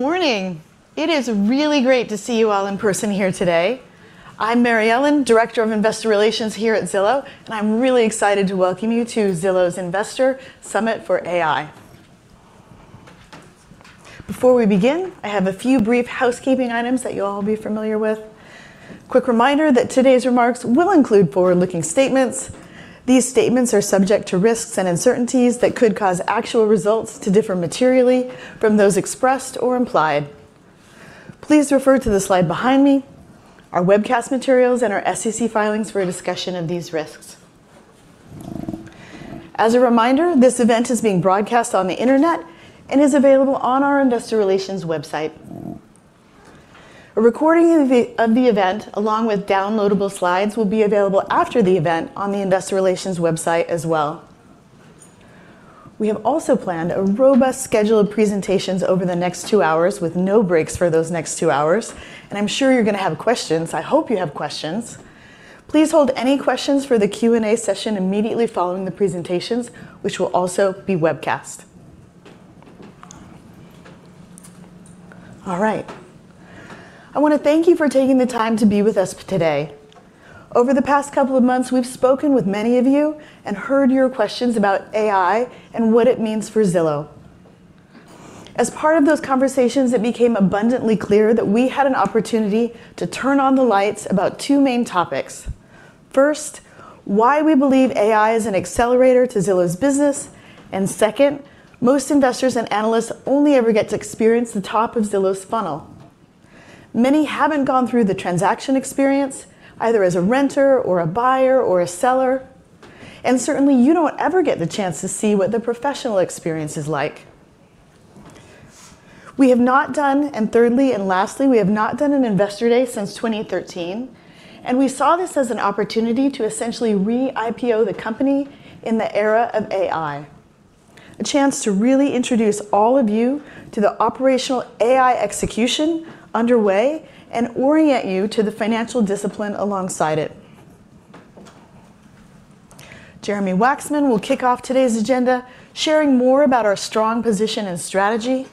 Morning. It is really great to see you all in person here today. I'm Mary Ellen, Director of Investor Relations here at Zillow, and I'm really excited to welcome you to Zillow's Investor Summit for AI. Before we begin, I have a few brief housekeeping items that you'll all be familiar with. Quick reminder that today's remarks will include forward-looking statements. These statements are subject to risks and uncertainties that could cause actual results to differ materially from those expressed or implied. Please refer to the slide behind me, our webcast materials, and our SEC filings for a discussion of these risks. As a reminder, this event is being broadcast on the internet and is available on our investor relations website. A recording of the event, along with downloadable slides, will be available after the event on the investor relations website as well. We have also planned a robust schedule of presentations over the next two hours with no breaks for those next two hours, and I'm sure you're gonna have questions. I hope you have questions. Please hold any questions for the Q&A session immediately following the presentations, which will also be webcast. All right. I wanna thank you for taking the time to be with us today. Over the past couple of months, we've spoken with many of you and heard your questions about AI and what it means for Zillow. As part of those conversations, it became abundantly clear that we had an opportunity to turn on the lights about two main topics. First, why we believe AI is an accelerator to Zillow's business, and second, most investors and analysts only ever get to experience the top of Zillow's funnel. Many haven't gone through the transaction experience, either as a renter or a buyer or a seller, and certainly you don't ever get the chance to see what the professional experience is like. Thirdly and lastly, we have not done an investor day since 2013, and we saw this as an opportunity to essentially re-IPO the company in the era of AI. A chance to really introduce all of you to the operational AI execution underway and orient you to the financial discipline alongside it. Jeremy Wacksman will kick off today's agenda, sharing more about our strong position and strategy.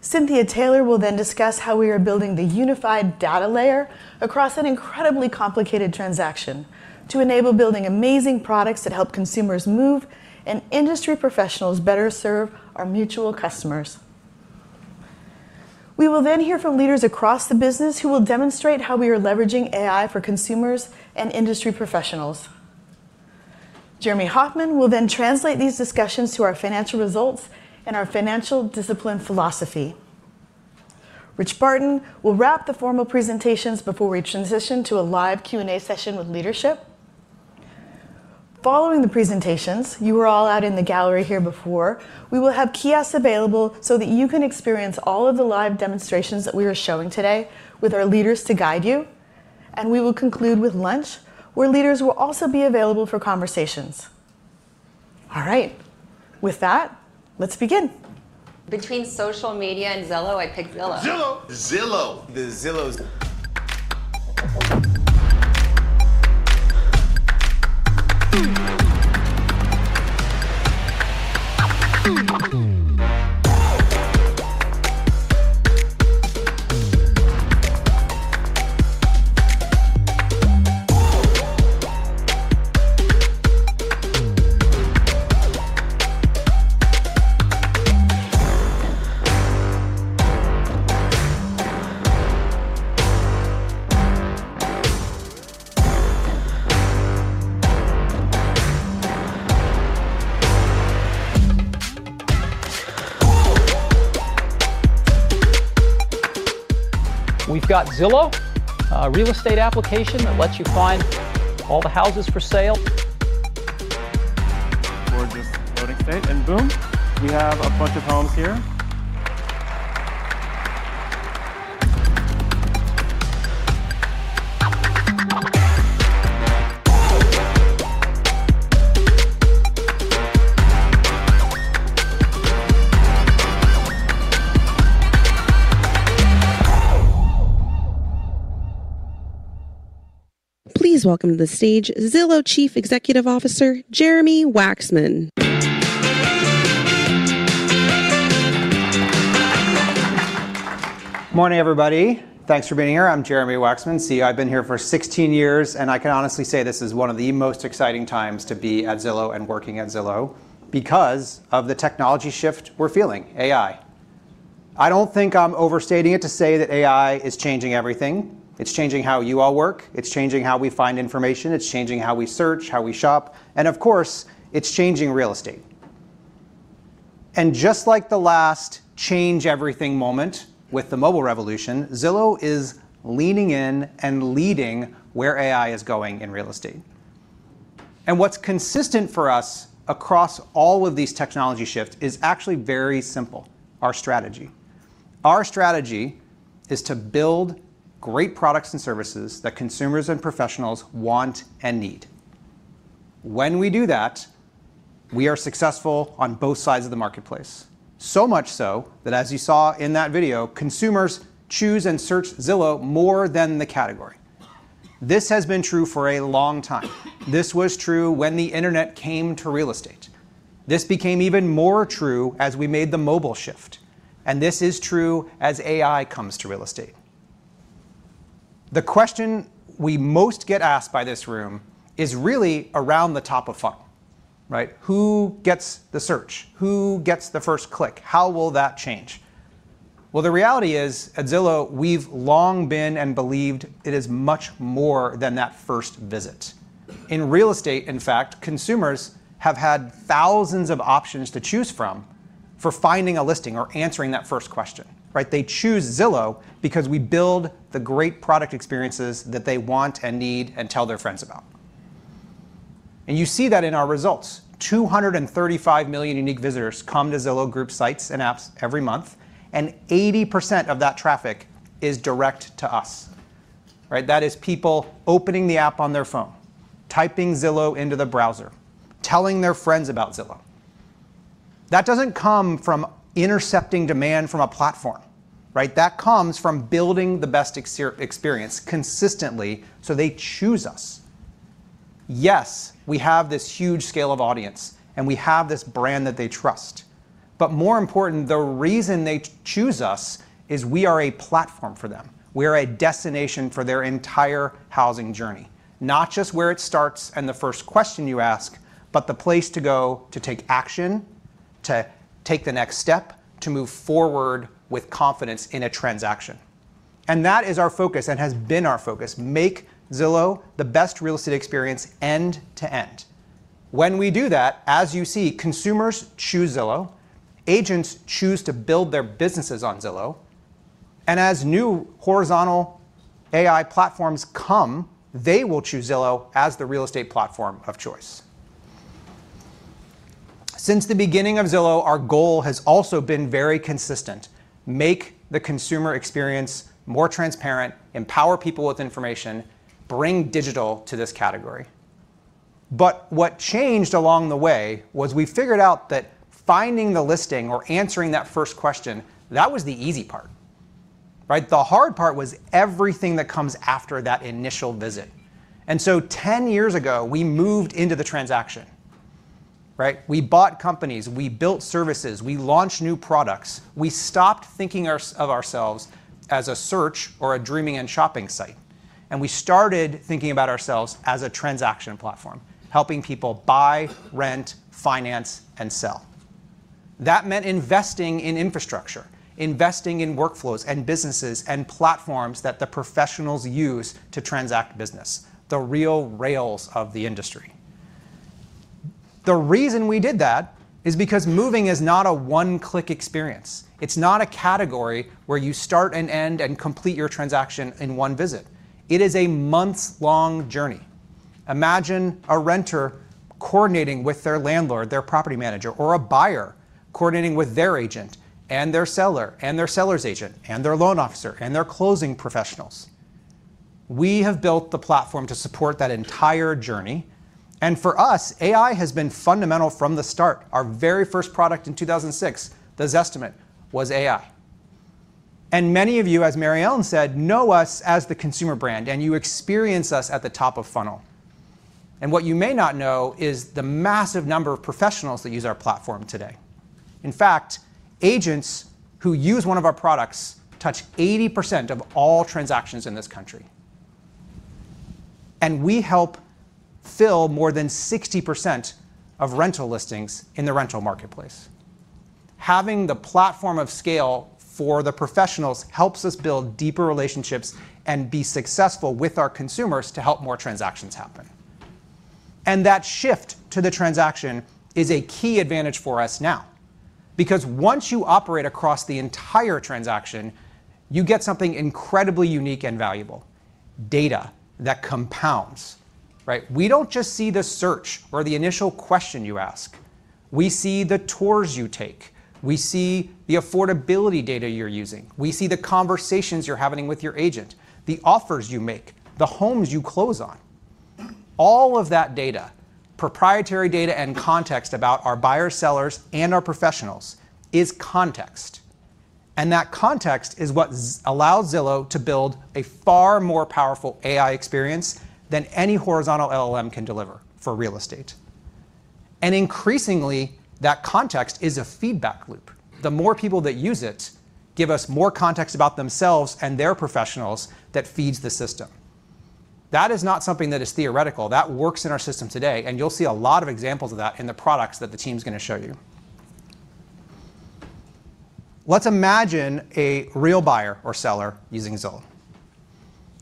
Cynthia Taylor will then discuss how we are building the unified data layer across an incredibly complicated transaction to enable building amazing products that help consumers move and industry professionals better serve our mutual customers. We will then hear from leaders across the business who will demonstrate how we are leveraging AI for consumers and industry professionals. Jeremy Hofmann will then translate these discussions to our financial results and our financial discipline philosophy. Richard Barton will wrap the formal presentations before we transition to a live Q&A session with leadership. Following the presentations, you were all out in the gallery here before, we will have kiosks available so that you can experience all of the live demonstrations that we are showing today with our leaders to guide you. We will conclude with lunch, where leaders will also be available for conversations. All right. With that, let's begin. Between social media and Zillow, I pick Zillow. Zillow. Zillow. The Zillow's. We've got Zillow, a real estate application that lets you find all the houses for sale. Gorgeous loading state, and boom, we have a bunch of homes here. Please welcome to the stage Zillow Chief Executive Officer Jeremy Wacksman. Morning, everybody. Thanks for being here. I'm Jeremy Wacksman. See, I've been here for 16 years, and I can honestly say this is one of the most exciting times to be at Zillow and working at Zillow because of the technology shift we're feeling, AI. I don't think I'm overstating it to say that AI is changing everything. It's changing how you all work. It's changing how we find information. It's changing how we search, how we shop, and of course, it's changing real estate. Just like the last change everything moment with the mobile revolution, Zillow is leaning in and leading where AI is going in real estate. What's consistent for us across all of these technology shifts is actually very simple, our strategy. Our strategy is to build great products and services that consumers and professionals want and need. When we do that, we are successful on both sides of the marketplace. So much so, that as you saw in that video, consumers choose and search Zillow more than the category. This has been true for a long time. This was true when the internet came to real estate. This became even more true as we made the mobile shift, and this is true as AI comes to real estate. The question we most get asked by this room is really around the top of funnel, right? Who gets the search? Who gets the first click? How will that change? Well, the reality is, at Zillow, we've long been and believed it is much more than that first visit. In real estate, in fact, consumers have had thousands of options to choose from for finding a listing or answering that first question, right? They choose Zillow because we build the great product experiences that they want and need and tell their friends about. You see that in our results. 235 million unique visitors come to Zillow Group sites and apps every month, and 80% of that traffic is direct to us, right? That is people opening the app on their phone, typing Zillow into the browser, telling their friends about Zillow. That doesn't come from intercepting demand from a platform, right? That comes from building the best experience consistently so they choose us. Yes, we have this huge scale of audience, and we have this brand that they trust. But more important, the reason they choose us is we are a platform for them. We're a destination for their entire housing journey. Not just where it starts and the first question you ask, but the place to go to take action, to take the next step, to move forward with confidence in a transaction. That is our focus and has been our focus: make Zillow the best real estate experience end to end. When we do that, as you see, consumers choose Zillow, agents choose to build their businesses on Zillow, and as new horizontal AI platforms come, they will choose Zillow as the real estate platform of choice. Since the beginning of Zillow, our goal has also been very consistent: make the consumer experience more transparent, empower people with information, bring digital to this category. But what changed along the way was we figured out that finding the listing or answering that first question, that was the easy part, right? The hard part was everything that comes after that initial visit. Ten years ago, we moved into the transaction, right? We bought companies, we built services, we launched new products. We stopped thinking out of ourselves as a search or a dreaming and shopping site, and we started thinking about ourselves as a transaction platform, helping people buy, rent, finance, and sell. That meant investing in infrastructure, investing in workflows and businesses and platforms that the professionals use to transact business, the real rails of the industry. The reason we did that is because moving is not a one-click experience. It's not a category where you start and end and complete your transaction in one visit. It is a months-long journey. Imagine a renter coordinating with their landlord, their property manager, or a buyer coordinating with their agent and their seller and their seller's agent and their loan officer and their closing professionals. We have built the platform to support that entire journey, and for us, AI has been fundamental from the start. Our very first product in 2006, the Zestimate, was AI. Many of you, as Mary Ellen said, know us as the consumer brand, and you experience us at the top of funnel. What you may not know is the massive number of professionals that use our platform today. In fact, agents who use one of our products touch 80% of all transactions in this country. We help fill more than 60% of rental listings in the rental marketplace. Having the platform of scale for the professionals helps us build deeper relationships and be successful with our consumers to help more transactions happen. That shift to the transaction is a key advantage for us now because once you operate across the entire transaction, you get something incredibly unique and valuable, data that compounds, right? We don't just see the search or the initial question you ask. We see the tours you take. We see the affordability data you're using. We see the conversations you're having with your agent, the offers you make, the homes you close on. All of that data, proprietary data and context about our buyers, sellers, and our professionals is context. That context is what allows Zillow to build a far more powerful AI experience than any horizontal LLM can deliver for real estate. Increasingly, that context is a feedback loop. The more people that use it give us more context about themselves and their professionals that feeds the system. That is not something that is theoretical. That works in our system today, and you'll see a lot of examples of that in the products that the team's gonna show you. Let's imagine a real buyer or seller using Zillow.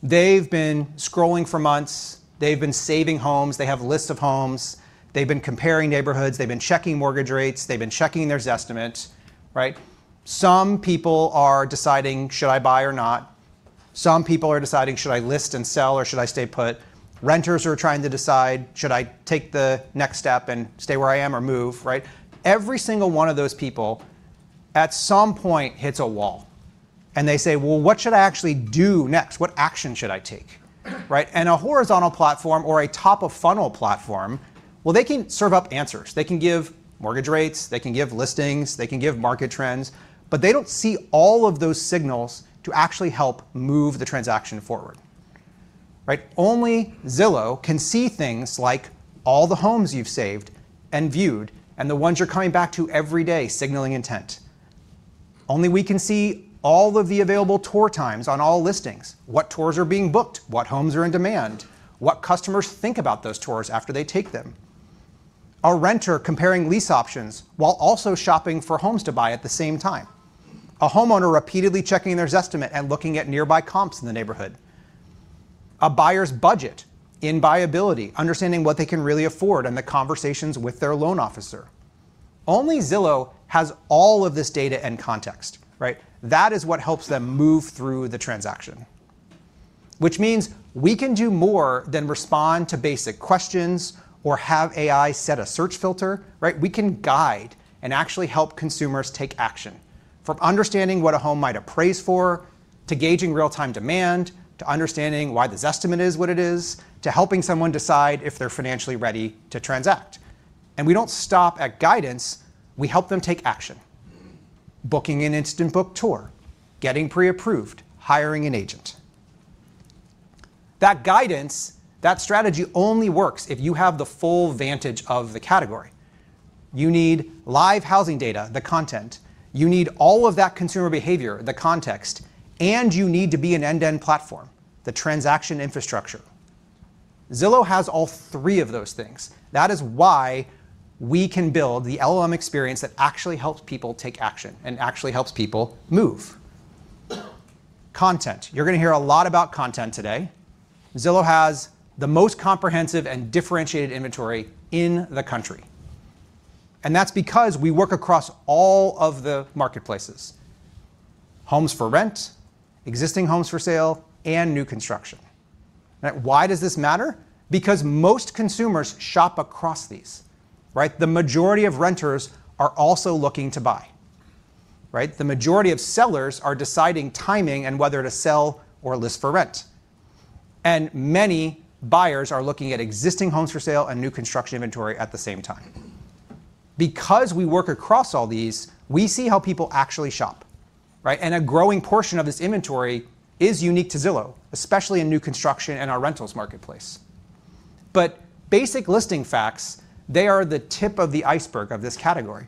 They've been scrolling for months. They've been saving homes. They have lists of homes. They've been comparing neighborhoods. They've been checking mortgage rates. They've been checking their Zestimate, right? Some people are deciding, "Should I buy or not?" Some people are deciding, "Should I list and sell or should I stay put?" Renters are trying to decide, "Should I take the next step and stay where I am or move," right? Every single one of those people at some point hits a wall and they say, "Well, what should I actually do next? What action should I take?" Right? A horizontal platform or a top-of-funnel platform. Well, they can serve up answers. They can give mortgage rates, they can give listings, they can give market trends, but they don't see all of those signals to actually help move the transaction forward. Right? Only Zillow can see things like all the homes you've saved and viewed, and the ones you're coming back to every day, signaling intent. Only we can see all of the available tour times on all listings, what tours are being booked, what homes are in demand, what customers think about those tours after they take them. A renter comparing lease options while also shopping for homes to buy at the same time. A homeowner repeatedly checking their Zestimate and looking at nearby comps in the neighborhood. A buyer's budget in BuyAbility, understanding what they can really afford, and the conversations with their loan officer. Only Zillow has all of this data and context, right? That is what helps them move through the transaction. Which means we can do more than respond to basic questions or have AI set a search filter, right? We can guide and actually help consumers take action. From understanding what a home might appraise for, to gauging real-time demand, to understanding why the Zestimate is what it is, to helping someone decide if they're financially ready to transact. We don't stop at guidance, we help them take action. Booking an instant book tour, getting pre-approved, hiring an agent. That guidance, that strategy only works if you have the full vantage of the category. You need live housing data, the content, you need all of that consumer behavior, the context, and you need to be an end-to-end platform, the transaction infrastructure. Zillow has all three of those things. That is why we can build the LLM experience that actually helps people take action and actually helps people move. Content. You're gonna hear a lot about content today. Zillow has the most comprehensive and differentiated inventory in the country, and that's because we work across all of the marketplaces, homes for rent, existing homes for sale, and new construction. Now, why does this matter? Because most consumers shop across these, right? The majority of renters are also looking to buy, right? The majority of sellers are deciding timing and whether to sell or list for rent. And many buyers are looking at existing homes for sale and new construction inventory at the same time. Because we work across all these, we see how people actually shop, right? And a growing portion of this inventory is unique to Zillow, especially in new construction and our rentals marketplace. Basic listing facts, they are the tip of the iceberg of this category,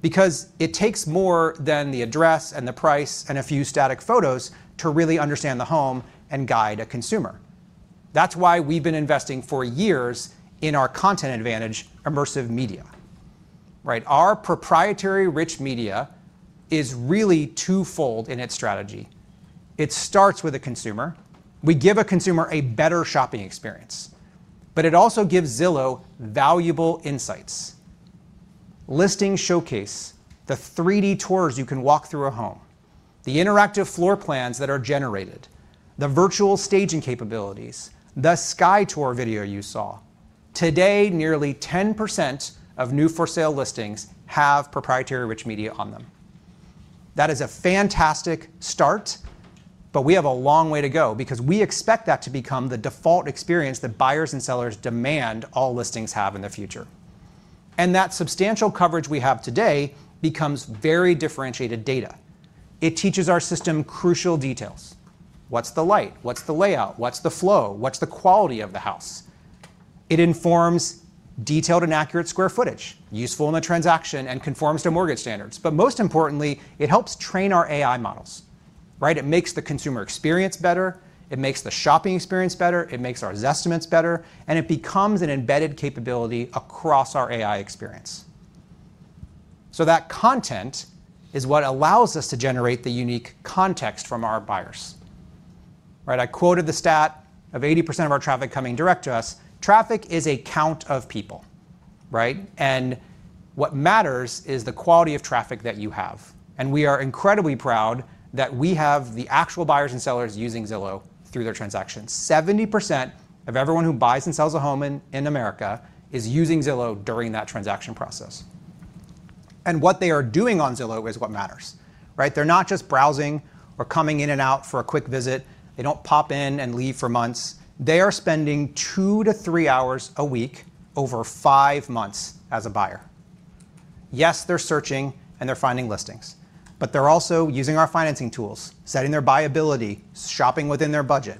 because it takes more than the address and the price and a few static photos to really understand the home and guide a consumer. That's why we've been investing for years in our content advantage, immersive media. Right? Our proprietary rich media is really twofold in its strategy. It starts with a consumer. We give a consumer a better shopping experience, but it also gives Zillow valuable insights. Listings showcase the 3D tours you can walk through a home, the interactive floor plans that are generated, the virtual staging capabilities, the Sky Tour video you saw. Today, nearly 10% of new for sale listings have proprietary rich media on them. That is a fantastic start, but we have a long way to go because we expect that to become the default experience that buyers and sellers demand all listings have in the future. That substantial coverage we have today becomes very differentiated data. It teaches our system crucial details. What's the light? What's the layout? What's the flow? What's the quality of the house? It informs detailed and accurate square footage, useful in a transaction, and conforms to mortgage standards. Most importantly, it helps train our AI models, right? It makes the consumer experience better, it makes the shopping experience better, it makes our Zestimates better, and it becomes an embedded capability across our AI experience. That content is what allows us to generate the unique context from our buyers. Right? I quoted the stat of 80% of our traffic coming direct to us. Traffic is a count of people, right? What matters is the quality of traffic that you have. We are incredibly proud that we have the actual buyers and sellers using Zillow through their transactions. 70% of everyone who buys and sells a home in America is using Zillow during that transaction process. What they are doing on Zillow is what matters, right? They're not just browsing or coming in and out for a quick visit. They don't pop in and leave for months. They are spending 2-3 hours a week over five months as a buyer. Yes, they're searching and they're finding listings, but they're also using our financing tools, setting their BuyAbility, shopping within their budget.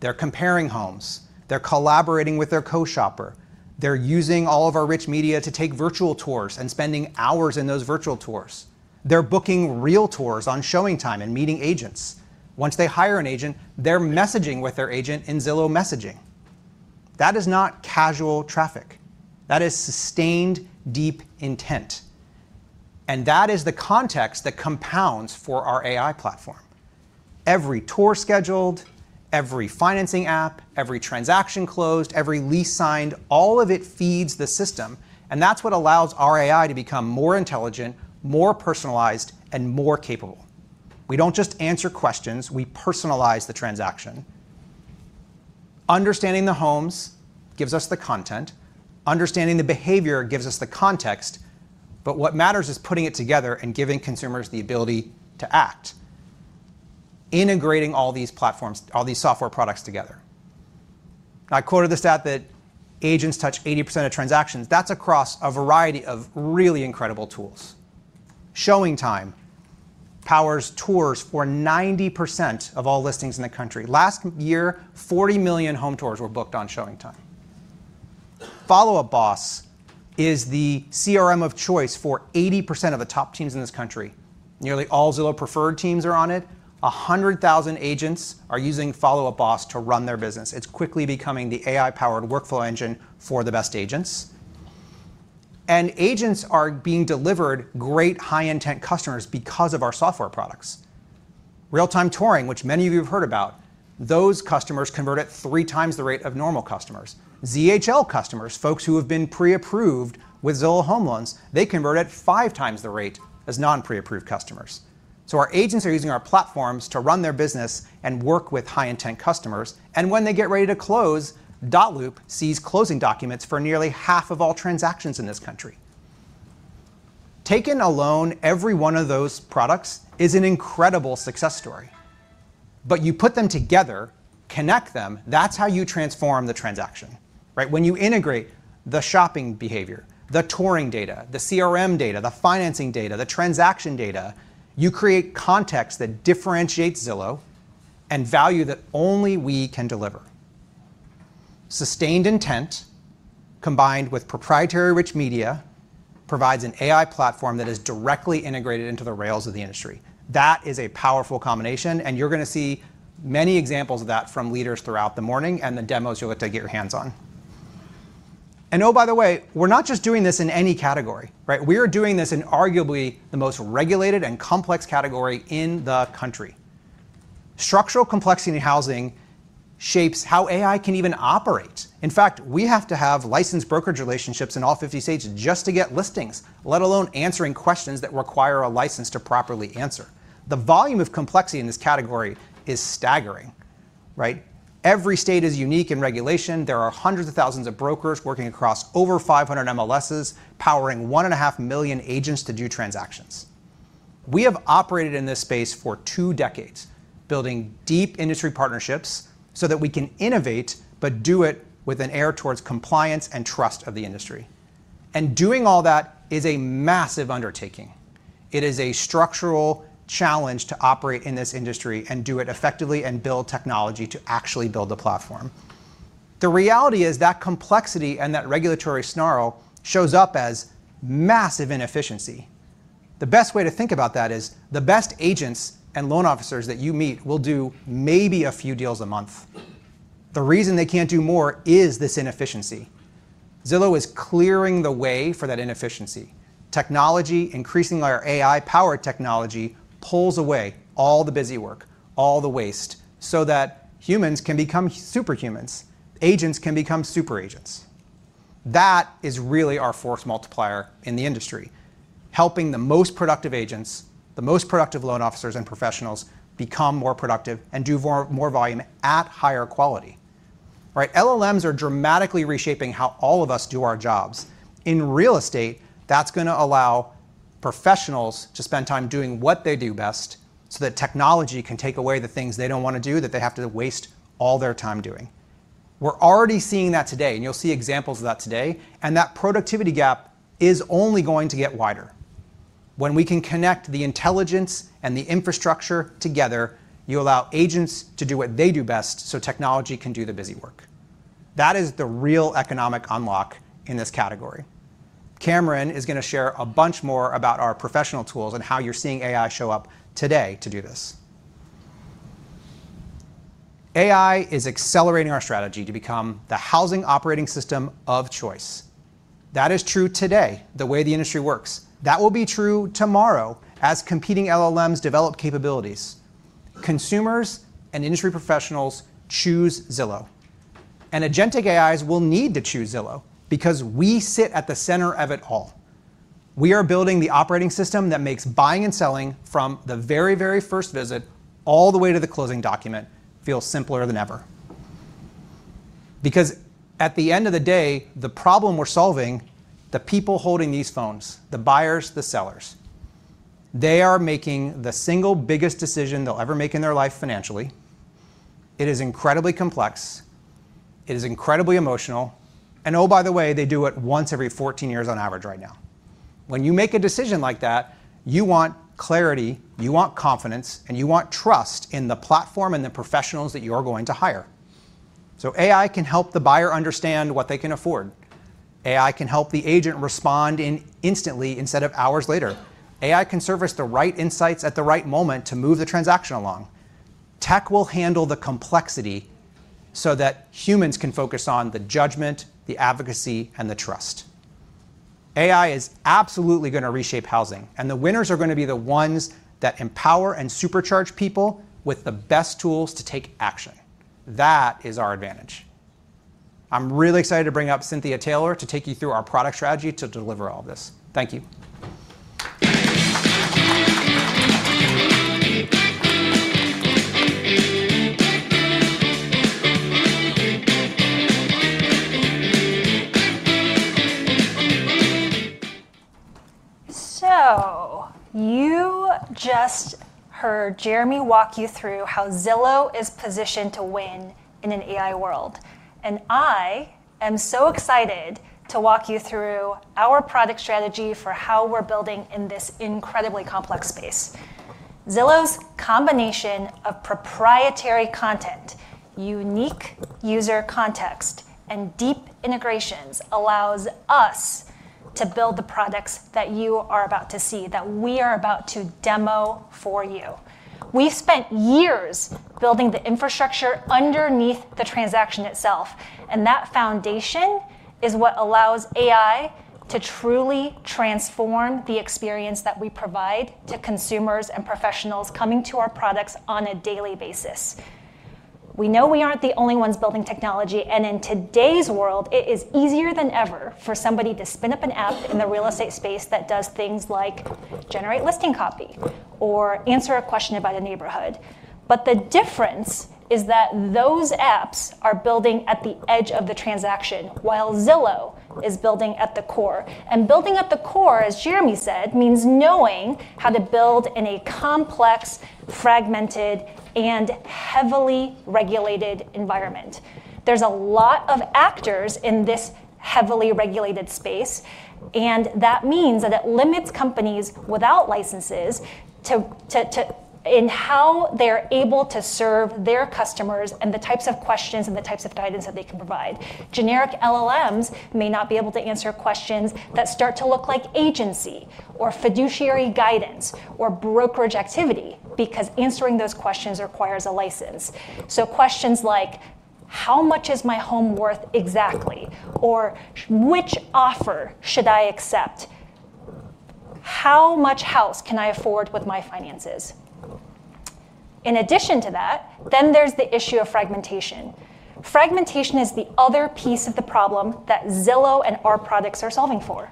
They're comparing homes. They're collaborating with their co-shopper. They're using all of our rich media to take virtual tours and spending hours in those virtual tours. They're booking realtor on ShowingTime and meeting agents. Once they hire an agent, they're messaging with their agent in Zillow messaging. That is not casual traffic. That is sustained deep intent. That is the context that compounds for our AI platform. Every tour scheduled, every financing app, every transaction closed, every lease signed, all of it feeds the system, and that's what allows our AI to become more intelligent, more personalized, and more capable. We don't just answer questions, we personalize the transaction. Understanding the homes gives us the content, understanding the behavior gives us the context, but what matters is putting it together and giving consumers the ability to act, integrating all these platforms, all these software products together. I quoted the stat that agents touch 80% of transactions. That's across a variety of really incredible tools. ShowingTime powers tours for 90% of all listings in the country. Last year, 40 million home tours were booked on ShowingTime. Follow Up Boss is the CRM of choice for 80% of the top teams in this country. Nearly all Zillow Preferred teams are on it. 100,000 agents are using Follow Up Boss to run their business. It's quickly becoming the AI-powered workflow engine for the best agents. Agents are being delivered great high-intent customers because of our software products. Real-Time Touring, which many of you have heard about, those customers convert at 3 times the rate of normal customers. ZHL customers, folks who have been pre-approved with Zillow Home Loans, they convert at five times the rate as non-pre-approved customers. Our agents are using our platforms to run their business and work with high-intent customers. When they get ready to close, dotloop sees closing documents for nearly half of all transactions in this country. Taken alone, every one of those products is an incredible success story. You put them together, connect them, that's how you transform the transaction, right? When you integrate the shopping behavior, the touring data, the CRM data, the financing data, the transaction data, you create context that differentiates Zillow and value that only we can deliver. Sustained intent combined with proprietary rich media provides an AI platform that is directly integrated into the rails of the industry. That is a powerful combination, and you're gonna see many examples of that from leaders throughout the morning and the demos you'll get to get your hands on. Oh, by the way, we're not just doing this in any category, right? We are doing this in arguably the most regulated and complex category in the country. Structural complexity in housing shapes how AI can even operate. In fact, we have to have licensed brokerage relationships in all 50 states just to get listings, let alone answering questions that require a license to properly answer. The volume of complexity in this category is staggering, right? Every state is unique in regulation. There are hundreds of thousands of brokers working across over 500 MLSs, powering 1.5 million agents to do transactions. We have operated in this space for two decades, building deep industry partnerships so that we can innovate, but do it with an air towards compliance and trust of the industry. Doing all that is a massive undertaking. It is a structural challenge to operate in this industry and do it effectively and build technology to actually build a platform. The reality is that complexity and that regulatory snarl shows up as massive inefficiency. The best way to think about that is the best agents and loan officers that you meet will do maybe a few deals a month. The reason they can't do more is this inefficiency. Zillow is clearing the way for that inefficiency. Technology, increasingly our AI-powered technology, pulls away all the busy work, all the waste, so that humans can become super humans. Agents can become super agents. That is really our force multiplier in the industry, helping the most productive agents, the most productive loan officers and professionals become more productive and do more, more volume at higher quality. Right, LLMs are dramatically reshaping how all of us do our jobs. In real estate, that's gonna allow professionals to spend time doing what they do best so that technology can take away the things they don't wanna do that they have to waste all their time doing. We're already seeing that today, and you'll see examples of that today, and that productivity gap is only going to get wider. When we can connect the intelligence and the infrastructure together, you allow agents to do what they do best so technology can do the busy work. That is the real economic unlock in this category. Cameron is gonna share a bunch more about our professional tools and how you're seeing AI show up today to do this. AI is accelerating our strategy to become the housing operating system of choice. That is true today, the way the industry works. That will be true tomorrow as competing LLMs develop capabilities. Consumers and industry professionals choose Zillow. Agentic AIs will need to choose Zillow because we sit at the center of it all. We are building the operating system that makes buying and selling from the very, very first visit all the way to the closing document feel simpler than ever. Because at the end of the day, the problem we're solving, the people holding these phones, the buyers, the sellers, they are making the single biggest decision they'll ever make in their life financially. It is incredibly complex, it is incredibly emotional, and oh, by the way, they do it once every fourteen years on average right now. When you make a decision like that, you want clarity, you want confidence, and you want trust in the platform and the professionals that you are going to hire. AI can help the buyer understand what they can afford. AI can help the agent respond instantly instead of hours later. AI can surface the right insights at the right moment to move the transaction along. Tech will handle the complexity so that humans can focus on the judgment, the advocacy, and the trust. AI is absolutely gonna reshape housing, and the winners are gonna be the ones that empower and supercharge people with the best tools to take action. That is our advantage. I'm really excited to bring up Cynthia Taylor to take you through our product strategy to deliver all this. Thank you. You just heard Jeremy walk you through how Zillow is positioned to win in an AI world, and I am so excited to walk you through our product strategy for how we're building in this incredibly complex space. Zillow's combination of proprietary content, unique user context, and deep integrations allows us to build the products that you are about to see, that we are about to demo for you. We spent years building the infrastructure underneath the transaction itself, and that foundation is what allows AI to truly transform the experience that we provide to consumers and professionals coming to our products on a daily basis. We know we aren't the only ones building technology, and in today's world, it is easier than ever for somebody to spin up an app in the real estate space that does things like generate listing copy or answer a question about a neighborhood. The difference is that those apps are building at the edge of the transaction while Zillow is building at the core. Building at the core, as Jeremy said, means knowing how to build in a complex, fragmented, and heavily regulated environment. There's a lot of actors in this heavily regulated space, and that means that it limits companies without licenses in how they're able to serve their customers and the types of questions and the types of guidance that they can provide. Generic LLMs may not be able to answer questions that start to look like agency or fiduciary guidance or brokerage activity because answering those questions requires a license. Questions like, "How much is my home worth exactly?" or, "Which offer should I accept? How much house can I afford with my finances?" In addition to that, then there's the issue of fragmentation. Fragmentation is the other piece of the problem that Zillow and our products are solving for.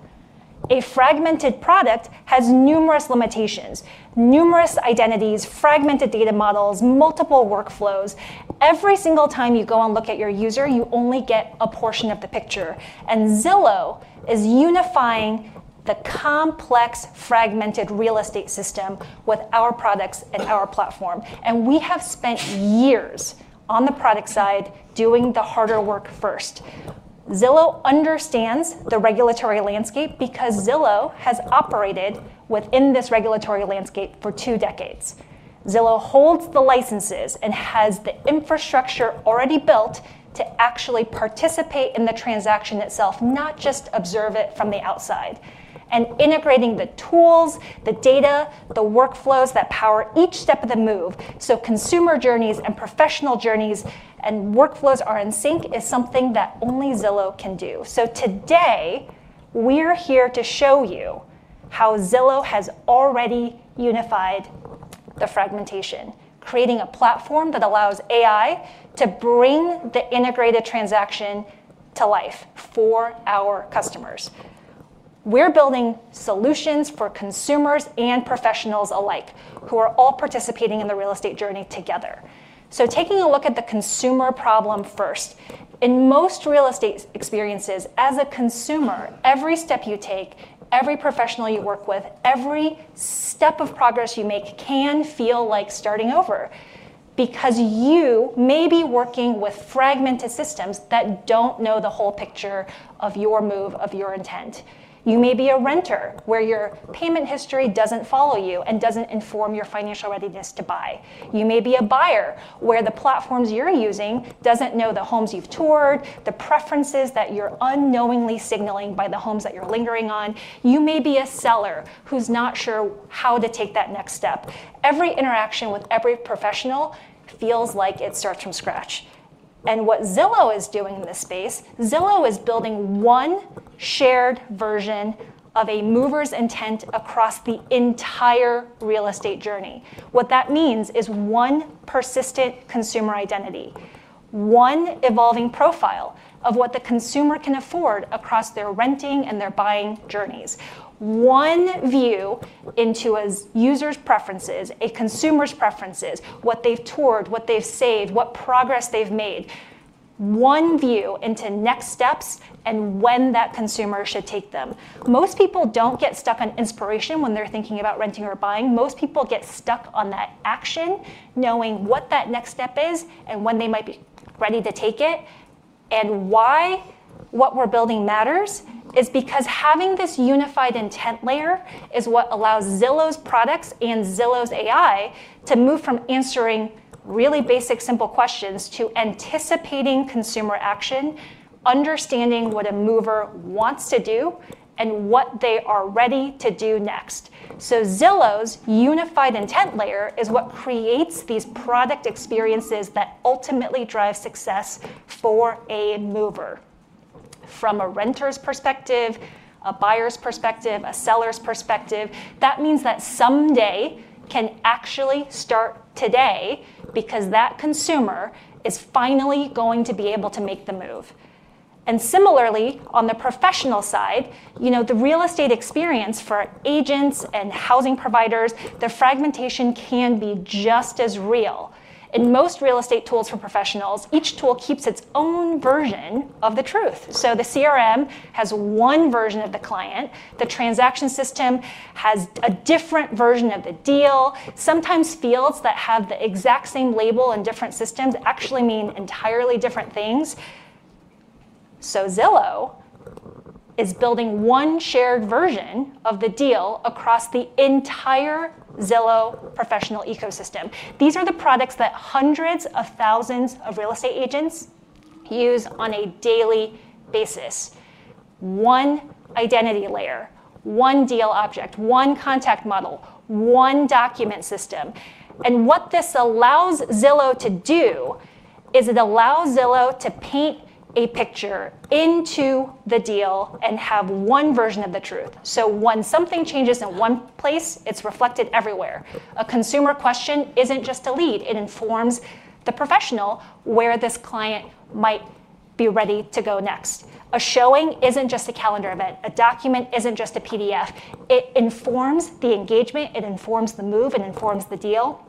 A fragmented product has numerous limitations, numerous identities, fragmented data models, multiple workflows. Every single time you go and look at your user, you only get a portion of the picture, and Zillow is unifying the complex, fragmented real estate system with our products and our platform. We have spent years on the product side doing the harder work first. Zillow understands the regulatory landscape because Zillow has operated within this regulatory landscape for two decades. Zillow holds the licenses and has the infrastructure already built to actually participate in the transaction itself, not just observe it from the outside. Integrating the tools, the data, the workflows that power each step of the move, so consumer journeys and professional journeys and workflows are in sync, is something that only Zillow can do. Today we're here to show you how Zillow has already unified the fragmentation, creating a platform that allows AI to bring the integrated transaction to life for our customers. We're building solutions for consumers and professionals alike who are all participating in the real estate journey together. Taking a look at the consumer problem first. In most real estate experiences, as a consumer, every step you take, every professional you work with, every step of progress you make can feel like starting over because you may be working with fragmented systems that don't know the whole picture of your move, of your intent. You may be a renter where your payment history doesn't follow you and doesn't inform your financial readiness to buy. You may be a buyer where the platforms you're using doesn't know the homes you've toured, the preferences that you're unknowingly signaling by the homes that you're lingering on. You may be a seller who's not sure how to take that next step. Every interaction with every professional feels like it starts from scratch. What Zillow is doing in this space, Zillow is building one shared version of a mover's intent across the entire real estate journey. What that means is one persistent consumer identity, one evolving profile of what the consumer can afford across their renting and their buying journeys. One view into a user's preferences, a consumer's preferences, what they've toured, what they've saved, what progress they've made. One view into next steps and when that consumer should take them. Most people don't get stuck on inspiration when they're thinking about renting or buying. Most people get stuck on that action, knowing what that next step is and when they might be ready to take it. Why what we're building matters is because having this unified intent layer is what allows Zillow's products and Zillow's AI to move from answering really basic, simple questions to anticipating consumer action, understanding what a mover wants to do and what they are ready to do next. Zillow's unified intent layer is what creates these product experiences that ultimately drive success for a mover. From a renter's perspective, a buyer's perspective, a seller's perspective, that means that someday can actually start today because that consumer is finally going to be able to make the move. Similarly, on the professional side, you know, the real estate experience for agents and housing providers, the fragmentation can be just as real. In most real estate tools for professionals, each tool keeps its own version of the truth. The CRM has one version of the client, the transaction system has a different version of the deal. Sometimes fields that have the exact same label in different systems actually mean entirely different things. Zillow is building one shared version of the deal across the entire Zillow professional ecosystem. These are the products that hundreds of thousands of real estate agents use on a daily basis. One identity layer, one deal object, one contact model, one document system. What this allows Zillow to do is it allows Zillow to paint a picture into the deal and have one version of the truth. When something changes in one place, it's reflected everywhere. A consumer question isn't just a lead. It informs the professional where this client might be ready to go next. A showing isn't just a calendar event. A document isn't just a PDF. It informs the engagement, it informs the move, it informs the deal.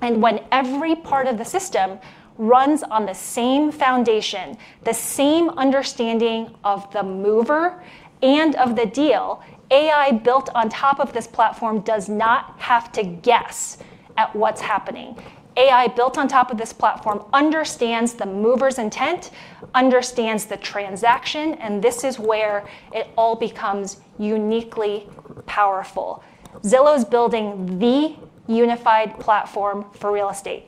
When every part of the system runs on the same foundation, the same understanding of the mover and of the deal, AI built on top of this platform does not have to guess at what's happening. AI built on top of this platform understands the mover's intent, understands the transaction, and this is where it all becomes uniquely powerful. Zillow is building the unified platform for real estate.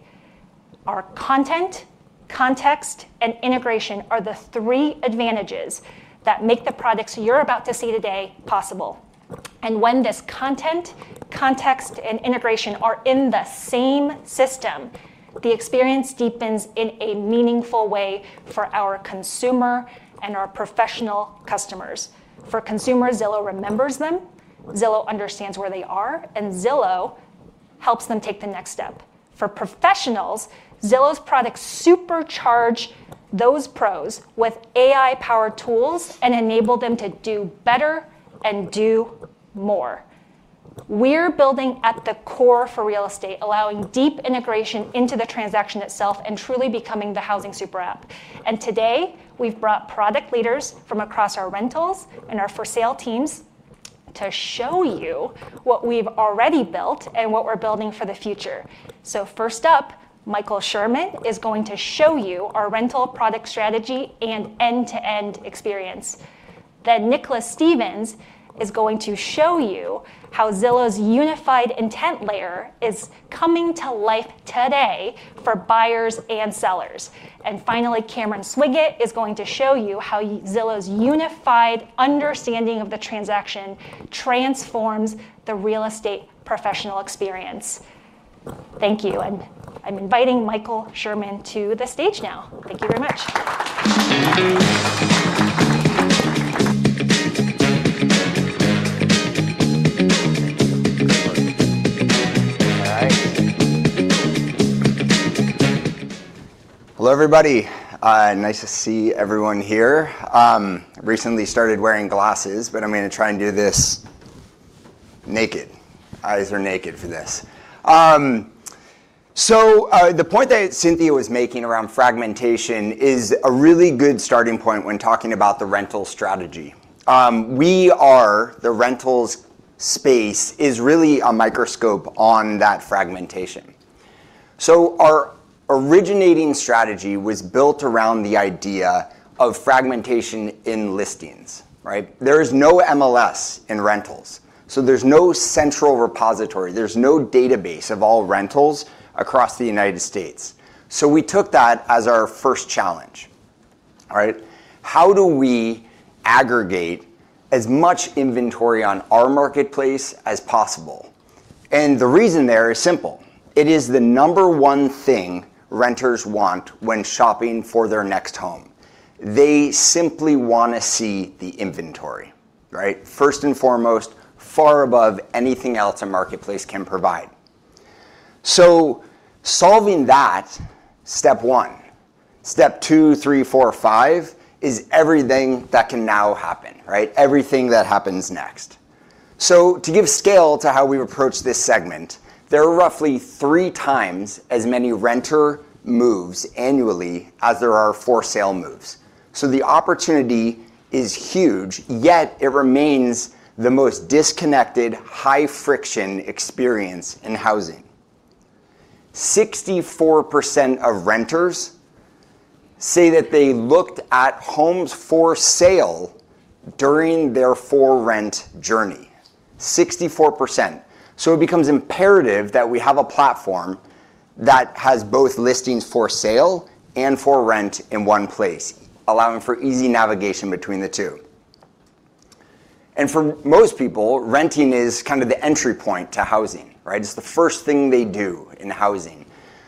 Our content, context, and integration are the three advantages that make the products you're about to see today possible. When this content, context, and integration are in the same system, the experience deepens in a meaningful way for our consumer and our professional customers. For consumers, Zillow remembers them, Zillow understands where they are, and Zillow helps them take the next step. For professionals, Zillow's products supercharge those pros with AI-powered tools and enable them to do better and do more. We're building at the core for real estate, allowing deep integration into the transaction itself and truly becoming the housing super app. Today, we've brought product leaders from across our rentals and our for-sale teams to show you what we've already built and what we're building for the future. First up, Michael Sherman is going to show you our rental product strategy and end-to-end experience. Nicholas Stephens is going to show you how Zillow's unified intent layer is coming to life today for buyers and sellers. Finally, Cameron Swiggett is going to show you how Zillow's unified understanding of the transaction transforms the real estate professional experience. Thank you, and I'm inviting Michael Sherman to the stage now. Thank you very much. All right. Hello, everybody. Nice to see everyone here. I recently started wearing glasses, but I'm gonna try and do this naked. Eyes are naked for this. The point that Cynthia was making around fragmentation is a really good starting point when talking about the rental strategy. The rentals space is really a microscope on that fragmentation. Our originating strategy was built around the idea of fragmentation in listings, right? There is no MLS in rentals, so there's no central repository, there's no database of all rentals across the United States. We took that as our first challenge. All right. How do we aggregate as much inventory on our marketplace as possible? The reason is simple. It is the number one thing renters want when shopping for their next home. They simply wanna see the inventory, right? First and foremost, far above anything else a marketplace can provide. Solving that, step one. Step two, three, four, five is everything that can now happen, right? Everything that happens next. To give scale to how we approach this segment, there are roughly three times as many renter moves annually as there are for-sale moves. The opportunity is huge, yet it remains the most disconnected, high-friction experience in housing. 64% of renters say that they looked at homes for sale during their for-rent journey. 64%. It becomes imperative that we have a platform that has both listings for sale and for rent in one place, allowing for easy navigation between the two. For most people, renting is kind of the entry point to housing, right? It's the first thing they do in housing.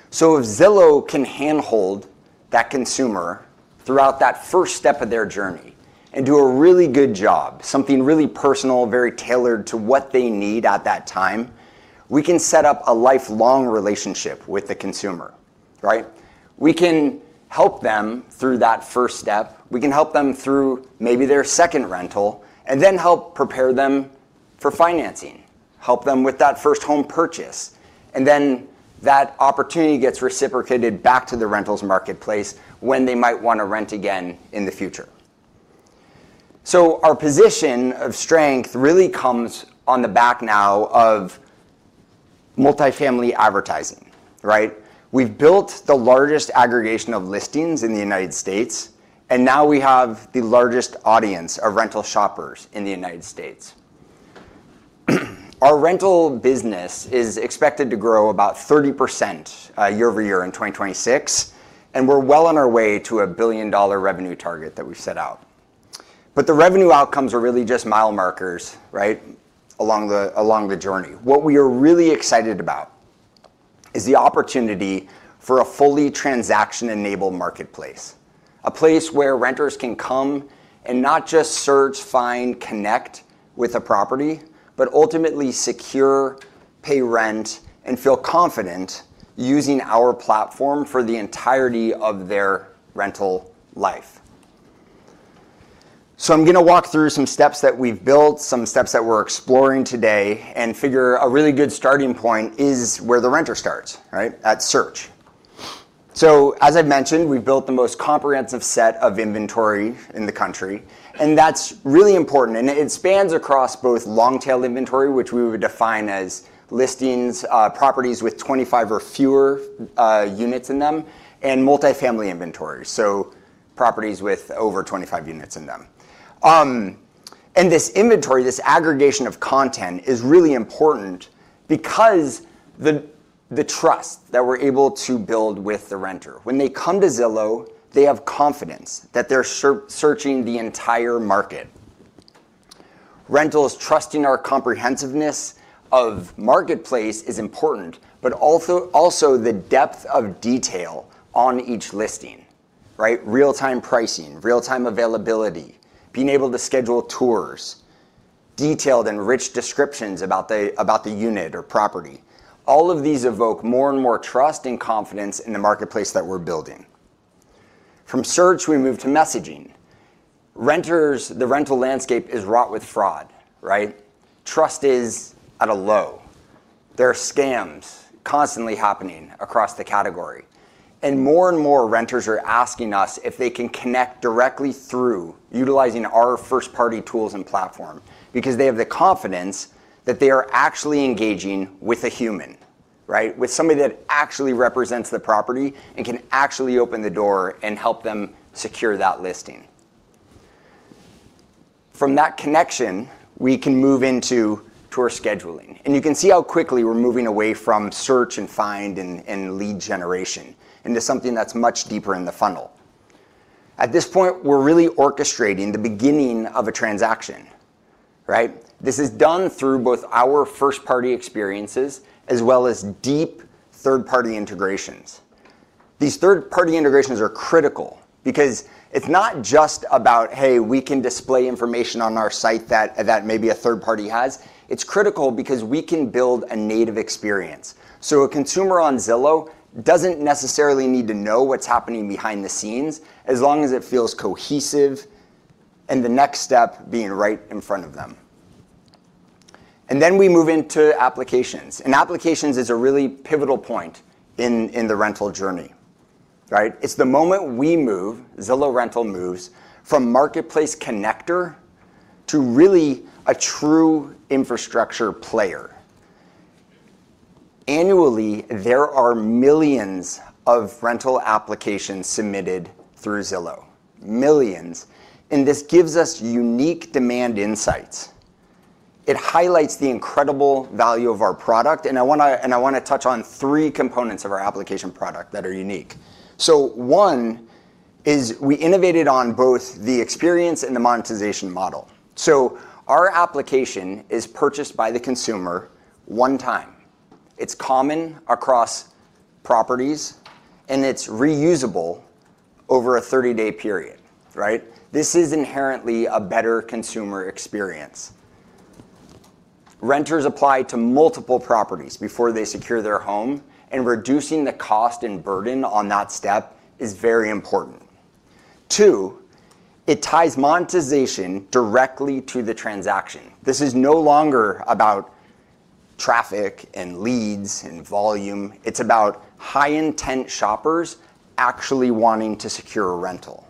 If Zillow can handhold that consumer throughout that first step of their journey and do a really good job, something really personal, very tailored to what they need at that time, we can set up a lifelong relationship with the consumer. We can help them through that first step. We can help them through maybe their second rental, and then help prepare them for financing, help them with that first home purchase. That opportunity gets reciprocated back to the rentals marketplace when they might want to rent again in the future. Our position of strength really comes on the back now of multifamily advertising. We've built the largest aggregation of listings in the United States, and now we have the largest audience of rental shoppers in the United States. Our rental business is expected to grow about 30% year-over-year in 2026, and we're well on our way to a billion-dollar revenue target that we've set out. The revenue outcomes are really just mile markers along the journey. What we are really excited about is the opportunity for a fully transaction-enabled marketplace, a place where renters can come and not just search, find, connect with a property, but ultimately secure, pay rent, and feel confident using our platform for the entirety of their rental life. I'm going to walk through some steps that we've built, some steps that we're exploring today, and I figure a really good starting point is where the renter starts, at search. As I mentioned, we've built the most comprehensive set of inventory in the country, and that's really important. It spans across both long-tail inventory, which we would define as listings, properties with 25 or fewer units in them, and multifamily inventory, so properties with over 25 units in them. This inventory, this aggregation of content is really important because the trust that we're able to build with the renter. When they come to Zillow, they have confidence that they're searching the entire market. Renters trusting our comprehensiveness of marketplace is important, but also the depth of detail on each listing. Real-time pricing, real-time availability, being able to schedule tours, detailed and rich descriptions about the unit or property. All of these evoke more and more trust and confidence in the marketplace that we're building. From search, we move to messaging. Renters, the rental landscape is wrought with fraud. Trust is at a low. There are scams constantly happening across the category. More and more renters are asking us if they can connect directly through utilizing our first-party tools and platform because they have the confidence that they are actually engaging with a human. With somebody that actually represents the property and can actually open the door and help them secure that listing. From that connection, we can move into tour scheduling. You can see how quickly we're moving away from search and find and lead generation into something that's much deeper in the funnel. At this point, we're really orchestrating the beginning of a transaction. This is done through both our first-party experiences as well as deep third-party integrations. These third-party integrations are critical because it's not just about, "Hey, we can display information on our site that maybe a third party has." It's critical because we can build a native experience. A consumer on Zillow doesn't necessarily need to know what's happening behind the scenes as long as it feels cohesive and the next step being right in front of them. We move into applications, and applications is a really pivotal point in the rental journey. It's the moment Zillow Rentals moves from marketplace connector to really a true infrastructure player. Annually, there are millions of rental applications submitted through Zillow. Millions. This gives us unique demand insights. It highlights the incredible value of our product, and I wanna touch on three components of our application product that are unique. One is we innovated on both the experience and the monetization model. Our application is purchased by the consumer one time. It's common across properties, and it's reusable over a 30-day period. This is inherently a better consumer experience. Renters apply to multiple properties before they secure their home, and reducing the cost and burden on that step is very important. Two, it ties monetization directly to the transaction. This is no longer about traffic and leads and volume. It's about high-intent shoppers actually wanting to secure a rental.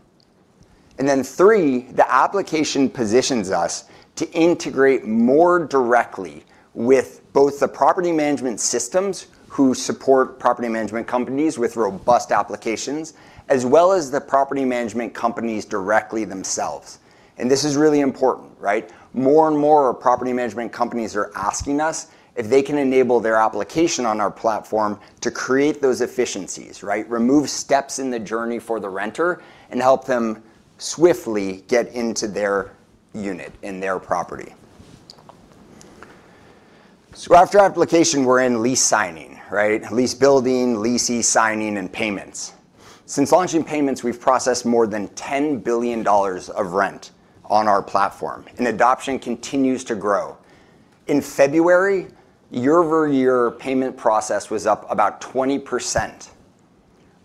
Three, the application positions us to integrate more directly with both the property management systems who support property management companies with robust applications, as well as the property management companies directly themselves. This is really important. More and more property management companies are asking us if they can enable their application on our platform to create those efficiencies. Remove steps in the journey for the renter and help them swiftly get into their unit and their property. After application, we're in lease signing, right? Lease building, lease e-signing, and payments. Since launching payments, we've processed more than $10 billion of rent on our platform, and adoption continues to grow. In February, year-over-year payment processing was up about 20%.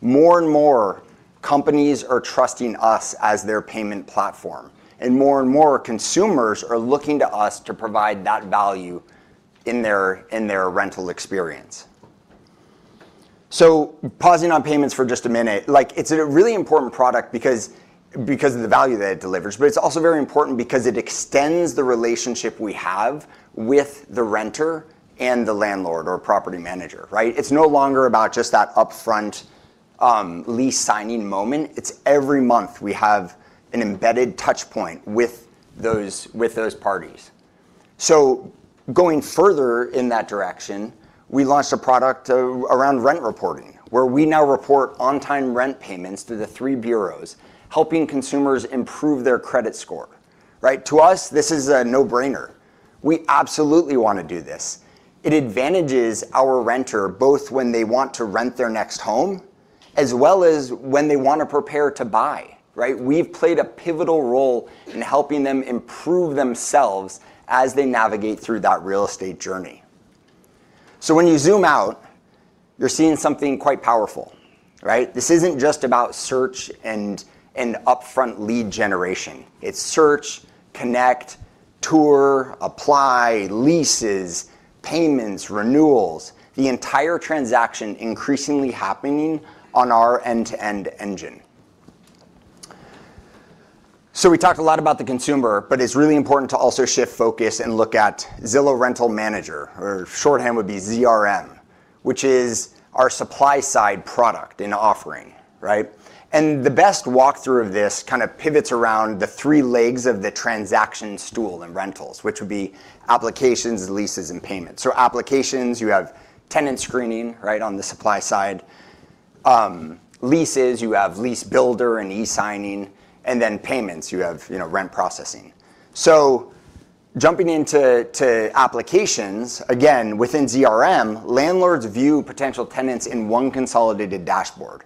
More and more companies are trusting us as their payment platform, and more and more consumers are looking to us to provide that value in their rental experience. Pausing on payments for just a minute, like, it's a really important product because of the value that it delivers, but it's also very important because it extends the relationship we have with the renter and the landlord or property manager, right? It's no longer about just that upfront lease signing moment. It's every month we have an embedded touch point with those parties. Going further in that direction, we launched a product around rent reporting, where we now report on-time rent payments to the three bureaus, helping consumers improve their credit score, right? To us, this is a no-brainer. We absolutely wanna do this. It advantages our renter, both when they want to rent their next home as well as when they want to prepare to buy, right? We've played a pivotal role in helping them improve themselves as they navigate through that real estate journey. When you zoom out, you're seeing something quite powerful, right? This isn't just about search and upfront lead generation. It's search, connect, tour, apply, leases, payments, renewals, the entire transaction increasingly happening on our end-to-end engine. We talked a lot about the consumer, but it's really important to also shift focus and look at Zillow Rental Manager, or shorthand would be ZRM which is our supply-side product and offering, right? The best walkthrough of this kind of pivots around the three legs of the transaction stool in rentals, which would be applications, leases, and payments. Applications, you have tenant screening, right, on the supply side. Leases, you have lease builder and e-signing. Then payments, you have, you know, rent processing. Jumping into applications, again, within ZRM, landlords view potential tenants in one consolidated dashboard,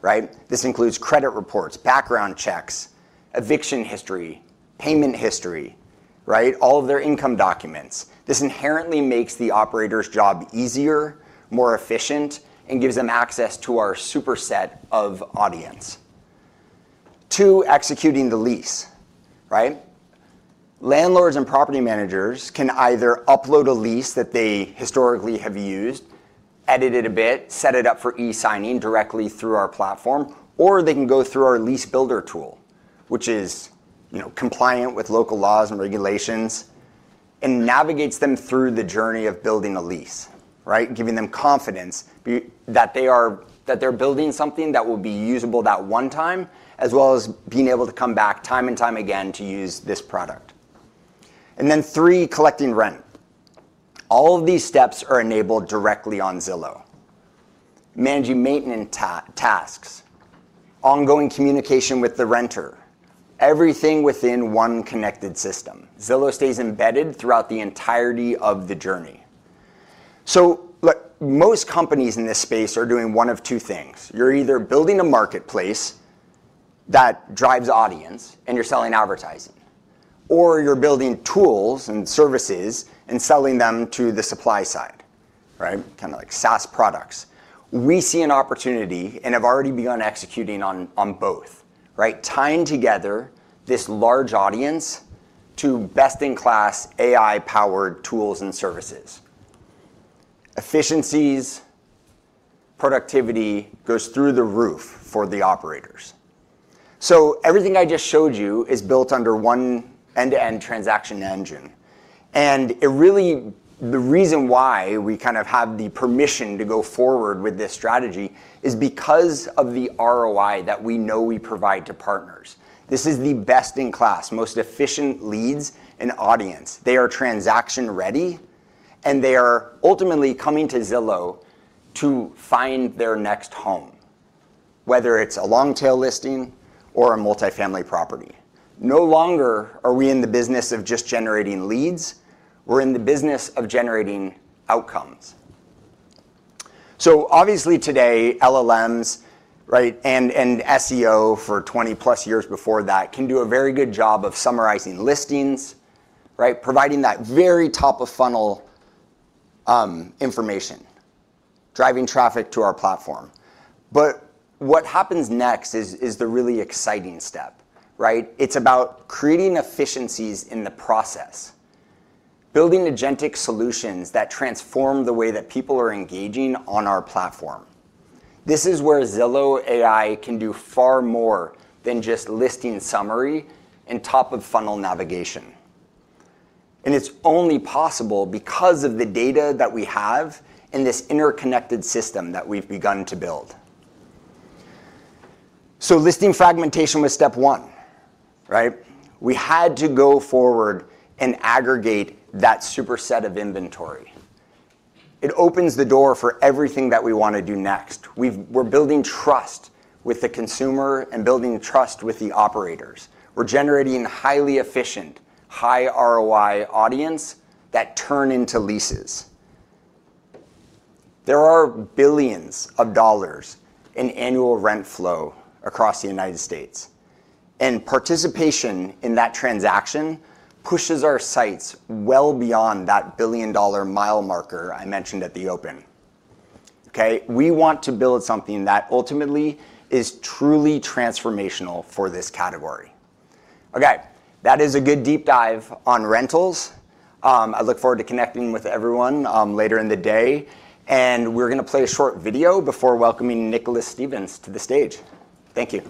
right? This includes credit reports, background checks, eviction history, payment history, right? All of their income documents. This inherently makes the operator's job easier, more efficient, and gives them access to our superset of audience. Two, executing the lease, right? Landlords and property managers can either upload a lease that they historically have used, edit it a bit, set it up for e-signing directly through our platform, or they can go through our lease builder tool, which is, you know, compliant with local laws and regulations and navigates them through the journey of building a lease, right? Giving them confidence that they're building something that will be usable that one time, as well as being able to come back time and time again to use this product. Three, collecting rent. All of these steps are enabled directly on Zillow. Managing maintenance tasks, ongoing communication with the renter, everything within one connected system. Zillow stays embedded throughout the entirety of the journey. Look, most companies in this space are doing one of two things. You're either building a marketplace that drives audience and you're selling advertising, or you're building tools and services and selling them to the supply side, right? Kinda like SaaS products. We see an opportunity and have already begun executing on both, right? Tying together this large audience to best-in-class AI-powered tools and services. Efficiencies, productivity goes through the roof for the operators. Everything I just showed you is built under one end-to-end transaction engine. It really is the reason why we kind of have the permission to go forward with this strategy is because of the ROI that we know we provide to partners. This is the best-in-class, most efficient leads and audience. They are transaction-ready, and they are ultimately coming to Zillow to find their next home, whether it's a long-tail listing or a multifamily property. No longer are we in the business of just generating leads. We're in the business of generating outcomes. Obviously today, LLMs, right, and SEO for 20-plus years before that can do a very good job of summarizing listings, right? Providing that very top-of-funnel information, driving traffic to our platform. What happens next is the really exciting step, right? It's about creating efficiencies in the process, building agentic solutions that transform the way that people are engaging on our platform. This is where Zillow AI can do far more than just listing summary and top-of-funnel navigation. It's only possible because of the data that we have and this interconnected system that we've begun to build. Listing fragmentation was step one, right? We had to go forward and aggregate that superset of inventory. It opens the door for everything that we wanna do next. We're building trust with the consumer and building trust with the operators. We're generating highly efficient, high ROI audience that turn into leases. There are billions of dollars in annual rent flow across the United States, and participation in that transaction pushes our sights well beyond that billion-dollar mile marker I mentioned at the open, okay? We want to build something that ultimately is truly transformational for this category. Okay. That is a good deep dive on rentals. I look forward to connecting with everyone, later in the day, and we're gonna play a short video before welcoming Nicholas Stephens to the stage. Thank you.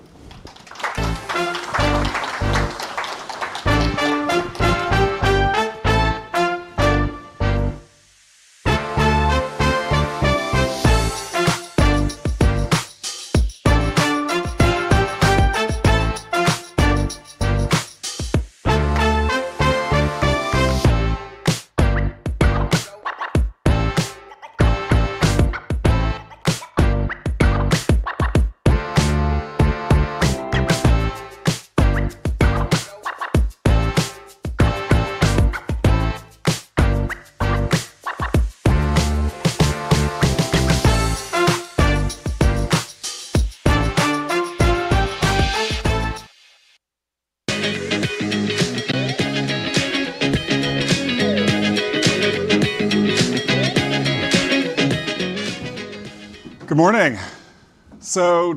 Good morning.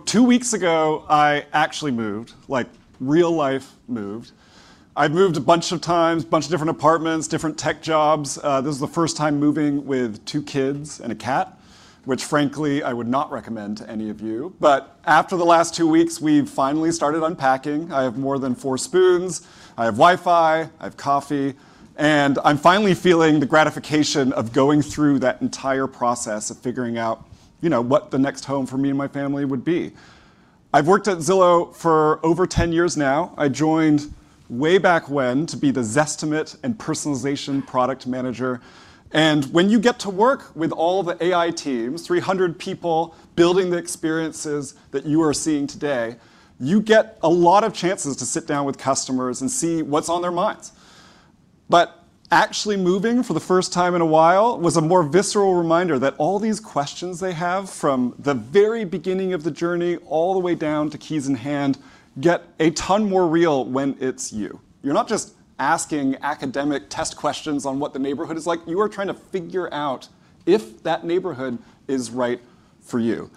Two weeks ago, I actually moved, like real life moved. I've moved a bunch of times, bunch of different apartments, different tech jobs. This is the first time moving with two kids and a cat, which frankly I would not recommend to any of you. After the last two weeks, we've finally started unpacking. I have more than four spoons, I have Wi-Fi, I have coffee, and I'm finally feeling the gratification of going through that entire process of figuring out, you know, what the next home for me and my family would be. I've worked at Zillow for over 10 years now. I joined way back when to be the Zestimate and personalization product manager, and when you get to work with all the AI teams, 300 people building the experiences that you are seeing today, you get a lot of chances to sit down with customers and see what's on their minds. Actually moving for the first time in a while was a more visceral reminder that all these questions they have from the very beginning of the journey all the way down to keys in hand, get a ton more real when it's you. You're not just asking academic test questions on what the neighborhood is like. You are trying to figure out if that neighborhood is right for you.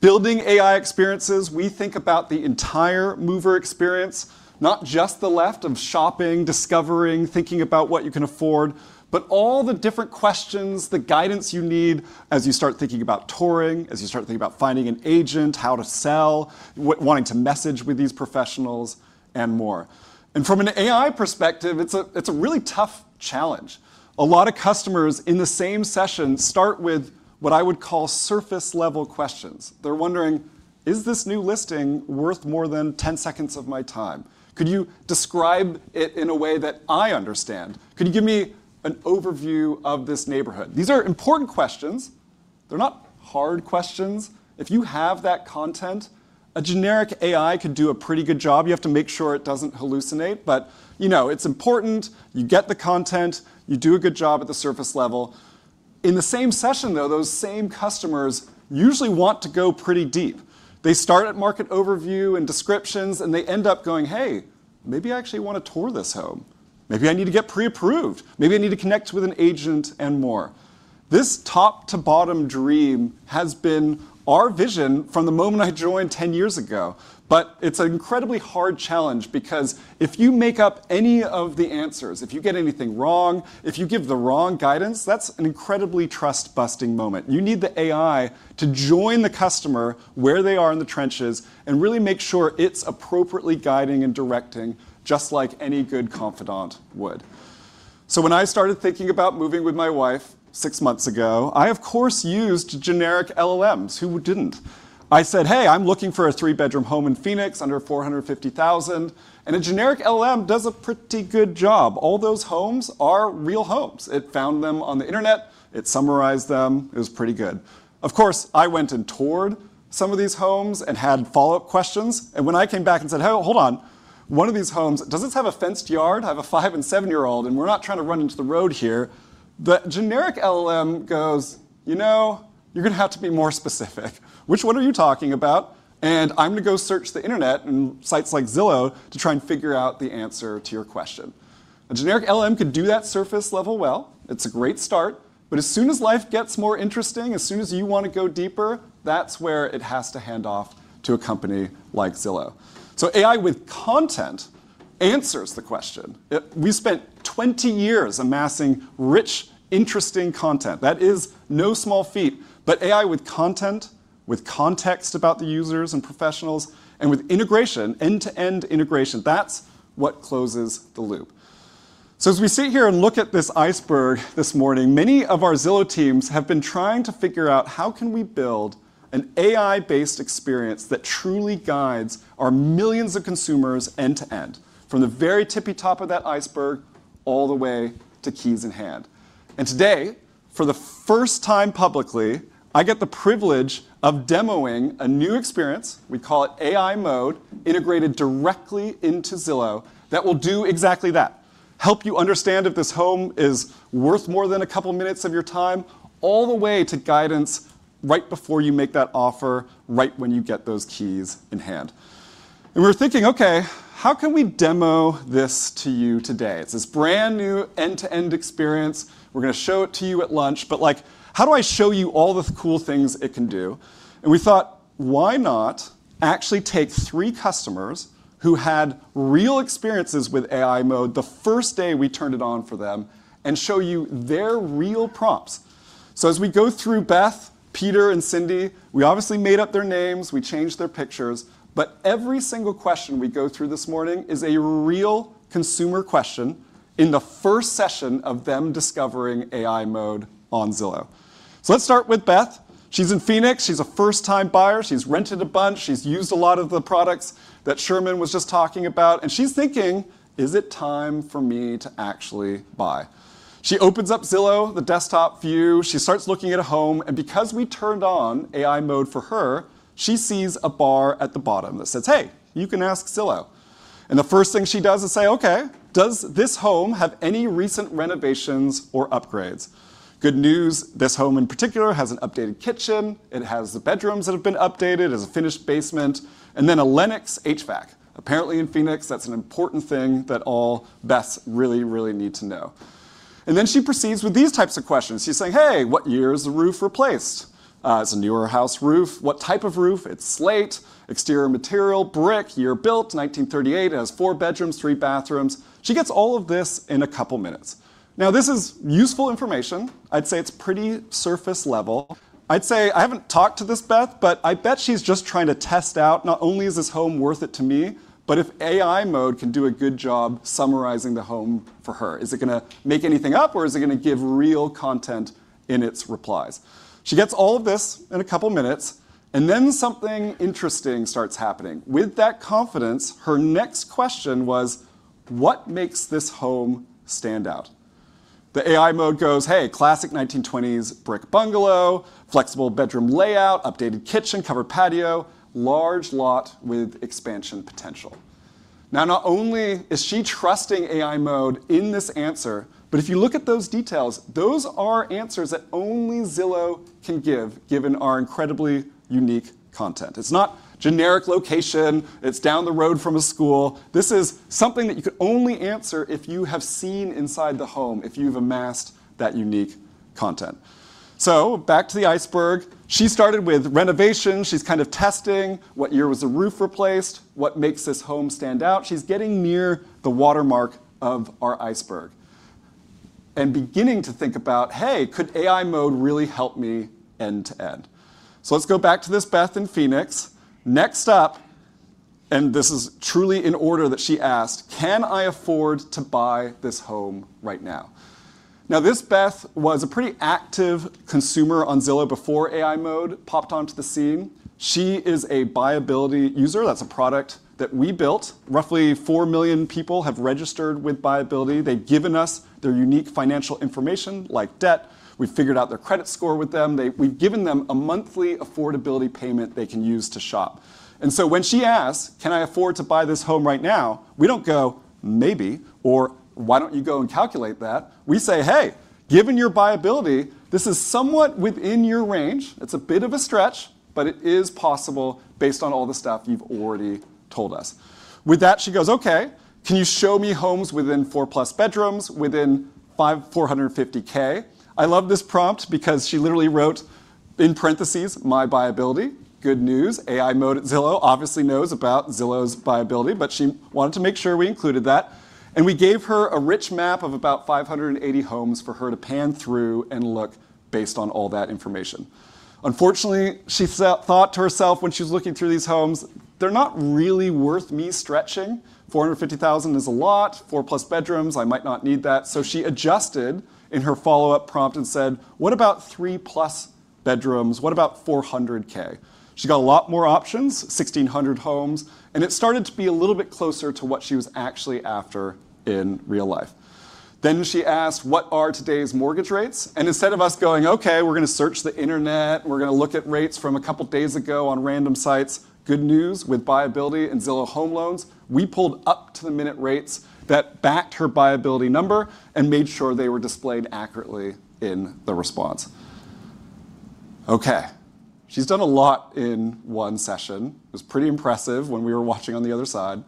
Building AI experiences, we think about the entire mover experience, not just the left of shopping, discovering, thinking about what you can afford, but all the different questions, the guidance you need as you start thinking about touring, as you start to think about finding an agent, how to sell, wanting to message with these professionals, and more. From an AI perspective, it's a really tough challenge. A lot of customers in the same session start with what I would call surface level questions. They're wondering, "Is this new listing worth more than 10 seconds of my time? Could you describe it in a way that I understand? Could you give me an overview of this neighborhood?" These are important questions. They're not hard questions. If you have that content, a generic AI could do a pretty good job. You have to make sure it doesn't hallucinate, but, you know, it's important, you get the content, you do a good job at the surface level. In the same session, though, those same customers usually want to go pretty deep. They start at market overview and descriptions, and they end up going, "Hey, maybe I actually wanna tour this home. Maybe I need to get pre-approved. Maybe I need to connect with an agent," and more. This top to bottom dream has been our vision from the moment I joined 10 years ago, but it's an incredibly hard challenge because if you make up any of the answers, if you get anything wrong, if you give the wrong guidance, that's an incredibly trust-busting moment. You need the AI to join the customer where they are in the trenches and really make sure it's appropriately guiding and directing, just like any good confidant would. When I started thinking about moving with my wife six months ago, I of course used generic LLMs. Who didn't? I said, "Hey, I'm looking for a three-bedroom home in Phoenix under $450,000," and a generic LLM does a pretty good job. All those homes are real homes. It found them on the internet. It summarized them. It was pretty good. Of course, I went and toured some of these homes and had follow-up questions, and when I came back and said, "Hey, hold on. One of these homes, does this have a fenced yard? I have a 5- and 7-year-old, and we're not trying to run into the road here," the generic LLM goes, "You know, you're gonna have to be more specific. Which one are you talking about? And I'm gonna go search the internet and sites like Zillow to try and figure out the answer to your question." A generic LLM could do that surface level well. It's a great start, but as soon as life gets more interesting, as soon as you wanna go deeper, that's where it has to hand off to a company like Zillow. So AI with content answers the question. We spent 20 years amassing rich, interesting content. That is no small feat. AI with content, with context about the users and professionals, and with integration, end-to-end integration, that's what closes the loop. As we sit here and look at this iceberg this morning, many of our Zillow teams have been trying to figure out how can we build an AI-based experience that truly guides our millions of consumers end to end, from the very tippy top of that iceberg all the way to keys in hand. Today, for the first time publicly, I get the privilege of demoing a new experience, we call it AI Mode, integrated directly into Zillow that will do exactly that: help you understand if this home is worth more than a couple minutes of your time all the way to guidance right before you make that offer, right when you get those keys in hand. We're thinking, okay, how can we demo this to you today? It's this brand-new end-to-end experience. We're gonna show it to you at lunch, but, like, how do I show you all the cool things it can do? We thought, why not actually take three customers who had real experiences with AI Mode the first day we turned it on for them and show you their real prompts. As we go through Beth, Peter, and Cindy, we obviously made up their names, we changed their pictures, but every single question we go through this morning is a real consumer question in the first session of them discovering AI Mode on Zillow. Let's start with Beth. She's in Phoenix. She's a first-time buyer. She's rented a bunch. She's used a lot of the products that Sherman was just talking about, and she's thinking, "Is it time for me to actually buy?" She opens up Zillow, the desktop view. She starts looking at a home, and because we turned on AI Mode for her, she sees a bar at the bottom that says, "Hey, you can ask Zillow." The first thing she does is say, "Okay, does this home have any recent renovations or upgrades?" Good news, this home in particular has an updated kitchen, it has the bedrooms that have been updated, it has a finished basement, and then a Lennox HVAC. Apparently, in Phoenix, that's an important thing that all Beths really, really need to know. She proceeds with these types of questions. She's saying, "Hey, what year was the roof replaced? It's a newer house roof. What type of roof? It's slate. Exterior material, brick. Year built, 1938. It has four bedrooms, three bathrooms." She gets all of this in a couple minutes. Now, this is useful information. I'd say it's pretty surface level. I'd say I haven't talked to this Beth, but I bet she's just trying to test out not only is this home worth it to me, but if AI Mode can do a good job summarizing the home for her. Is it gonna make anything up, or is it gonna give real content in its replies? She gets all of this in a couple minutes, and then something interesting starts happening. With that confidence, her next question was, "What makes this home stand out?" The AI Mode goes, "Hey, classic 1920s brick bungalow, flexible bedroom layout, updated kitchen, covered patio, large lot with expansion potential." Now, not only is she trusting AI Mode in this answer, but if you look at those details, those are answers that only Zillow can give, given our incredibly unique content. It's not generic location. It's down the road from a school. This is something that you could only answer if you have seen inside the home, if you've amassed that unique content. Back to the iceberg. She started with renovations. She's kind of testing what year was the roof replaced, what makes this home stand out. She's getting near the watermark of our iceberg and beginning to think about, "Hey, could AI Mode really help me end to end?" Let's go back to this Beth in Phoenix. Next up, and this is truly in order that she asked, "Can I afford to buy this home right now?" Now, this Beth was a pretty active consumer on Zillow before AI Mode popped onto the scene. She is a BuyAbility user. That's a product that we built. Roughly 4 million people have registered with BuyAbility. They've given us their unique financial information like debt. We've figured out their credit score with them. We've given them a monthly affordability payment they can use to shop. When she asks, "Can I afford to buy this home right now," we don't go, "Maybe," or, "Why don't you go and calculate that?" We say, "Hey, given your BuyAbility, this is somewhat within your range. It's a bit of a stretch, but it is possible based on all the stuff you've already told us." With that, she goes, "Okay, can you show me homes within 4+ bedrooms within $450K?" I love this prompt because she literally wrote in parentheses, "My BuyAbility." Good news, AI Mode at Zillow obviously knows about Zillow's BuyAbility, but she wanted to make sure we included that. We gave her a rich map of about 580 homes for her to pan through and look based on all that information. Unfortunately, she thought to herself when she was looking through these homes, "They're not really worth me stretching. $450,000 is a lot. Four-plus bedrooms, I might not need that." She adjusted in her follow-up prompt and said, "What about three-plus bedrooms? What about $400K?" She got a lot more options, 1,600 homes, and it started to be a little bit closer to what she was actually after in real life. She asked, "What are today's mortgage rates?" Instead of us going, "Okay, we're gonna search the internet. We're gonna look at rates from a couple days ago on random sites. Good news, with BuyAbility and Zillow Home Loans, we pulled up-to-the-minute rates that backed her BuyAbility number and made sure they were displayed accurately in the response. Okay, she's done a lot in one session. It was pretty impressive when we were watching on the other side.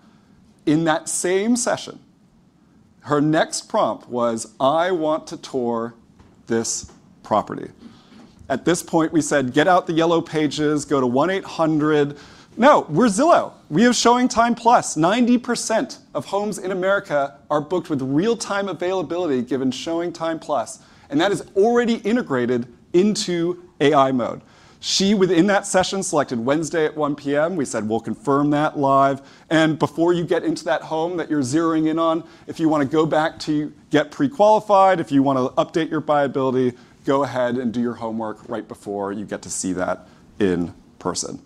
In that same session, her next prompt was, "I want to tour this property." At this point, we said, "Get out the yellow pages. Go to 1-800." No, we're Zillow. We have ShowingTime+. 90% of homes in America are booked with real-time availability given ShowingTime+, and that is already integrated into AI Mode. She within that session selected Wednesday at 1 P.M. We said, "We'll confirm that live. Before you get into that home that you're zeroing in on, if you wanna go back to get pre-qualified, if you wanna update your BuyAbility, go ahead and do your homework right before you get to see that in person.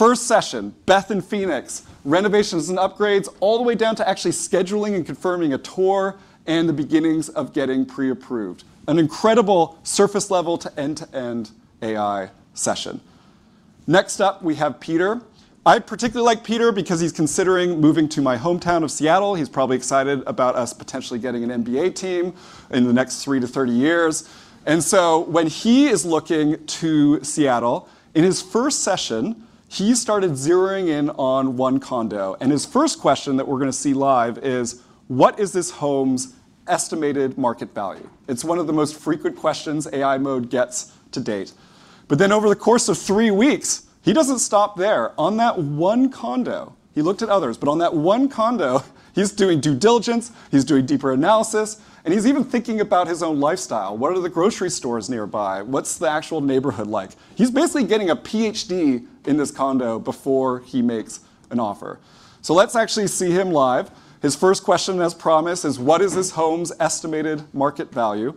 First session, Beth in Phoenix, renovations and upgrades, all the way down to actually scheduling and confirming a tour and the beginnings of getting pre-approved. An incredible surface-level to end-to-end AI session. Next up, we have Peter. I particularly like Peter because he's considering moving to my hometown of Seattle. He's probably excited about us potentially getting an NBA team in the next 3-30 years. When he is looking to Seattle, in his first session, he started zeroing in on one condo, and his first question that we're gonna see live is, "What is this home's estimated market value?" It's one of the most frequent questions AI Mode gets to date. Over the course of three weeks, he doesn't stop there. On that one condo, he looked at others, but on that one condo, he's doing due diligence, he's doing deeper analysis, and he's even thinking about his own lifestyle. What are the grocery stores nearby? What's the actual neighborhood like? He's basically getting a Ph.D. in this condo before he makes an offer. Let's actually see him live. His first question, as promised, is, "What is this home's estimated market value?"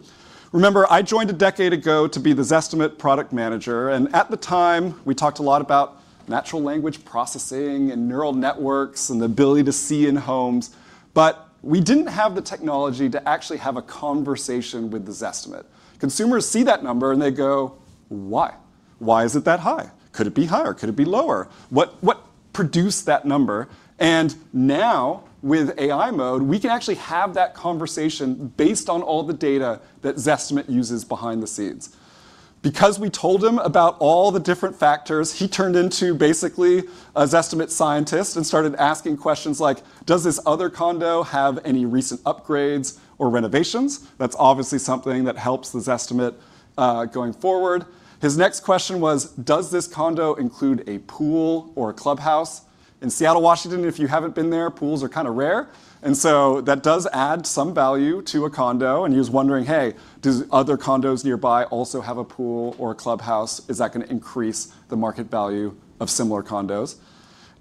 Remember, I joined a decade ago to be the Zestimate product manager, and at the time, we talked a lot about natural language processing and neural networks and the ability to see in homes. We didn't have the technology to actually have a conversation with the Zestimate. Consumers see that number and they go, "Why? Why is it that high? Could it be higher? Could it be lower? What, what produced that number?" Now, with AI Mode, we can actually have that conversation based on all the data that Zestimate uses behind the scenes. Because we told him about all the different factors, he turned into basically a Zestimate scientist and started asking questions like, "Does this other condo have any recent upgrades or renovations?" That's obviously something that helps the Zestimate going forward. His next question was, "Does this condo include a pool or a clubhouse?" In Seattle, Washington, if you haven't been there, pools are kinda rare, and so that does add some value to a condo, and he was wondering, "Hey, do other condos nearby also have a pool or a clubhouse? Is that gonna increase the market value of similar condos?"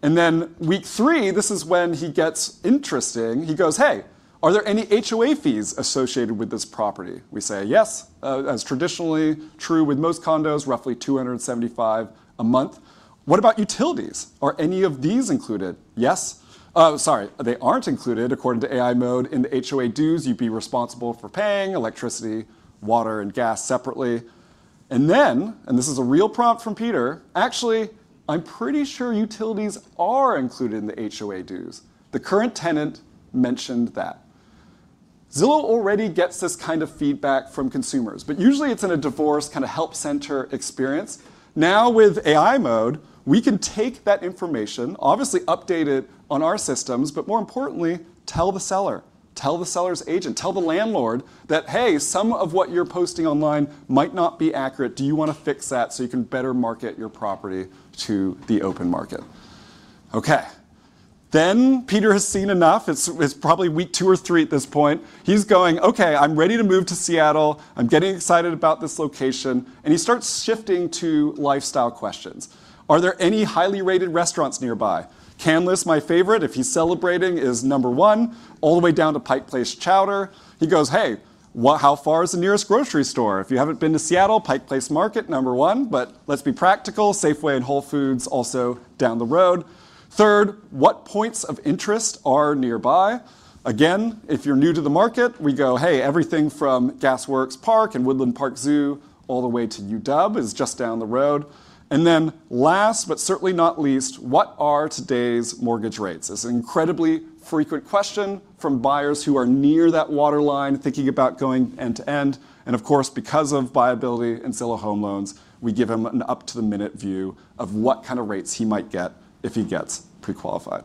Then week three, this is when he gets interesting. He goes, "Hey, are there any HOA fees associated with this property?" We say, "Yes, as traditionally true with most condos, roughly $275 a month." "What about utilities? Are any of these included?" Oh, sorry. They aren't included according to AI Mode. In the HOA dues, you'd be responsible for paying electricity, water, and gas separately. This is a real prompt from Peter: "Actually, I'm pretty sure utilities are included in the HOA dues. The current tenant mentioned that." Zillow already gets this kind of feedback from consumers, but usually it's in a device kind of help center experience. Now, with AI Mode, we can take that information, obviously update it on our systems, but more importantly, tell the seller, tell the seller's agent, tell the landlord that, "Hey, some of what you're posting online might not be accurate. Do you wanna fix that so you can better market your property to the open market?" Okay. Peter has seen enough. It's probably week two or three at this point. He's going, "Okay. I'm ready to move to Seattle. I'm getting excited about this location." He starts shifting to lifestyle questions. Are there any highly rated restaurants nearby?" Canlis, my favorite if he's celebrating, is number one, all the way down to Pike Place Chowder. He goes, "Hey, how far is the nearest grocery store?" If you haven't been to Seattle, Pike Place Market, number one, but let's be practical. Safeway and Whole Foods also down the road. Third, "What points of interest are nearby?" Again, if you're new to the market, we go, "Hey, everything from Gas Works Park and Woodland Park Zoo all the way to UW is just down the road." Last, but certainly not least, "What are today's mortgage rates?" It's an incredibly frequent question from buyers who are near that waterline thinking about going end to end. Of course, because of BuyAbility and Zillow Home Loans, we give him an up-to-the-minute view of what kinda rates he might get if he gets pre-qualified.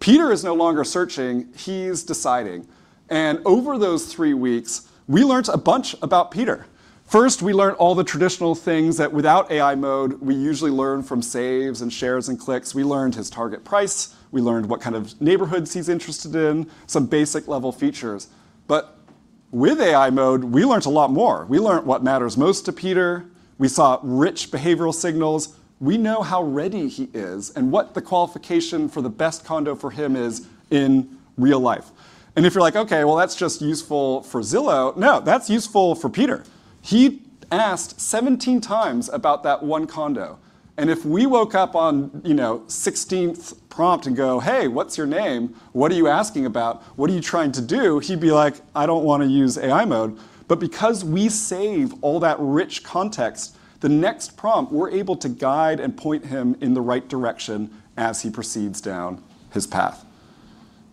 Peter is no longer searching, he's deciding. Over those three weeks, we learned a bunch about Peter. First, we learned all the traditional things that without AI Mode, we usually learn from saves and shares and clicks. We learned his target price, we learned what kind of neighborhoods he's interested in, some basic level features. With AI Mode, we learned a lot more. We learned what matters most to Peter, we saw rich behavioral signals. We know how ready he is and what the qualification for the best condo for him is in real life. If you're like, "Okay. Well, that's just useful for Zillow," no, that's useful for Peter. He asked 17 times about that one condo. If we woke up on, you know, 16th prompt and go, "Hey, what's your name? What are you asking about? What are you trying to do?" He'd be like, "I don't wanna use AI Mode." Because we save all that rich context, the next prompt, we're able to guide and point him in the right direction as he proceeds down his path.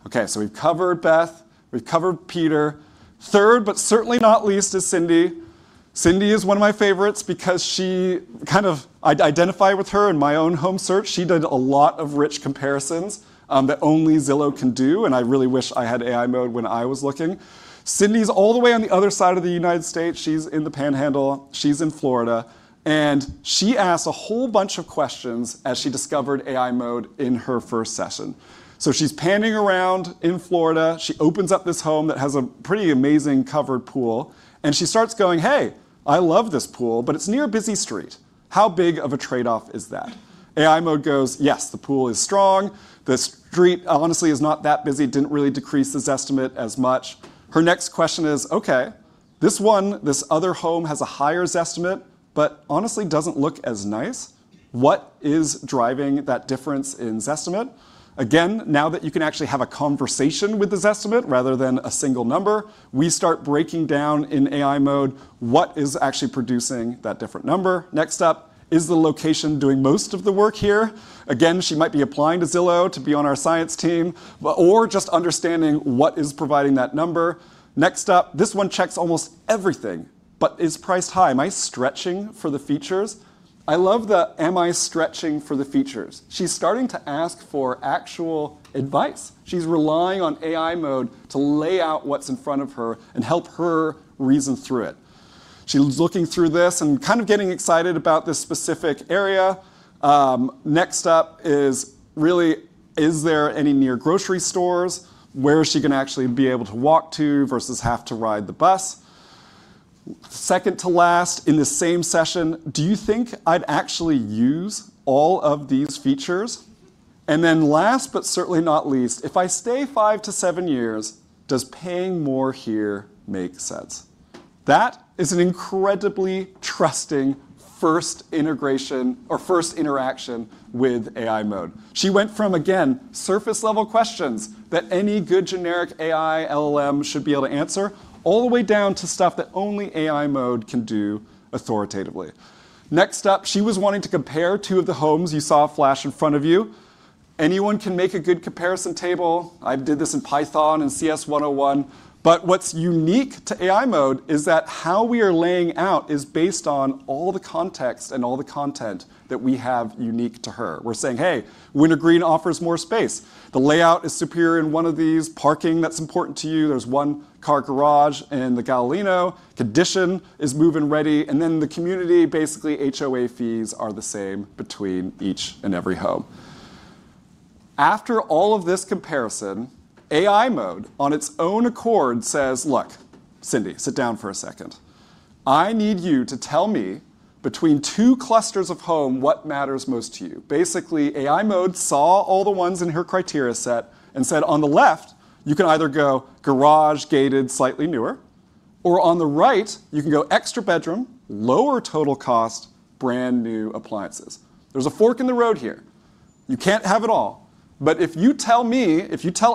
Okay, so we've covered Beth, we've covered Peter. Third, but certainly not least, is Cindy. Cindy is one of my favorites because I kind of identify with her in my own home search. She did a lot of rich comparisons that only Zillow can do, and I really wish I had AI Mode when I was looking. Cindy's all the way on the other side of the United States. She's in the Panhandle, she's in Florida, and she asks a whole bunch of questions as she discovered AI Mode in her first session. She's panning around in Florida. She opens up this home that has a pretty amazing covered pool, and she starts going, "Hey, I love this pool, but it's near a busy street. How big of a trade-off is that?" AI Mode goes, "Yes, the pool is strong. The street honestly is not that busy. Didn't really decrease the Zestimate as much." Her next question is, "Okay, this one, this other home has a higher Zestimate, but honestly doesn't look as nice. What is driving that difference in Zestimate?" Again, now that you can actually have a conversation with the Zestimate rather than a single number, we start breaking down in AI Mode what is actually producing that different number. Next up, is the location doing most of the work here? Again, she might be applying to Zillow to be on our science team, but or just understanding what is providing that number. Next up, this one checks almost everything, but is priced high. Am I stretching for the features? I love the, "Am I stretching for the features?" She's starting to ask for actual advice. She's relying on AI Mode to lay out what's in front of her and help her reason through it. She was looking through this and kind of getting excited about this specific area. Next up is really, is there any near grocery stores where she can actually be able to walk to versus have to ride the bus? Second to last, in the same session, "Do you think I'd actually use all of these features?" Last but certainly not least, "If I stay 5-7 years, does paying more here make sense?" That is an incredibly trusting first integration or first interaction with AI Mode. She went from, again, surface-level questions that any good generic AI LLM should be able to answer all the way down to stuff that only AI Mode can do authoritatively. Next up, she was wanting to compare two of the homes you saw flash in front of you. Anyone can make a good comparison table. I did this in Python in CS 101. What's unique to AI Mode is that how we are laying out is based on all the context and all the content that we have unique to her. We're saying, "Hey, Wintergreen offers more space. The layout is superior in one of these. Parking, that's important to you. There's one car garage in the Galino. Condition is move-in ready. The community, basically HOA fees are the same between each and every home. After all of this comparison, AI Mode on its own accord says, "Look, Cindy, sit down for a second. I need you to tell me between two clusters of home what matters most to you." Basically, AI Mode saw all the ones in her criteria set and said, on the left you can either go garage, gated, slightly newer, or on the right you can go extra bedroom, lower total cost, brand-new appliances. There's a fork in the road here. You can't have it all. If you tell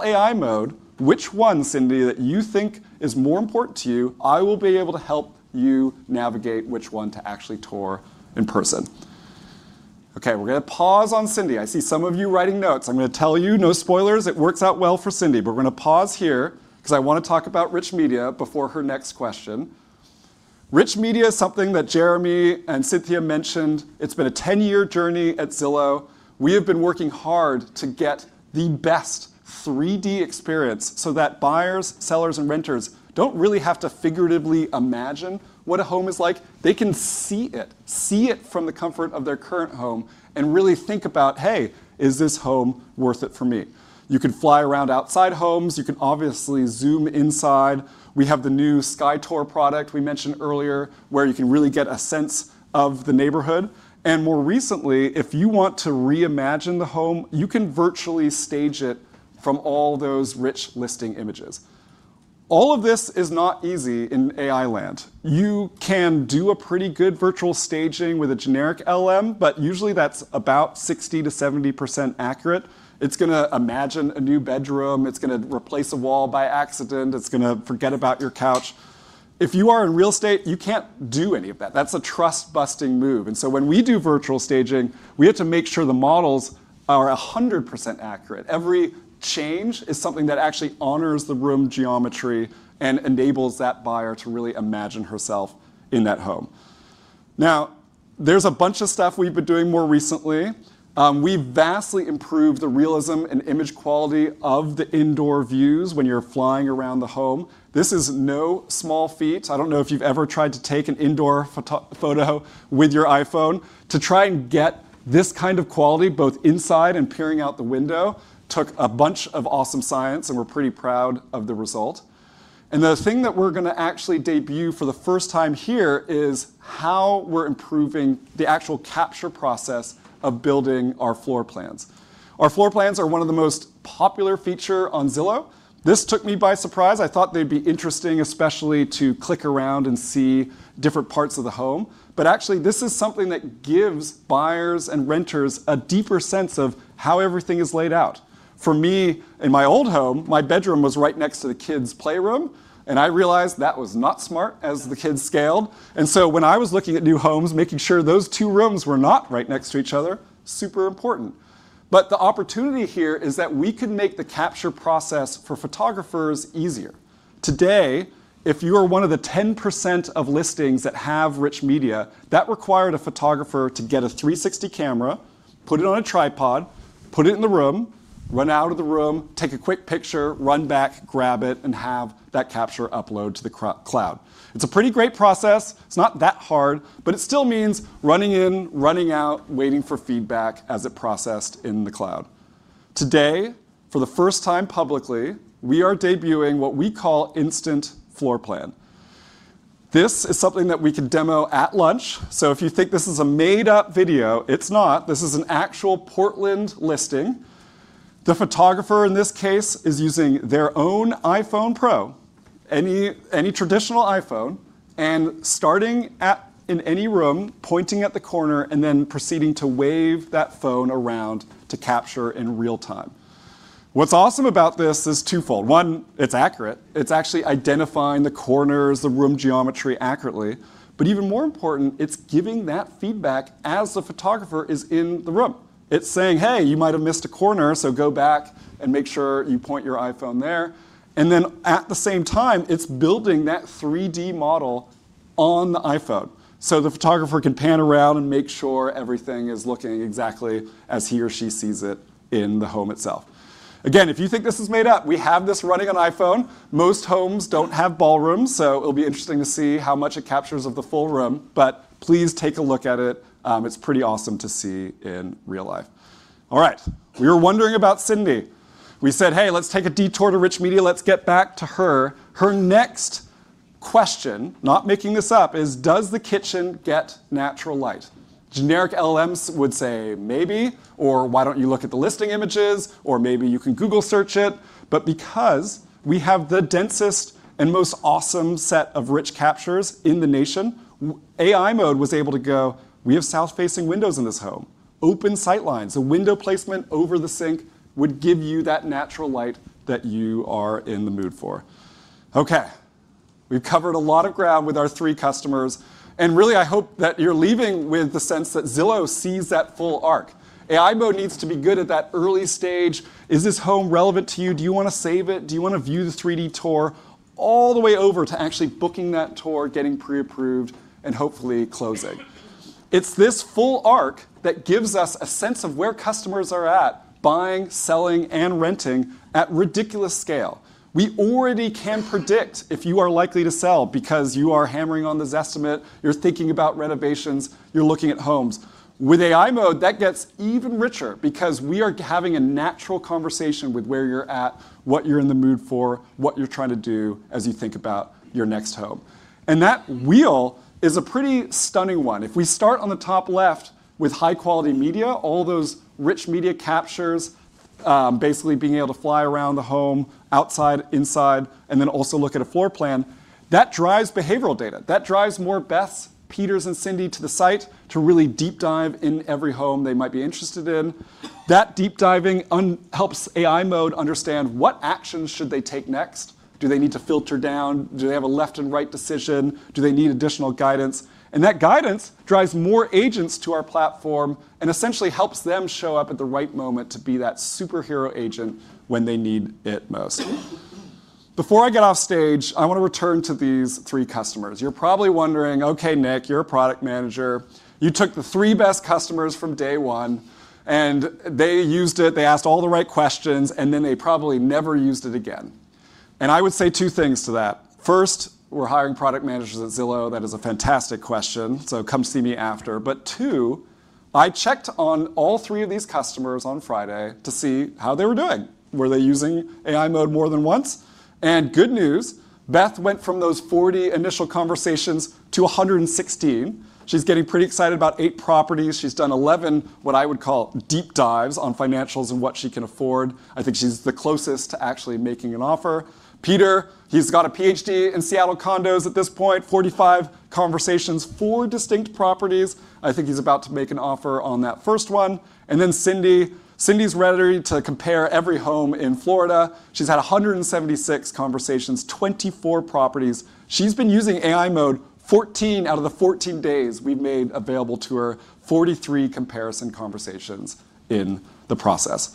AI Mode which one, Cindy, that you think is more important to you, I will be able to help you navigate which one to actually tour in person. Okay, we're gonna pause on Cindy. I see some of you writing notes. I'm gonna tell you, no spoilers, it works out well for Cindy. We're gonna pause here because I wanna talk about rich media before her next question. Rich media is something that Jeremy and Cynthia mentioned. It's been a 10-year journey at Zillow. We have been working hard to get the best 3D experience so that buyers, sellers, and renters don't really have to figuratively imagine what a home is like. They can see it from the comfort of their current home and really think about, "Hey, is this home worth it for me?" You can fly around outside homes. You can obviously zoom inside. We have the new Sky Tour product we mentioned earlier, where you can really get a sense of the neighborhood. More recently, if you want to reimagine the home, you can virtually stage it from all those rich listing images. All of this is not easy in AI land. You can do a pretty good virtual staging with a generic LLM, but usually that's about 60%-70% accurate. It's gonna imagine a new bedroom. It's gonna replace a wall by accident. It's gonna forget about your couch. If you are in real estate, you can't do any of that. That's a trust-busting move. When we do virtual staging, we have to make sure the models are 100% accurate. Every change is something that actually honors the room geometry and enables that buyer to really imagine herself in that home. Now, there's a bunch of stuff we've been doing more recently. We've vastly improved the realism and image quality of the indoor views when you're flying around the home. This is no small feat. I don't know if you've ever tried to take an indoor photo with your iPhone. To try and get this kind of quality both inside and peering out the window took a bunch of awesome science, and we're pretty proud of the result. The thing that we're gonna actually debut for the first time here is how we're improving the actual capture process of building our floor plans. Our floor plans are one of the most popular feature on Zillow. This took me by surprise. I thought they'd be interesting especially to click around and see different parts of the home. Actually, this is something that gives buyers and renters a deeper sense of how everything is laid out. For me, in my old home, my bedroom was right next to the kids' playroom, and I realized that was not smart as the kids scaled. When I was looking at new homes, making sure those two rooms were not right next to each other, super important. The opportunity here is that we can make the capture process for photographers easier. Today, if you're one of the 10% of listings that have rich media, that required a photographer to get a 360 camera, put it on a tripod, put it in the room, run out of the room, take a quick picture, run back, grab it, and have that capture upload to the cloud. It's a pretty great process. It's not that hard, but it still means running in, running out, waiting for feedback as it processed in the cloud. Today, for the first time publicly, we are debuting what we call Instant Floor Plan. This is something that we can demo at lunch, so if you think this is a made-up video, it's not. This is an actual Portland listing. The photographer in this case is using their own iPhone Pro, any traditional iPhone and starting at, in any room, pointing at the corner, and then proceeding to wave that phone around to capture in real time. What's awesome about this is twofold. One, it's accurate. It's actually identifying the corners, the room geometry accurately. Even more important, it's giving that feedback as the photographer is in the room. It's saying, "Hey, you might have missed a corner, so go back and make sure you point your iPhone there." Then at the same time, it's building that 3-D model on the iPhone, so the photographer can pan around and make sure everything is looking exactly as he or she sees it in the home itself. Again, if you think this is made up, we have this running on iPhone. Most homes don't have ballrooms, so it'll be interesting to see how much it captures of the full room. Please take a look at it. It's pretty awesome to see in real life. All right. We were wondering about Cindy. We said, "Hey, let's take a detour to Rich Media. Let's get back to her." Her next question, not making this up, is, "Does the kitchen get natural light?" Generic LLMs would say, "Maybe," or, "Why don't you look at the listing images?" Or, "Maybe you can Google search it." Because we have the densest and most awesome set of rich captures in the nation, AI Mode was able to go, "We have south-facing windows in this home, open sight lines. A window placement over the sink would give you that natural light that you are in the mood for." Okay, we've covered a lot of ground with our three customers, and really, I hope that you're leaving with the sense that Zillow sees that full arc. AI Mode needs to be good at that early stage. Is this home relevant to you? Do you wanna save it? Do you wanna view the 3D tour all the way over to actually booking that tour, getting pre-approved, and hopefully closing? It's this full arc that gives us a sense of where customers are at buying, selling, and renting at ridiculous scale. We already can predict if you are likely to sell because you are hammering on the Zestimate, you're thinking about renovations, you're looking at homes. With AI mode, that gets even richer because we are having a natural conversation with where you're at, what you're in the mood for, what you're trying to do as you think about your next home. That wheel is a pretty stunning one. If we start on the top left with high-quality media, all those rich media captures, basically being able to fly around the home, outside, inside, and then also look at a floor plan, that drives behavioral data. That drives more Beths, Peters, and Cindy to the site to really deep dive in every home they might be interested in. That deep diving helps AI mode understand what actions should they take next. Do they need to filter down? Do they have a left and right decision? Do they need additional guidance? That guidance drives more agents to our platform and essentially helps them show up at the right moment to be that superhero agent when they need it most. Before I get off stage, I wanna return to these three customers. You're probably wondering, "Okay, Nick, you're a product manager. You took the three best customers from day one, and they used it, they asked all the right questions, and then they probably never used it again." I would say two things to that. First, we're hiring product managers at Zillow. That is a fantastic question, so come see me after. Two, I checked on all three of these customers on Friday to see how they were doing. Were they using AI Mode more than once? Good news, Beth went from those 40 initial conversations to 116. She's getting pretty excited about 8 properties. She's done 11 what I would call deep dives on financials and what she can afford. I think she's the closest to actually making an offer. Peter, he's got a PhD in Seattle condos at this point. 45 conversations, four distinct properties. I think he's about to make an offer on that first one. Cindy's ready to compare every home in Florida. She's had 176 conversations, 24 properties. She's been using AI Mode 14 out of the 14 days we've made available to her. 43 comparison conversations in the process.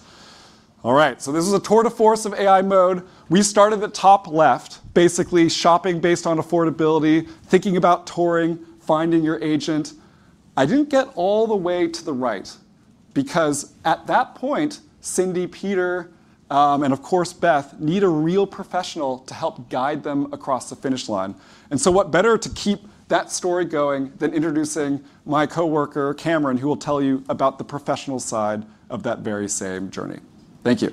All right, this is a tour de force of AI Mode. We started at top left, basically shopping based on affordability, thinking about touring, finding your agent. I didn't get all the way to the right because at that point, Cindy, Peter, and of course, Beth, need a real professional to help guide them across the finish line. What better to keep that story going than introducing my coworker, Cameron, who will tell you about the professional side of that very same journey. Thank you.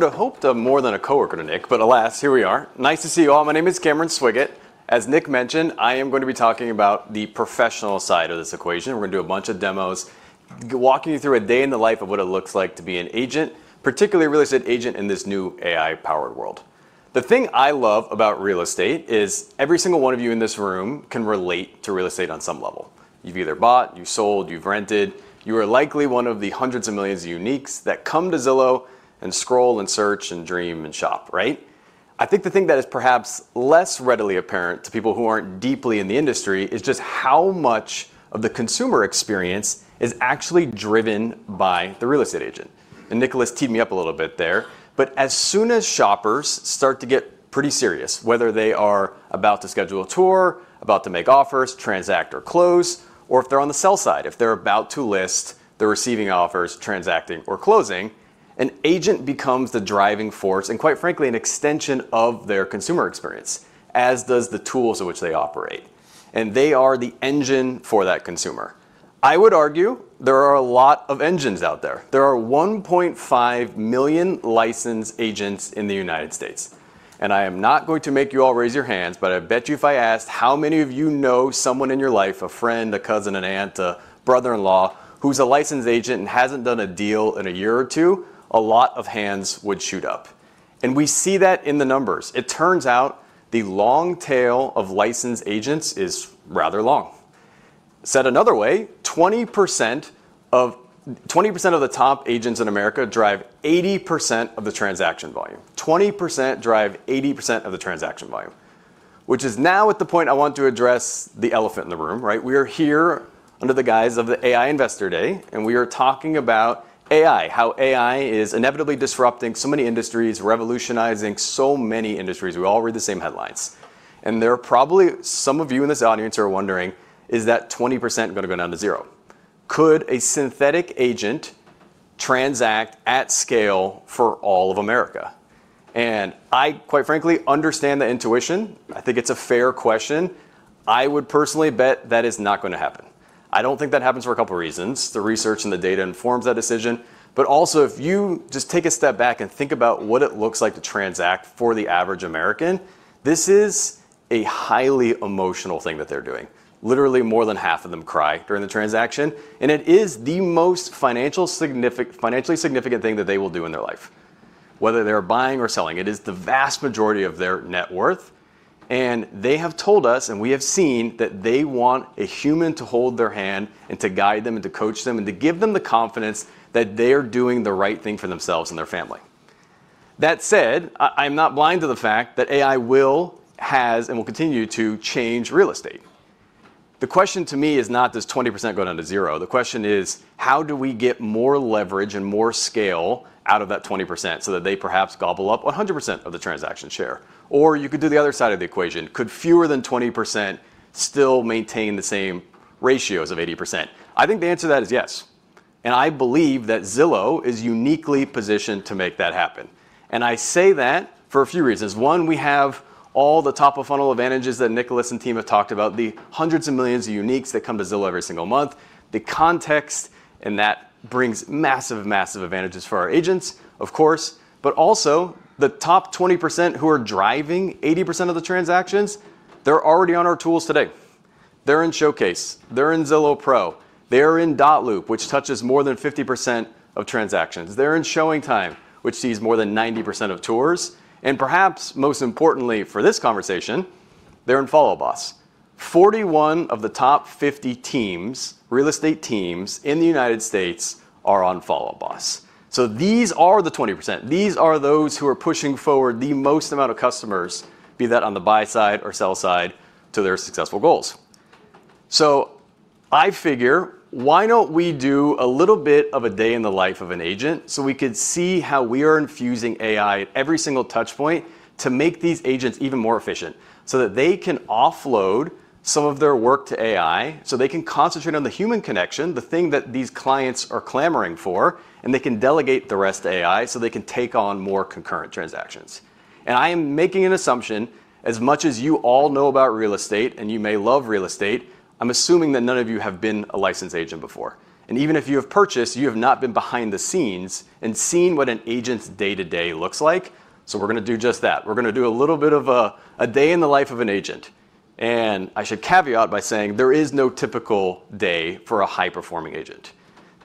Good morning, y'all. I would have hoped I'm more than a coworker to Nick, but alas, here we are. Nice to see you all. My name is Cameron Swiggett. As Nick mentioned, I am going to be talking about the professional side of this equation. We're gonna do a bunch of demos walking you through a day in the life of what it looks like to be an agent, particularly a real estate agent in this new AI-powered world. The thing I love about real estate is every single one of you in this room can relate to real estate on some level. You've either bought, you've sold, you've rented. You are likely one of the hundreds of millions of uniques that come to Zillow and scroll and search and dream and shop, right? I think the thing that is perhaps less readily apparent to people who aren't deeply in the industry is just how much of the consumer experience is actually driven by the real estate agent. Nicholas teed me up a little bit there. As soon as shoppers start to get pretty serious, whether they are about to schedule a tour, about to make offers, transact or close, or if they're on the sell side, if they're about to list, they're receiving offers, transacting or closing, an agent becomes the driving force and quite frankly, an extension of their consumer experience, as does the tools in which they operate. They are the engine for that consumer. I would argue there are a lot of engines out there. There are 1.5 million licensed agents in the United States, and I am not going to make you all raise your hands, but I bet you if I asked how many of you know someone in your life, a friend, a cousin, an aunt, a brother-in-law, who's a licensed agent and hasn't done a deal in a year or two, a lot of hands would shoot up. We see that in the numbers. It turns out the long tail of licensed agents is rather long. Said another way, 20% of the top agents in America drive 80% of the transaction volume. 20% drive 80% of the transaction volume. Which is now at the point I want to address the elephant in the room, right? We are here under the guise of the AI Investor Day, and we are talking about AI, how AI is inevitably disrupting so many industries, revolutionizing so many industries. We all read the same headlines. There are probably some of you in this audience are wondering, is that 20% gonna go down to 0%? Could a synthetic agent transact at scale for all of America? I quite frankly understand the intuition. I think it's a fair question. I would personally bet that is not gonna happen. I don't think that happens for a couple reasons. The research and the data informs that decision. But also, if you just take a step back and think about what it looks like to transact for the average American, this is a highly emotional thing that they're doing. Literally more than half of them cry during the transaction, and it is the most financially significant thing that they will do in their life, whether they're buying or selling. It is the vast majority of their net worth, and they have told us and we have seen that they want a human to hold their hand and to guide them and to coach them and to give them the confidence that they are doing the right thing for themselves and their family. That said, I'm not blind to the fact that AI will, has, and will continue to change real estate. The question to me is not does 20% go down to zero. The question is, how do we get more leverage and more scale out of that 20% so that they perhaps gobble up 100% of the transaction share? You could do the other side of the equation. Could fewer than 20% still maintain the same ratios of 80%? I think the answer to that is yes, and I believe that Zillow is uniquely positioned to make that happen. I say that for a few reasons. One, we have all the top-of-funnel advantages that Nicholas and team have talked about, the hundreds of millions of uniques that come to Zillow every single month, the context, and that brings massive advantages for our agents, of course, but also the top 20% who are driving 80% of the transactions, they're already on our tools today. They're in Showcase, they're in Zillow Pro, they're in dotloop, which touches more than 50% of transactions. They're in ShowingTime, which sees more than 90% of tours, and perhaps most importantly for this conversation, they're in Follow Up Boss. 41 of the top 50 teams, real estate teams in the United States, are on Follow Up Boss. These are the 20%. These are those who are pushing forward the most amount of customers, be that on the buy side or sell side to their successful goals. I figure, why don't we do a little bit of a day in the life of an agent, so we could see how we are infusing AI at every single touch point to make these agents even more efficient, so that they can offload some of their work to AI, so they can concentrate on the human connection, the thing that these clients are clamoring for, and they can delegate the rest to AI, so they can take on more concurrent transactions. I am making an assumption, as much as you all know about real estate, and you may love real estate, I'm assuming that none of you have been a licensed agent before. Even if you have purchased, you have not been behind the scenes and seen what an agent's day-to-day looks like. We're gonna do just that. We're gonna do a little bit of a day in the life of an agent. I should caveat by saying there is no typical day for a high-performing agent.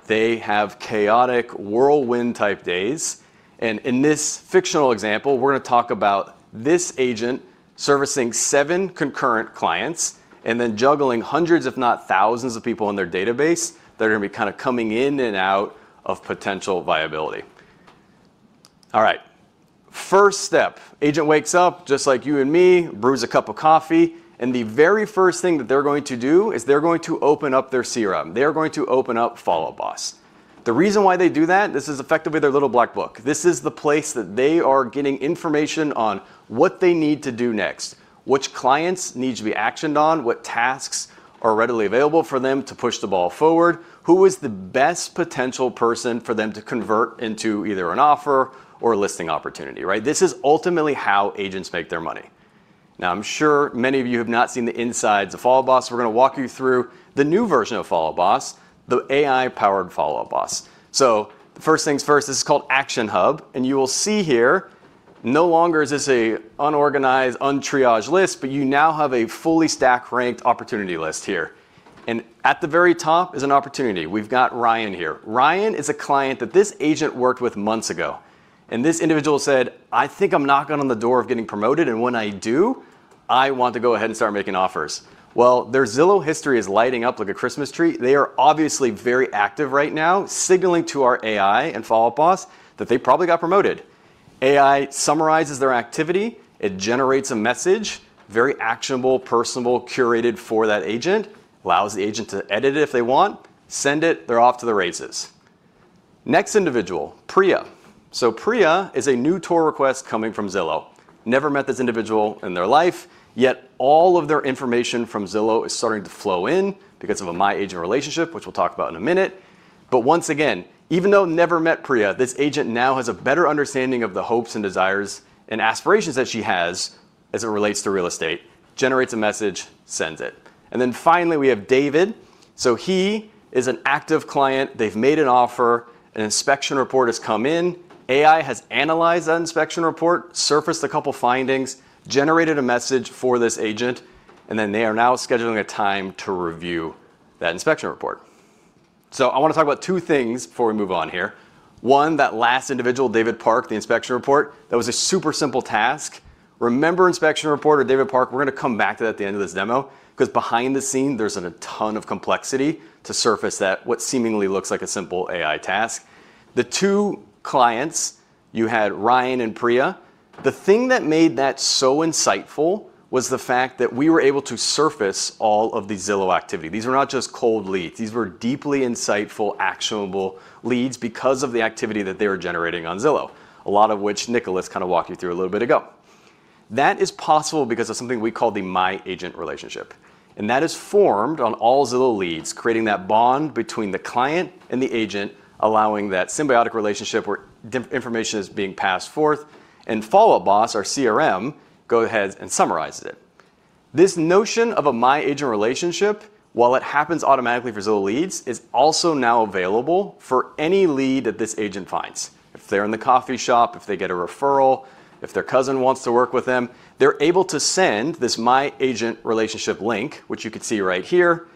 They have chaotic, whirlwind-type days. In this fictional example, we're gonna talk about this agent servicing seven concurrent clients and then juggling hundreds, if not thousands, of people in their database that are gonna be kinda coming in and out of potential viability. All right. First step, agent wakes up just like you and me, brews a cup of coffee, and the very first thing that they're going to do is they're going to open up their CRM. They are going to open up Follow Up Boss. The reason why they do that, this is effectively their little black book. This is the place that they are getting information on what they need to do next, which clients need to be actioned on, what tasks are readily available for them to push the ball forward, who is the best potential person for them to convert into either an offer or a listing opportunity, right? This is ultimately how agents make their money. Now, I'm sure many of you have not seen the insides of Follow Up Boss. We're gonna walk you through the new version of Follow Up Boss, the AI-powered Follow Up Boss. So first things first, this is called Action Hub, and you will see here, no longer is this a unorganized, untriaged list, but you now have a fully stack-ranked opportunity list here. At the very top is an opportunity. We've got Ryan here. Ryan is a client that this agent worked with months ago. This individual said, "I think I'm knocking on the door of getting promoted, and when I do, I want to go ahead and start making offers." Well, their Zillow history is lighting up like a Christmas tree. They are obviously very active right now, signaling to our AI and Follow Up Boss that they probably got promoted. AI summarizes their activity. It generates a message, very actionable, personal, curated for that agent, allows the agent to edit it if they want, send it, they're off to the races. Next individual, Priya. Priya is a new tour request coming from Zillow. Never met this individual in their life, yet all of their information from Zillow is starting to flow in because of a My Agent relationship, which we'll talk about in a minute. Once again, even though I never met Priya, this agent now has a better understanding of the hopes and desires and aspirations that she has as it relates to real estate, generates a message, sends it. Finally, we have David. He is an active client. They've made an offer. An inspection report has come in. AI has analyzed that inspection report, surfaced a couple findings, generated a message for this agent, and then they are now scheduling a time to review that inspection report. I wanna talk about two things before we move on here. One, that last individual, David Park, the inspection report, that was a super simple task. Remember inspection report or David Park, we're gonna come back to that at the end of this demo 'cause behind the scenes, there's a ton of complexity to surface that what seemingly looks like a simple AI task. The two clients, you had Ryan and Priya, the thing that made that so insightful was the fact that we were able to surface all of the Zillow activity. These were not just cold leads. These were deeply insightful, actionable leads because of the activity that they were generating on Zillow, a lot of which Nicholas kind of walked you through a little bit ago. That is possible because of something we call the My Agent relationship, and that is formed on all Zillow leads, creating that bond between the client and the agent, allowing that symbiotic relationship where information is being passed forth, and Follow Up Boss, our CRM, go ahead and summarizes it. This notion of a My Agent relationship, while it happens automatically for Zillow leads, is also now available for any lead that this agent finds. If they're in the coffee shop, if they get a referral, if their cousin wants to work with them, they're able to send this My Agent relationship link, which you can see right here.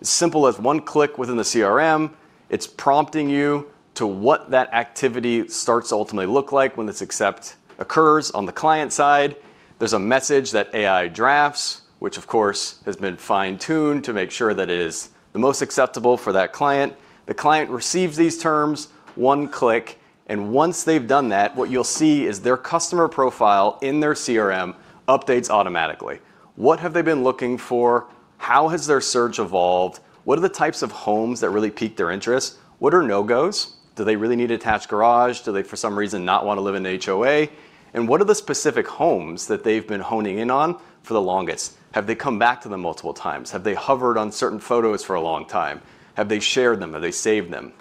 As simple as one click within the CRM, it's prompting you to what that activity starts to ultimately look like when this accept occurs on the client side. There's a message that AI drafts, which of course has been fine-tuned to make sure that it is the most acceptable for that client. The client receives these terms, one click, and once they've done that, what you'll see is their customer profile in their CRM updates automatically. What have they been looking for? How has their search evolved? What are the types of homes that really pique their interest? What are no-gos? Do they really need an attached garage? Do they, for some reason, not wanna live in an HOA? What are the specific homes that they've been honing in on for the longest? Have they come back to them multiple times? Have they hovered on certain photos for a long time? Have they shared them? Have they saved them?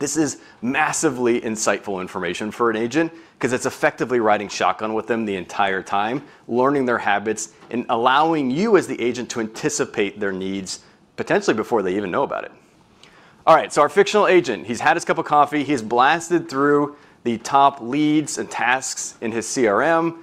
This is massively insightful information for an agent 'cause it's effectively riding shotgun with them the entire time, learning their habits and allowing you as the agent to anticipate their needs potentially before they even know about it. All right, our fictional agent, he's had his cup of coffee. He's blasted through the top leads and tasks in his CRM,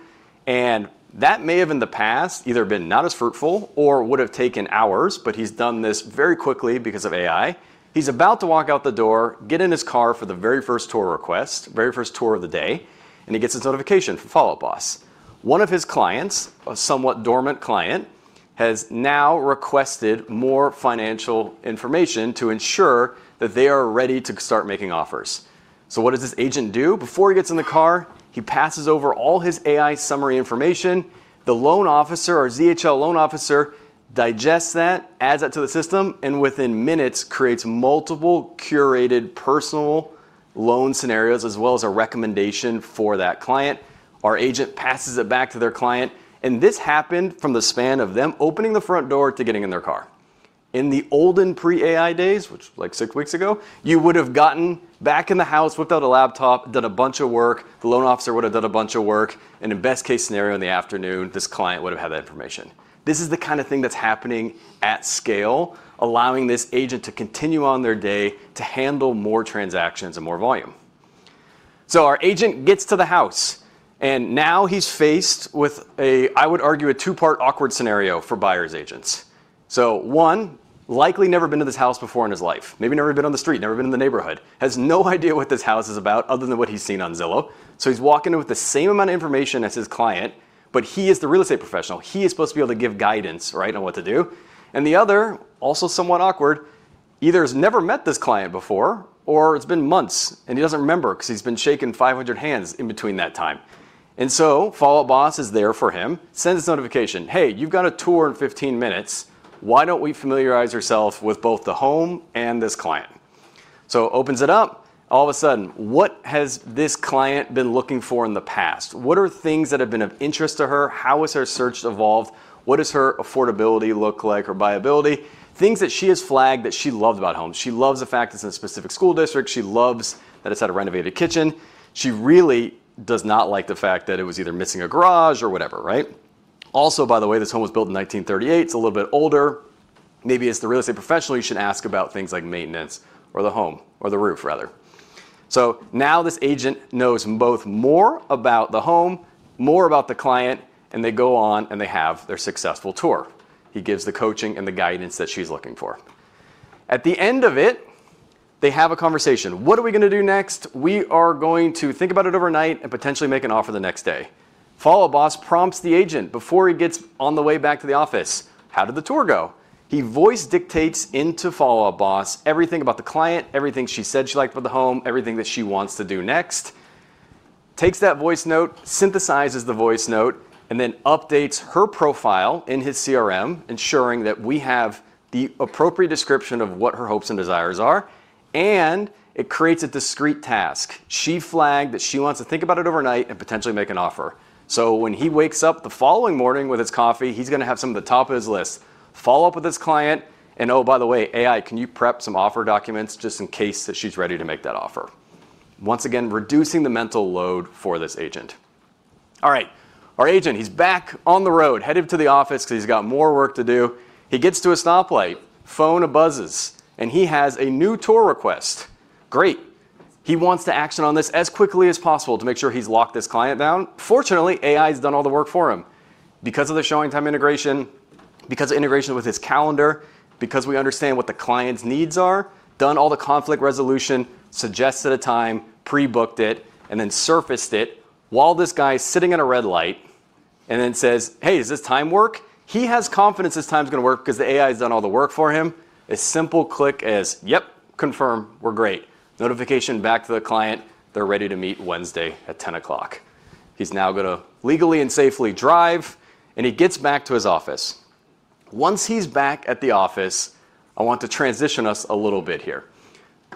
and that may have in the past either been not as fruitful or would have taken hours, but he's done this very quickly because of AI. He's about to walk out the door, get in his car for the very first tour request, very first tour of the day, and he gets this notification from Follow Up Boss. One of his clients, a somewhat dormant client, has now requested more financial information to ensure that they are ready to start making offers. What does this agent do? Before he gets in the car, he passes over all his AI summary information. The loan officer or ZHL loan officer digests that, adds that to the system, and within minutes creates multiple curated personal loan scenarios as well as a recommendation for that client. Our agent passes it back to their client, and this happened from the span of them opening the front door to getting in their car. In the olden pre-AI days, which was, like, six weeks ago, you would have gotten back in the house, whipped out a laptop, done a bunch of work. The loan officer would have done a bunch of work, and in best-case scenario in the afternoon, this client would have had that information. This is the kind of thing that's happening at scale, allowing this agent to continue on their day to handle more transactions and more volume. Our agent gets to the house, and now he's faced with a, I would argue, a two-part awkward scenario for buyer's agents. One, likely never been to this house before in his life, maybe never been on the street, never been in the neighborhood, has no idea what this house is about other than what he's seen on Zillow. He's walking in with the same amount of information as his client, but he is the real estate professional. He is supposed to be able to give guidance, right, on what to do. The other, also somewhat awkward, either has never met this client before or it's been months, and he doesn't remember 'cause he's been shaking 500 hands in between that time. Follow Up Boss is there for him, sends this notification, "Hey, you've got a tour in 15 minutes. Why don't we familiarize yourself with both the home and this client?" Opens it up. All of a sudden, what has this client been looking for in the past? What are things that have been of interest to her? How has her search evolved? What does her affordability look like or BuyAbility? Things that she has flagged that she loved about homes. She loves the fact it's in a specific school district. She loves that it's had a renovated kitchen. She really does not like the fact that it was either missing a garage or whatever, right? Also, by the way, this home was built in 1938. It's a little bit older. Maybe as the real estate professional, you should ask about things like maintenance or the home or the roof rather. Now this agent knows both more about the home, more about the client, and they go on, and they have their successful tour. He gives the coaching and the guidance that she's looking for. At the end of it, they have a conversation. What are we gonna do next? We are going to think about it overnight and potentially make an offer the next day. Follow Up Boss prompts the agent before he gets on the way back to the office. How did the tour go? He voice dictates into Follow Up Boss everything about the client, everything she said she liked about the home, everything that she wants to do next. Takes that voice note, synthesizes the voice note, and then updates her profile in his CRM, ensuring that we have the appropriate description of what her hopes and desires are, and it creates a discrete task. She flagged that she wants to think about it overnight and potentially make an offer. When he wakes up the following morning with his coffee, he's gonna have some at the top of his list, follow up with his client, and oh, by the way, AI, can you prep some offer documents just in case that she's ready to make that offer? Once again, reducing the mental load for this agent. All right. Our agent, he's back on the road, headed to the office because he's got more work to do. He gets to a stoplight, phone buzzes, and he has a new tour request. Great. He wants to act on this as quickly as possible to make sure he's locked this client down. Fortunately, AI's done all the work for him. Because of the ShowingTime integration, because of integration with his calendar, because we understand what the client's needs are, done all the conflict resolution, suggests at a time, pre-booked it, and then surfaced it while this guy is sitting at a red light and then says, "Hey, does this time work?" He has confidence this time's gonna work 'cause the AI has done all the work for him. A simple click as, "Yep, confirm. We're great." Notification back to the client. They're ready to meet Wednesday at 10 o'clock. He's now gonna legally and safely drive, and he gets back to his office. Once he's back at the office, I want to transition us a little bit here.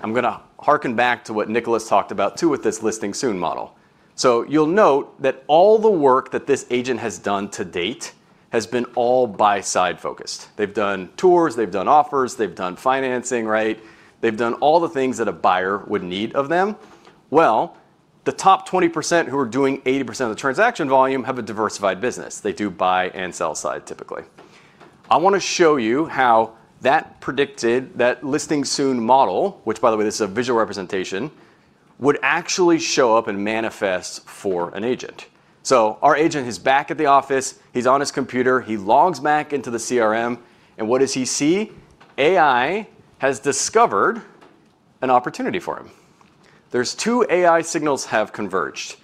I'm gonna harken back to what Nicholas talked about too with this listing soon model. You'll note that all the work that this agent has done to date has been all buy-side focused. They've done tours, they've done offers, they've done financing, right? They've done all the things that a buyer would need of them. Well, the top 20% who are doing 80% of the transaction volume have a diversified business. They do buy and sell-side, typically. I wanna show you how that predicted, that listing soon model, which by the way, this is a visual representation, would actually show up and manifest for an agent. Our agent is back at the office, he's on his computer, he logs back into the CRM, and what does he see? AI has discovered an opportunity for him. There's two AI signals have converged.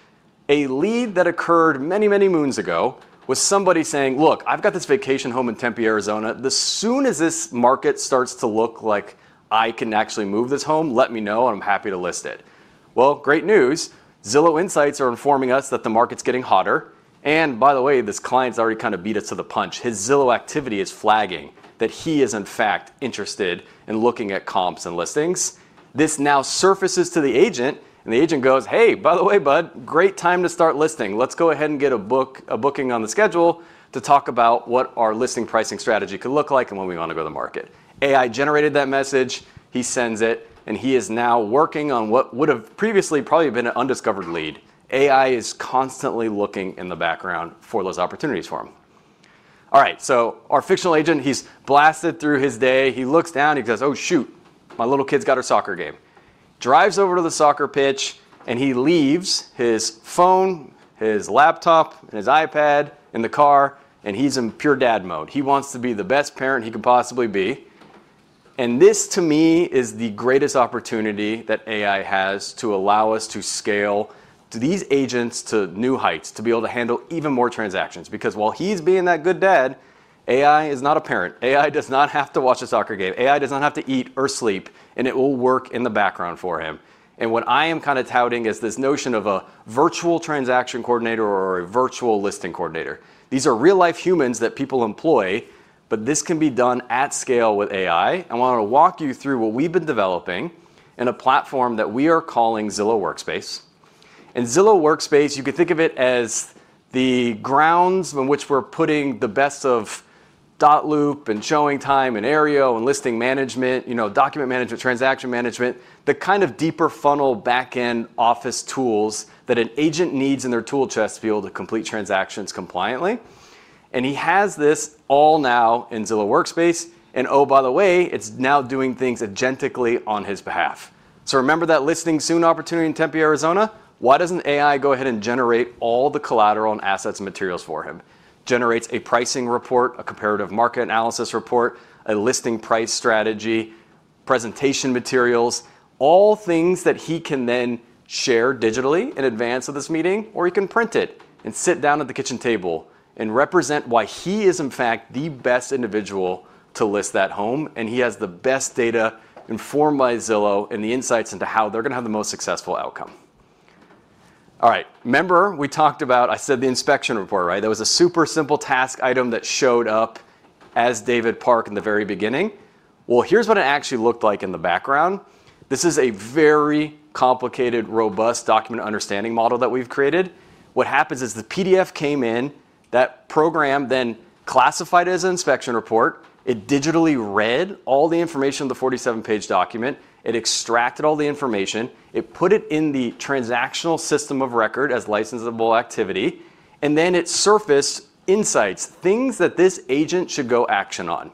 A lead that occurred many, many moons ago with somebody saying, "Look, I've got this vacation home in Tempe, Arizona. As soon as this market starts to look like I can actually move this home, let me know, and I'm happy to list it." Well, great news. Zillow Insights are informing us that the market's getting hotter, and by the way, this client's already kinda beat us to the punch. His Zillow activity is flagging that he is, in fact, interested in looking at comps and listings. This now surfaces to the agent, and the agent goes, "Hey, by the way, bud, great time to start listing. Let's go ahead and get a booking on the schedule to talk about what our listing pricing strategy could look like and when we wanna go to the market." AI generated that message, he sends it, and he is now working on what would have previously probably been an undiscovered lead. AI is constantly looking in the background for those opportunities for him. All right. Our fictional agent, he's blasted through his day. He looks down, he goes, "Oh, shoot. My little kid's got her soccer game." He drives over to the soccer pitch, and he leaves his phone, his laptop, and his iPad in the car, and he's in pure dad mode. He wants to be the best parent he could possibly be. This, to me, is the greatest opportunity that AI has to allow us to scale to these agents to new heights, to be able to handle even more transactions. Because while he's being that good dad, AI is not a parent. AI does not have to watch a soccer game. AI does not have to eat or sleep, and it will work in the background for him. What I am kinda touting is this notion of a virtual transaction coordinator or a virtual listing coordinator. These are real-life humans that people employ, but this can be done at scale with AI. I wanna walk you through what we've been developing in a platform that we are calling Zillow Workspace. Zillow Workspace, you can think of it as the grounds in which we're putting the best of dotloop and ShowingTime and Aryeo and listing management, you know, document management, transaction management, the kind of deeper funnel back-end office tools that an agent needs in their tool chest to be able to complete transactions compliantly. He has this all now in Zillow Workspace. Oh, by the way, it's now doing things agentically on his behalf. Remember that listing soon opportunity in Tempe, Arizona? Why doesn't AI go ahead and generate all the collateral and assets and materials for him? It generates a pricing report, a comparative market analysis report, a listing price strategy, presentation materials, all things that he can then share digitally in advance of this meeting, or he can print it and sit down at the kitchen table and represent why he is, in fact, the best individual to list that home, and he has the best data informed by Zillow and the insights into how they're gonna have the most successful outcome. All right. Remember we talked about. I said the inspection report, right? There was a super simple task item that showed up as David Park in the very beginning. Well, here's what it actually looked like in the background. This is a very complicated, robust document understanding model that we've created. What happens is the PDF came in, that program then classified it as an inspection report. It digitally read all the information on the 47-page document. It extracted all the information. It put it in the transactional system of record as actionable activity, and then it surfaced insights, things that this agent should take action on.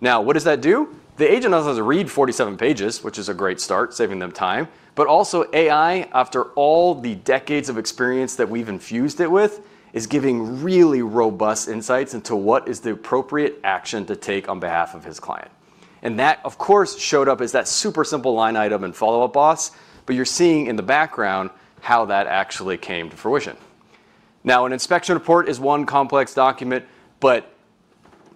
Now, what does that do? The agent doesn't have to read 47 pages, which is a great start, saving them time. Also AI, after all the decades of experience that we've infused it with, is giving really robust insights into what is the appropriate action to take on behalf of his client. That, of course, showed up as that super simple line item in Follow Up Boss, but you're seeing in the background how that actually came to fruition. Now, an inspection report is one complex document, but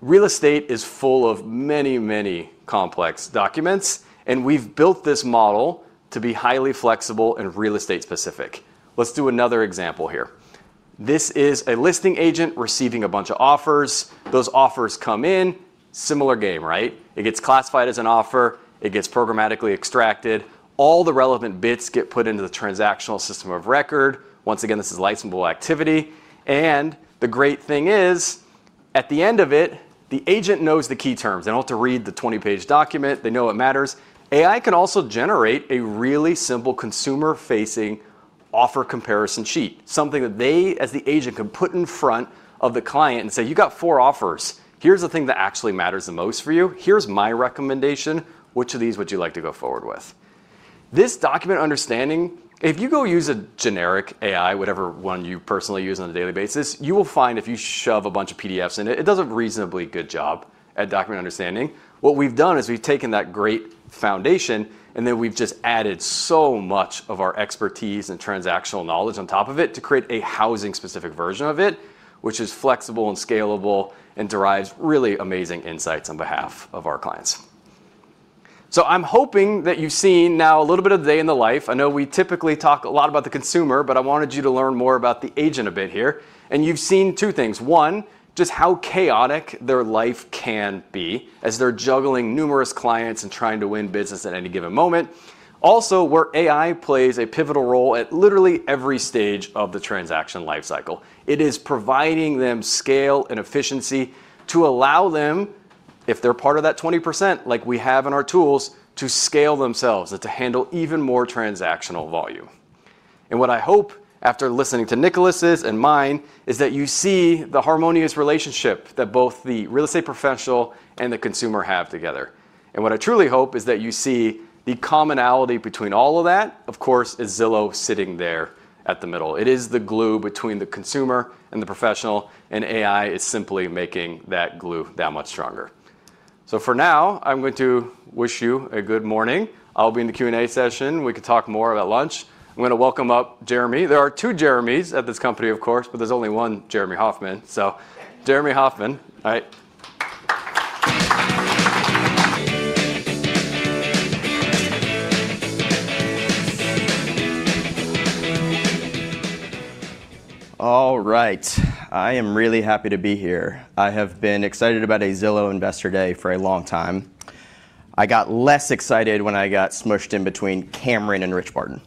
real estate is full of many, many complex documents, and we've built this model to be highly flexible and real estate specific. Let's do another example here. This is a listing agent receiving a bunch of offers. Those offers come in. Similar game, right? It gets classified as an offer, it gets programmatically extracted, all the relevant bits get put into the transactional system of record. Once again, this is licensable activity. The great thing is, at the end of it, the agent knows the key terms. They don't have to read the 20-page document. They know what matters. AI can also generate a really simple consumer-facing offer comparison sheet, something that they, as the agent, can put in front of the client and say, "You got four offers. Here's the thing that actually matters the most for you. Here's my recommendation. Which of these would you like to go forward with?" This document understanding, if you go use a generic AI, whatever one you personally use on a daily basis, you will find if you shove a bunch of PDFs in it does a reasonably good job at document understanding. What we've done is we've taken that great foundation, and then we've just added so much of our expertise and transactional knowledge on top of it to create a housing-specific version of it, which is flexible and scalable and derives really amazing insights on behalf of our clients. I'm hoping that you've seen now a little bit of the day in the life. I know we typically talk a lot about the consumer, but I wanted you to learn more about the agent a bit here. You've seen two things. One, just how chaotic their life can be as they're juggling numerous clients and trying to win business at any given moment. Also, where AI plays a pivotal role at literally every stage of the transaction life cycle. It is providing them scale and efficiency to allow them, if they're part of that 20%, like we have in our tools, to scale themselves and to handle even more transactional volume. What I hope, after listening to Nicholas's and mine, is that you see the harmonious relationship that both the real estate professional and the consumer have together. What I truly hope is that you see the commonality between all of that, of course, is Zillow sitting there at the middle. It is the glue between the consumer and the professional, and AI is simply making that glue that much stronger. For now, I'm going to wish you a good morning. I'll be in the Q&A session. We could talk more about lunch. I'm gonna welcome up Jeremy. There are two Jeremys at this company, of course, but there's only one Jeremy Hofmann. Jeremy Hofmann, all right. All right. I am really happy to be here. I have been excited about a Zillow Investor Day for a long time. I got less excited when I got smushed in between Cameron and Rich Barton.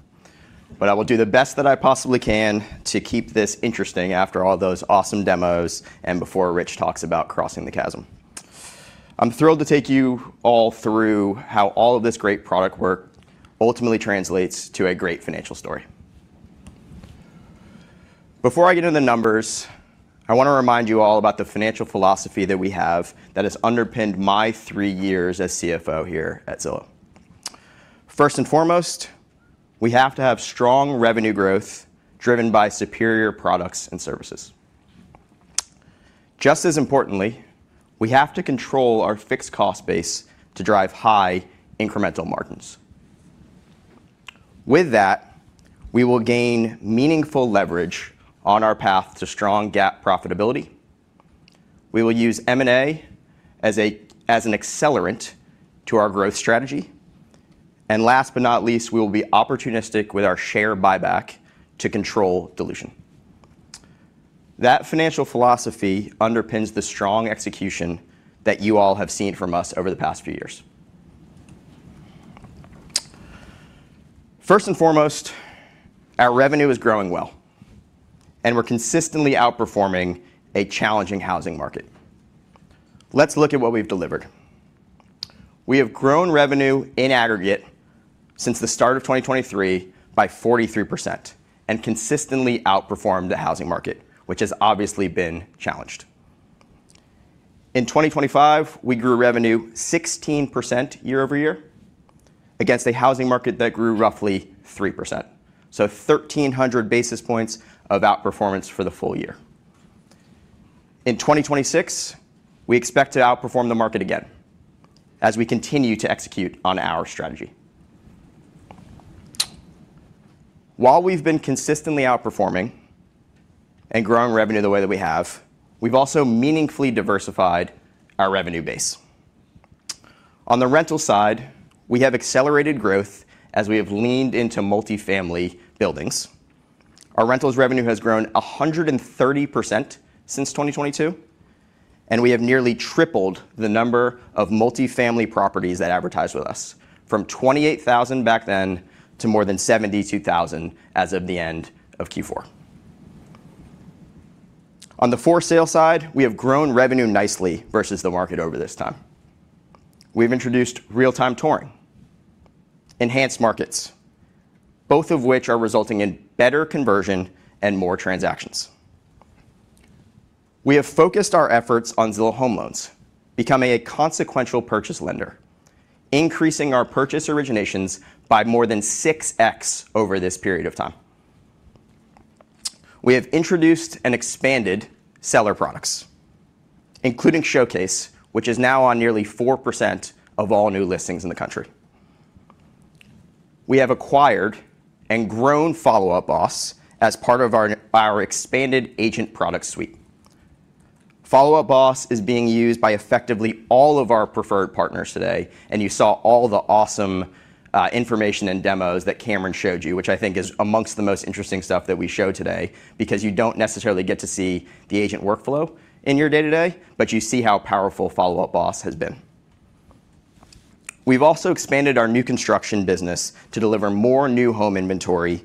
I will do the best that I possibly can to keep this interesting after all those awesome demos and before Rich talks about crossing the chasm. I'm thrilled to take you all through how all of this great product work ultimately translates to a great financial story. Before I get into the numbers, I wanna remind you all about the financial philosophy that we have that has underpinned my three years as CFO here at Zillow. First and foremost, we have to have strong revenue growth driven by superior products and services. Just as importantly, we have to control our fixed cost base to drive high incremental margins. With that, we will gain meaningful leverage on our path to strong GAAP profitability. We will use M&A as an accelerant to our growth strategy. Last but not least, we will be opportunistic with our share buyback to control dilution. That financial philosophy underpins the strong execution that you all have seen from us over the past few years. First and foremost, our revenue is growing well, and we're consistently outperforming a challenging housing market. Let's look at what we've delivered. We have grown revenue in aggregate since the start of 2023 by 43% and consistently outperformed the housing market, which has obviously been challenged. In 2025, we grew revenue 16% year over year against a housing market that grew roughly 3%. Thirteen hundred basis points of outperformance for the full year. In 2026, we expect to outperform the market again as we continue to execute on our strategy. While we've been consistently outperforming and growing revenue the way that we have, we've also meaningfully diversified our revenue base. On the rental side, we have accelerated growth as we have leaned into multi-family buildings. Our rentals revenue has grown 130% since 2022, and we have nearly tripled the number of multi-family properties that advertise with us from 28,000 back then to more than 72,000 as of the end of Q4. On the for sale side, we have grown revenue nicely versus the market over this time. We've introduced Real-Time Touring, Enhanced Markets, both of which are resulting in better conversion and more transactions. We have focused our efforts on Zillow Home Loans, becoming a consequential purchase lender, increasing our purchase originations by more than 6x over this period of time. We have introduced and expanded seller products, including Showcase, which is now on nearly 4% of all new listings in the country. We have acquired and grown Follow Up Boss as part of our expanded agent product suite. Follow Up Boss is being used by effectively all of our preferred partners today, and you saw all the awesome information and demos that Cameron showed you, which I think is among the most interesting stuff that we showed today because you don't necessarily get to see the agent workflow in your day-to-day, but you see how powerful Follow Up Boss has been. We've also expanded our new construction business to deliver more new home inventory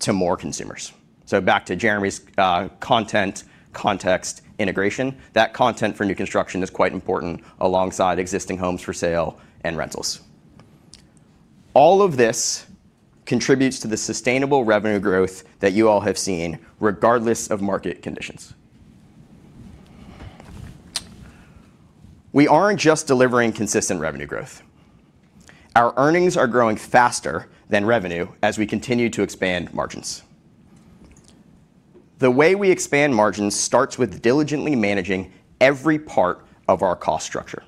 to more consumers. Back to Jeremy's content-context integration. That content for new construction is quite important alongside existing homes for sale and rentals. All of this contributes to the sustainable revenue growth that you all have seen regardless of market conditions. We aren't just delivering consistent revenue growth. Our earnings are growing faster than revenue as we continue to expand margins. The way we expand margins starts with diligently managing every part of our cost structure.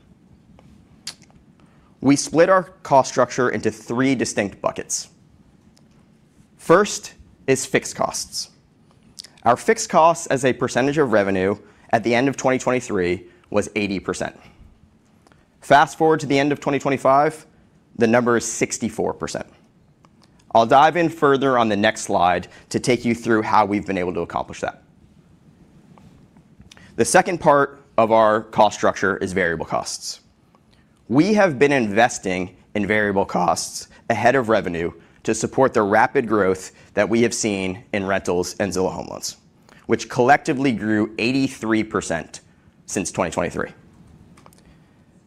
We split our cost structure into three distinct buckets. First is fixed costs. Our fixed costs as a percentage of revenue at the end of 2023 was 80%. Fast-forward to the end of 2025, the number is 64%. I'll dive in further on the next slide to take you through how we've been able to accomplish that. The second part of our cost structure is variable costs. We have been investing in variable costs ahead of revenue to support the rapid growth that we have seen in rentals and Zillow Home Loans, which collectively grew 83% since 2023.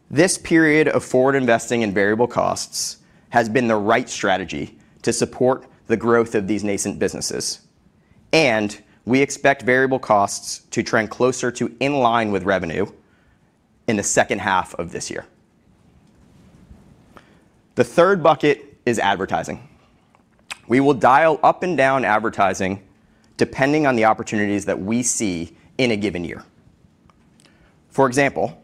This period of forward investing in variable costs has been the right strategy to support the growth of these nascent businesses, and we expect variable costs to trend closer to in line with revenue in the second half of this year. The third bucket is advertising. We will dial up and down advertising depending on the opportunities that we see in a given year. For example,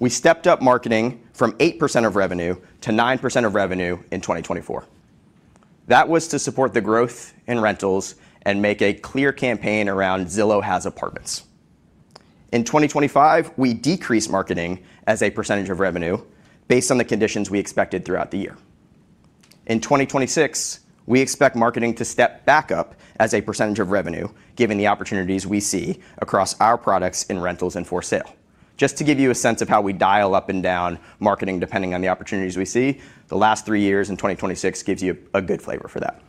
we stepped up marketing from 8% of revenue to 9% of revenue in 2024. That was to support the growth in rentals and make a clear campaign around Zillow Has Apartments. In 2025, we decreased marketing as a percentage of revenue based on the conditions we expected throughout the year. In 2026, we expect marketing to step back up as a percentage of revenue given the opportunities we see across our products in rentals and for sale. Just to give you a sense of how we dial up and down marketing depending on the opportunities we see, the last three years and 2026 gives you a good flavor for that.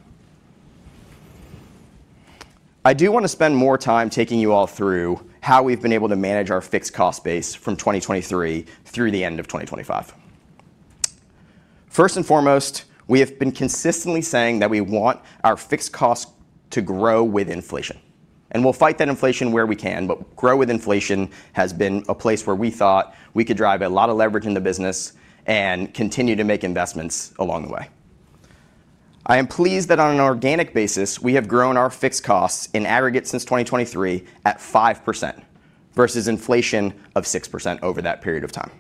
I do wanna spend more time taking you all through how we've been able to manage our fixed cost base from 2023 through the end of 2025. First and foremost, we have been consistently saying that we want our fixed costs to grow with inflation, and we'll fight that inflation where we can, but grow with inflation has been a place where we thought we could drive a lot of leverage in the business and continue to make investments along the way. I am pleased that on an organic basis, we have grown our fixed costs in aggregate since 2023 at 5% versus inflation of 6% over that period of time.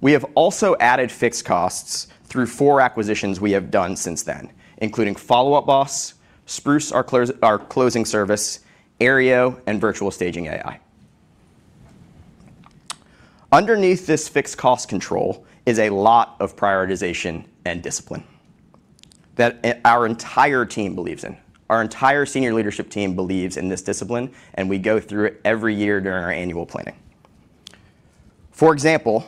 We have also added fixed costs through four acquisitions we have done since then, including Follow Up Boss, Spruce, our closing service, Aryeo, and Virtual Staging AI. Underneath this fixed cost control is a lot of prioritization and discipline that our entire team believes in. Our entire senior leadership team believes in this discipline, and we go through it every year during our annual planning. For example,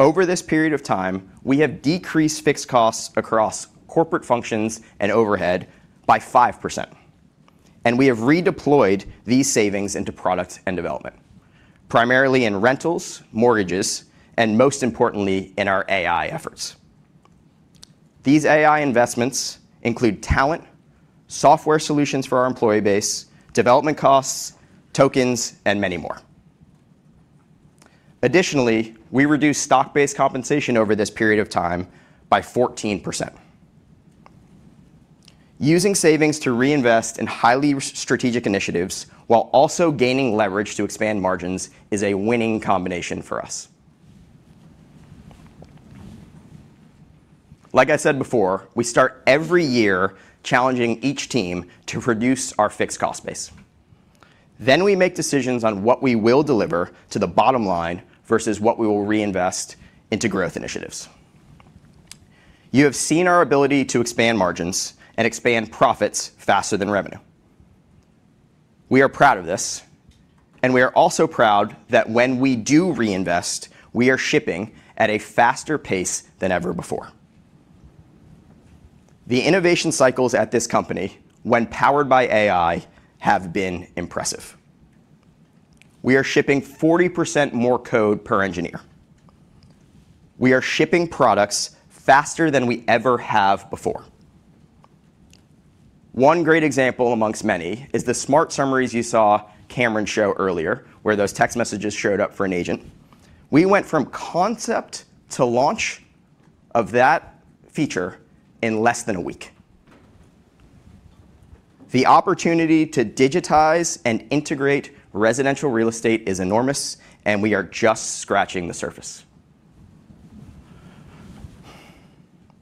over this period of time, we have decreased fixed costs across corporate functions and overhead by 5%, and we have redeployed these savings into product and development, primarily in rentals, mortgages, and most importantly, in our AI efforts. These AI investments include talent, software solutions for our employee base, development costs, tokens, and many more. Additionally, we reduced stock-based compensation over this period of time by 14%. Using savings to reinvest in highly strategic initiatives while also gaining leverage to expand margins is a winning combination for us. Like I said before, we start every year challenging each team to reduce our fixed cost base. We make decisions on what we will deliver to the bottom line versus what we will reinvest into growth initiatives. You have seen our ability to expand margins and expand profits faster than revenue. We are proud of this, and we are also proud that when we do reinvest, we are shipping at a faster pace than ever before. The innovation cycles at this company, when powered by AI, have been impressive. We are shipping 40% more code per engineer. We are shipping products faster than we ever have before. One great example amongst many is the Smart Summaries you saw Cameron show earlier, where those text messages showed up for an agent. We went from concept to launch of that feature in less than a week. The opportunity to digitize and integrate residential real estate is enormous, and we are just scratching the surface.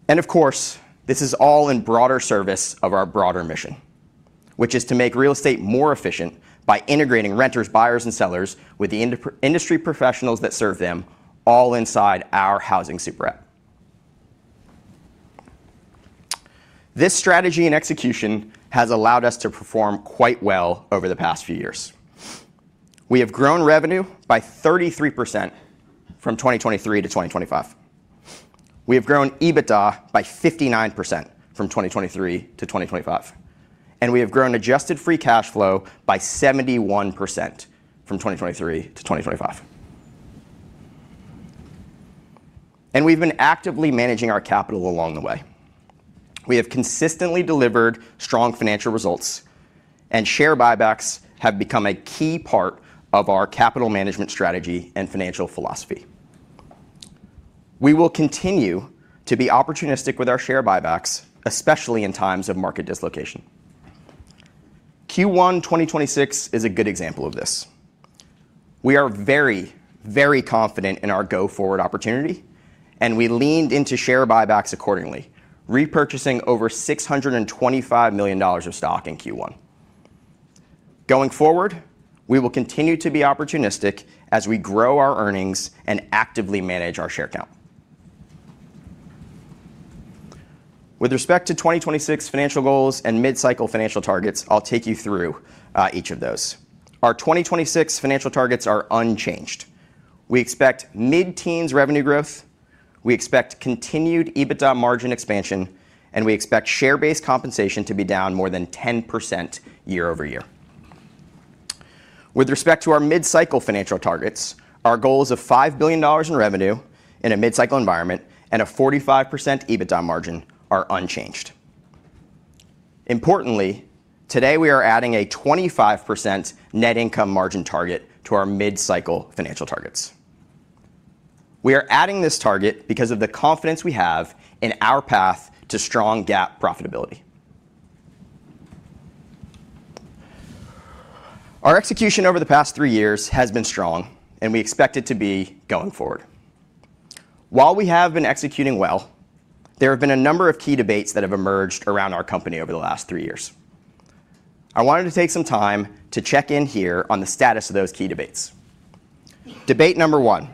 Of course, this is all in broader service of our broader mission, which is to make real estate more efficient by integrating renters, buyers and sellers with the industry professionals that serve them all inside our housing super app. This strategy and execution has allowed us to perform quite well over the past few years. We have grown revenue by 33% from 2023 to 2025. We have grown EBITDA by 59% from 2023 to 2025. We have grown adjusted free cash flow by 71% from 2023 to 2025. We've been actively managing our capital along the way. We have consistently delivered strong financial results, and share buybacks have become a key part of our capital management strategy and financial philosophy. We will continue to be opportunistic with our share buybacks, especially in times of market dislocation. Q1 2026 is a good example of this. We are very, very confident in our go-forward opportunity, and we leaned into share buybacks accordingly, repurchasing over $625 million of stock in Q1. Going forward, we will continue to be opportunistic as we grow our earnings and actively manage our share count. With respect to 2026 financial goals and mid-cycle financial targets, I'll take you through each of those. Our 2026 financial targets are unchanged. We expect mid-teens revenue growth. We expect continued EBITDA margin expansion, and we expect stock-based compensation to be down more than 10% year-over-year. With respect to our mid-cycle financial targets, our goals of $5 billion in revenue in a mid-cycle environment and a 45% EBITDA margin are unchanged. Importantly, today we are adding a 25% net income margin target to our mid-cycle financial targets. We are adding this target because of the confidence we have in our path to strong GAAP profitability. Our execution over the past three years has been strong and we expect it to be going forward. While we have been executing well, there have been a number of key debates that have emerged around our company over the last three years. I wanted to take some time to check in here on the status of those key debates. Debate number one.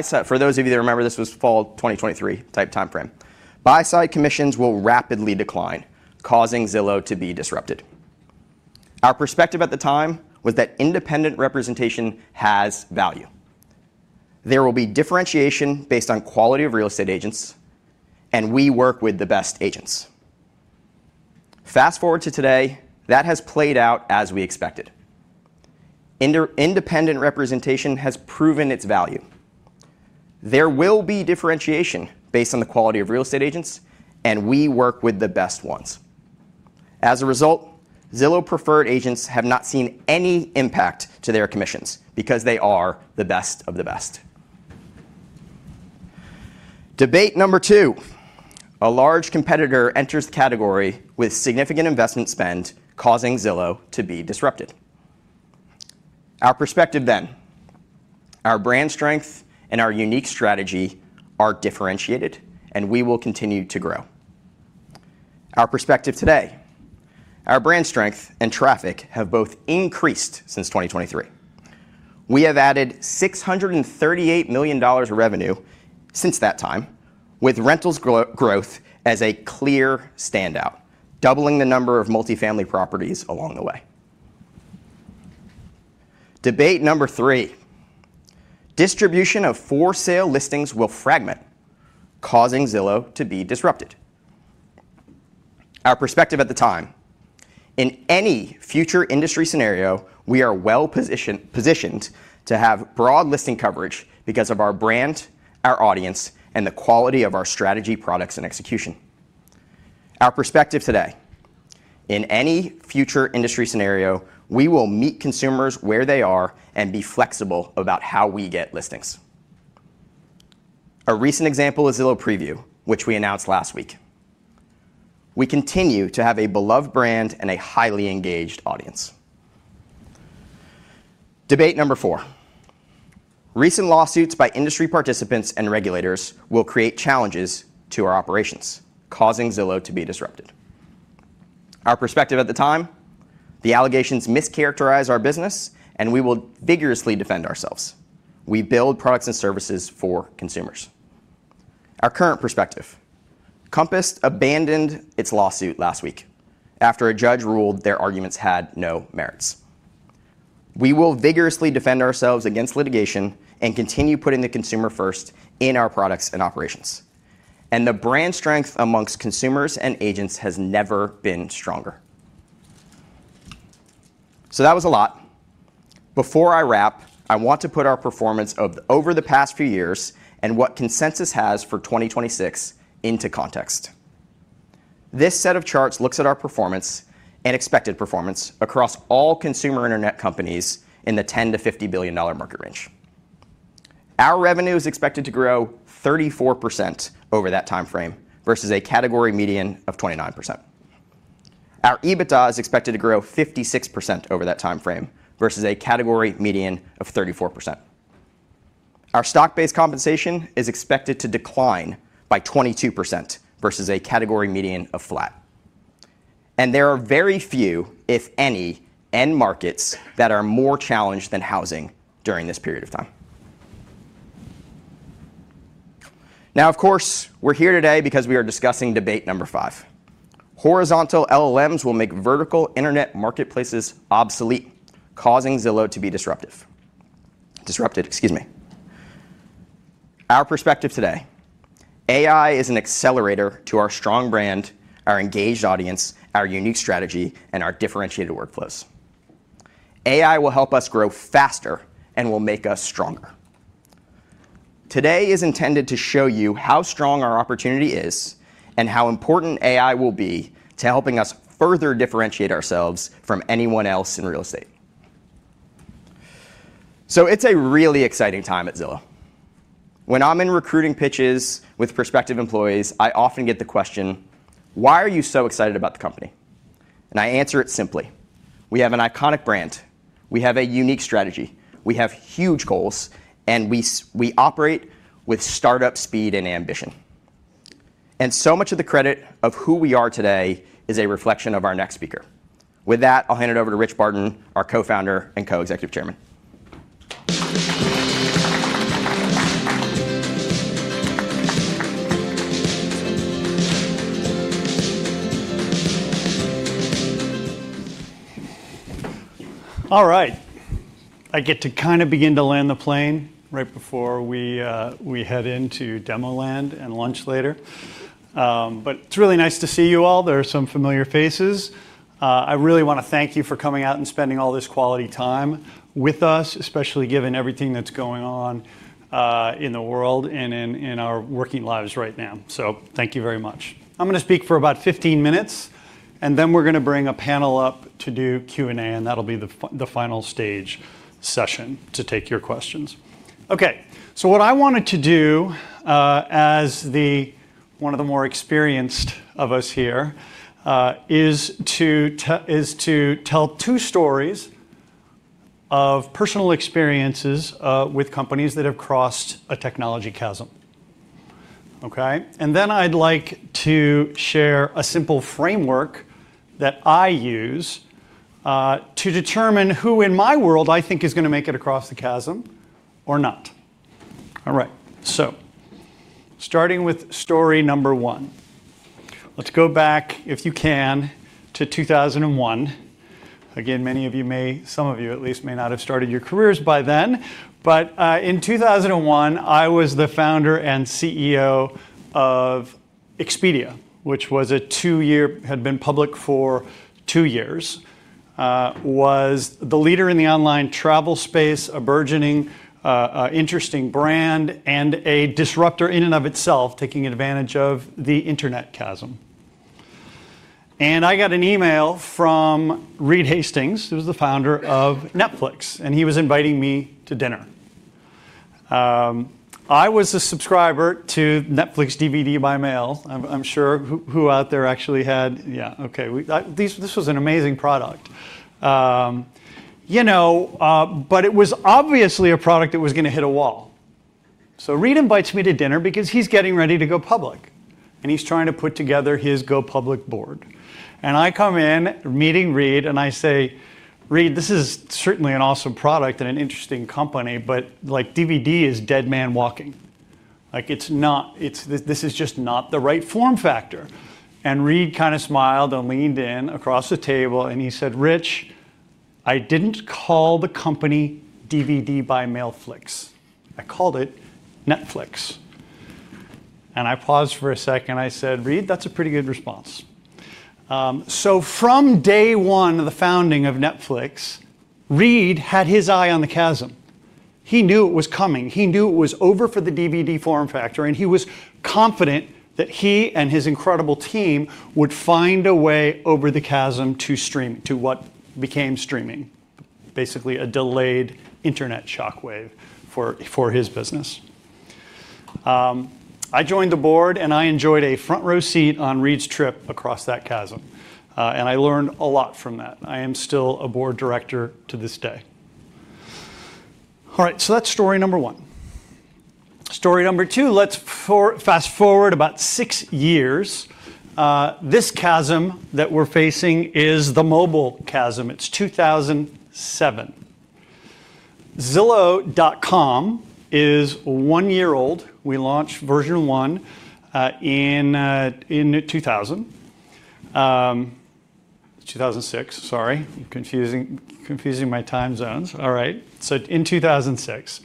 For those of you that remember, this was fall 2023 type timeframe. Buy-side commissions will rapidly decline, causing Zillow to be disrupted. Our perspective at the time was that independent representation has value. There will be differentiation based on quality of real estate agents, and we work with the best agents. Fast-forward to today, that has played out as we expected. Independent representation has proven its value. There will be differentiation based on the quality of real estate agents, and we work with the best ones. As a result, Zillow Preferred Agents have not seen any impact to their commissions because they are the best of the best. Debate number two: A large competitor enters the category with significant investment spend, causing Zillow to be disrupted. Our perspective then: Our brand strength and our unique strategy are differentiated, and we will continue to grow. Our perspective today: Our brand strength and traffic have both increased since 2023. We have added $638 million of revenue since that time, with rentals growth as a clear standout, doubling the number of multifamily properties along the way. Debate number 3: Distribution of for-sale listings will fragment, causing Zillow to be disrupted. Our perspective at the time: In any future industry scenario, we are well positioned to have broad listing coverage because of our brand, our audience, and the quality of our strategy, products, and execution. Our perspective today: In any future industry scenario, we will meet consumers where they are and be flexible about how we get listings. A recent example is Zillow Preview, which we announced last week. We continue to have a beloved brand and a highly engaged audience. Debate number 4: Recent lawsuits by industry participants and regulators will create challenges to our operations, causing Zillow to be disrupted. Our perspective at the time: The allegations mischaracterize our business, and we will vigorously defend ourselves. We build products and services for consumers. Our current perspective: Compass abandoned its lawsuit last week after a judge ruled their arguments had no merits. We will vigorously defend ourselves against litigation and continue putting the consumer first in our products and operations. The brand strength amongst consumers and agents has never been stronger. That was a lot. Before I wrap, I want to put our performance over the past few years and what consensus has for 2026 into context. This set of charts looks at our performance and expected performance across all consumer internet companies in the $10 billion-$50 billion market range. Our revenue is expected to grow 34% over that time frame versus a category median of 29%. Our EBITDA is expected to grow 56% over that time frame versus a category median of 34%. Our stock-based compensation is expected to decline by 22% versus a category median of flat. There are very few, if any, end markets that are more challenged than housing during this period of time. Now, of course, we're here today because we are discussing debate number five: horizontal LLMs will make vertical internet marketplaces obsolete, causing Zillow to be disruptive. Excuse me. Our perspective today, AI is an accelerator to our strong brand, our engaged audience, our unique strategy, and our differentiated workflows. AI will help us grow faster and will make us stronger. Today is intended to show you how strong our opportunity is, and how important AI will be to helping us further differentiate ourselves from anyone else in real estate. It's a really exciting time at Zillow. When I'm in recruiting pitches with prospective employees, I often get the question, "Why are you so excited about the company?" I answer it simply. We have an iconic brand, we have a unique strategy, we have huge goals, and we operate with startup speed and ambition. So much of the credit of who we are today is a reflection of our next speaker. With that, I'll hand it over to Rich Barton, our Co-founder and Co-Executive Chairman. All right. I get to kinda begin to land the plane right before we head into demo land and lunch later. It's really nice to see you all. There are some familiar faces. I really wanna thank you for coming out and spending all this quality time with us, especially given everything that's going on in the world and in our working lives right now. Thank you very much. I'm gonna speak for about 15 minutes, and then we're gonna bring a panel up to do Q&A, and that'll be the final stage session to take your questions. Okay. What I wanted to do, as the one of the more experienced of us here, is to tell two stories of personal experiences with companies that have crossed a technology chasm. Okay. I'd like to share a simple framework that I use to determine who in my world I think is gonna make it across the chasm or not. All right. Starting with story number 1. Let's go back, if you can, to 2001. Again, many of you may, some of you at least, may not have started your careers by then. In 2001, I was the founder and CEO of Expedia, which had been public for two years, was the leader in the online travel space, a burgeoning interesting brand, and a disruptor in and of itself, taking advantage of the internet chasm. I got an email from Reed Hastings, who's the founder of Netflix, and he was inviting me to dinner. I was a subscriber to Netflix DVD by mail. This was an amazing product. You know, but it was obviously a product that was gonna hit a wall. Reed invites me to dinner because he's getting ready to go public, and he's trying to put together his go-public board. I come in, meeting Reed, and I say, "Reed, this is certainly an awesome product and an interesting company, but, like, DVD is dead man walking. Like, it's not. This is just not the right form factor." Reed kinda smiled and leaned in across the table and he said, "Rich, I didn't call the company Netflix DVD-by-mail service. I called it Netflix. I paused for a second and I said, "Reed, that's a pretty good response." So from day one of the founding of Netflix, Reed had his eye on the chasm. He knew it was coming. He knew it was over for the DVD form factor, and he was confident that he and his incredible team would find a way over the chasm to what became streaming. Basically, a delayed internet shockwave for his business. I joined the board, and I enjoyed a front row seat on Reed's trip across that chasm, and I learned a lot from that. I am still a board director to this day. All right, so that's story number one. Story number two, let's fast-forward about six years. This chasm that we're facing is the mobile chasm. It's 2007. zillow.com is one year old. We launched version one in 2006. Sorry. Confusing my time zones. All right. In 2006,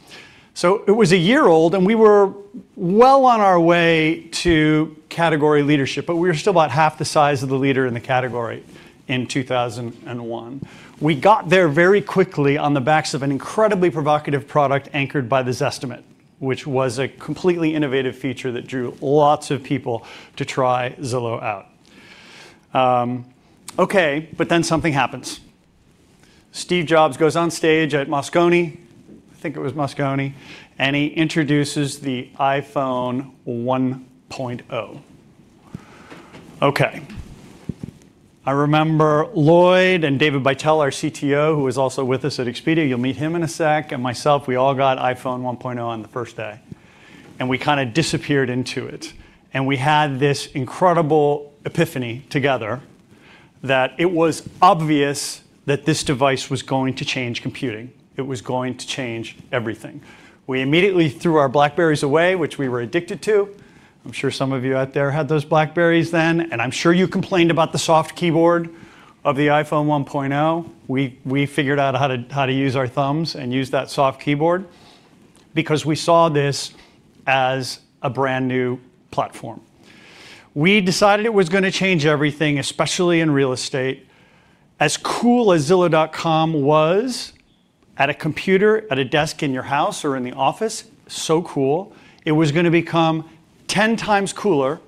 it was a year old, and we were well on our way to category leadership, but we were still about half the size of the leader in the category in 2001. We got there very quickly on the backs of an incredibly provocative product anchored by the Zestimate, which was a completely innovative feature that drew lots of people to try Zillow out. Something happens. Steve Jobs goes on stage at Moscone, and he introduces the iPhone 1.0. I remember Lloyd and David Beitel, our CTO, who was also with us at Expedia. You'll meet him in a sec, and myself, we all got iPhone 1.0 on the first day, and we kind of disappeared into it. We had this incredible epiphany together that it was obvious that this device was going to change computing. It was going to change everything. We immediately threw our BlackBerrys away, which we were addicted to. I'm sure some of you out there had those BlackBerrys then, and I'm sure you complained about the soft keyboard of the iPhone 1.0. We figured out how to use our thumbs and use that soft keyboard because we saw this as a brand-new platform. We decided it was gonna change everything, especially in real estate. As cool as zillow.com was at a computer, at a desk in your house or in the office, so cool, it was gonna become 10 times cooler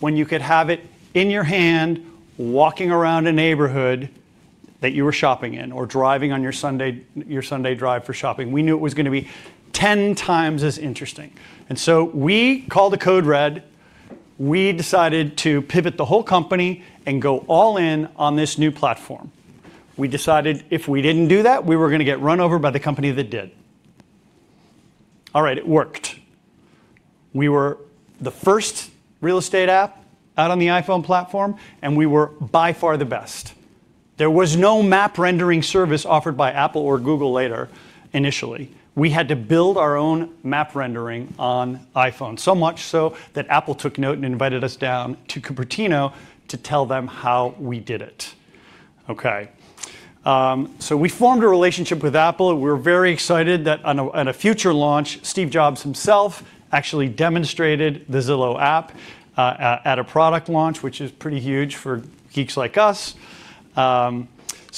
when you could have it in your hand walking around a neighborhood that you were shopping in or driving on your Sunday drive for shopping. We knew it was gonna be 10 times as interesting. We called a code red. We decided to pivot the whole company and go all in on this new platform. We decided if we didn't do that, we were gonna get run over by the company that did. All right, it worked. We were the first real estate app out on the iPhone platform, and we were by far the best. There was no map rendering service offered by Apple or Google later, initially. We had to build our own map rendering on iPhone. So much so that Apple took note and invited us down to Cupertino to tell them how we did it. Okay. We formed a relationship with Apple. We were very excited that on a future launch, Steve Jobs himself actually demonstrated the Zillow app at a product launch, which is pretty huge for geeks like us.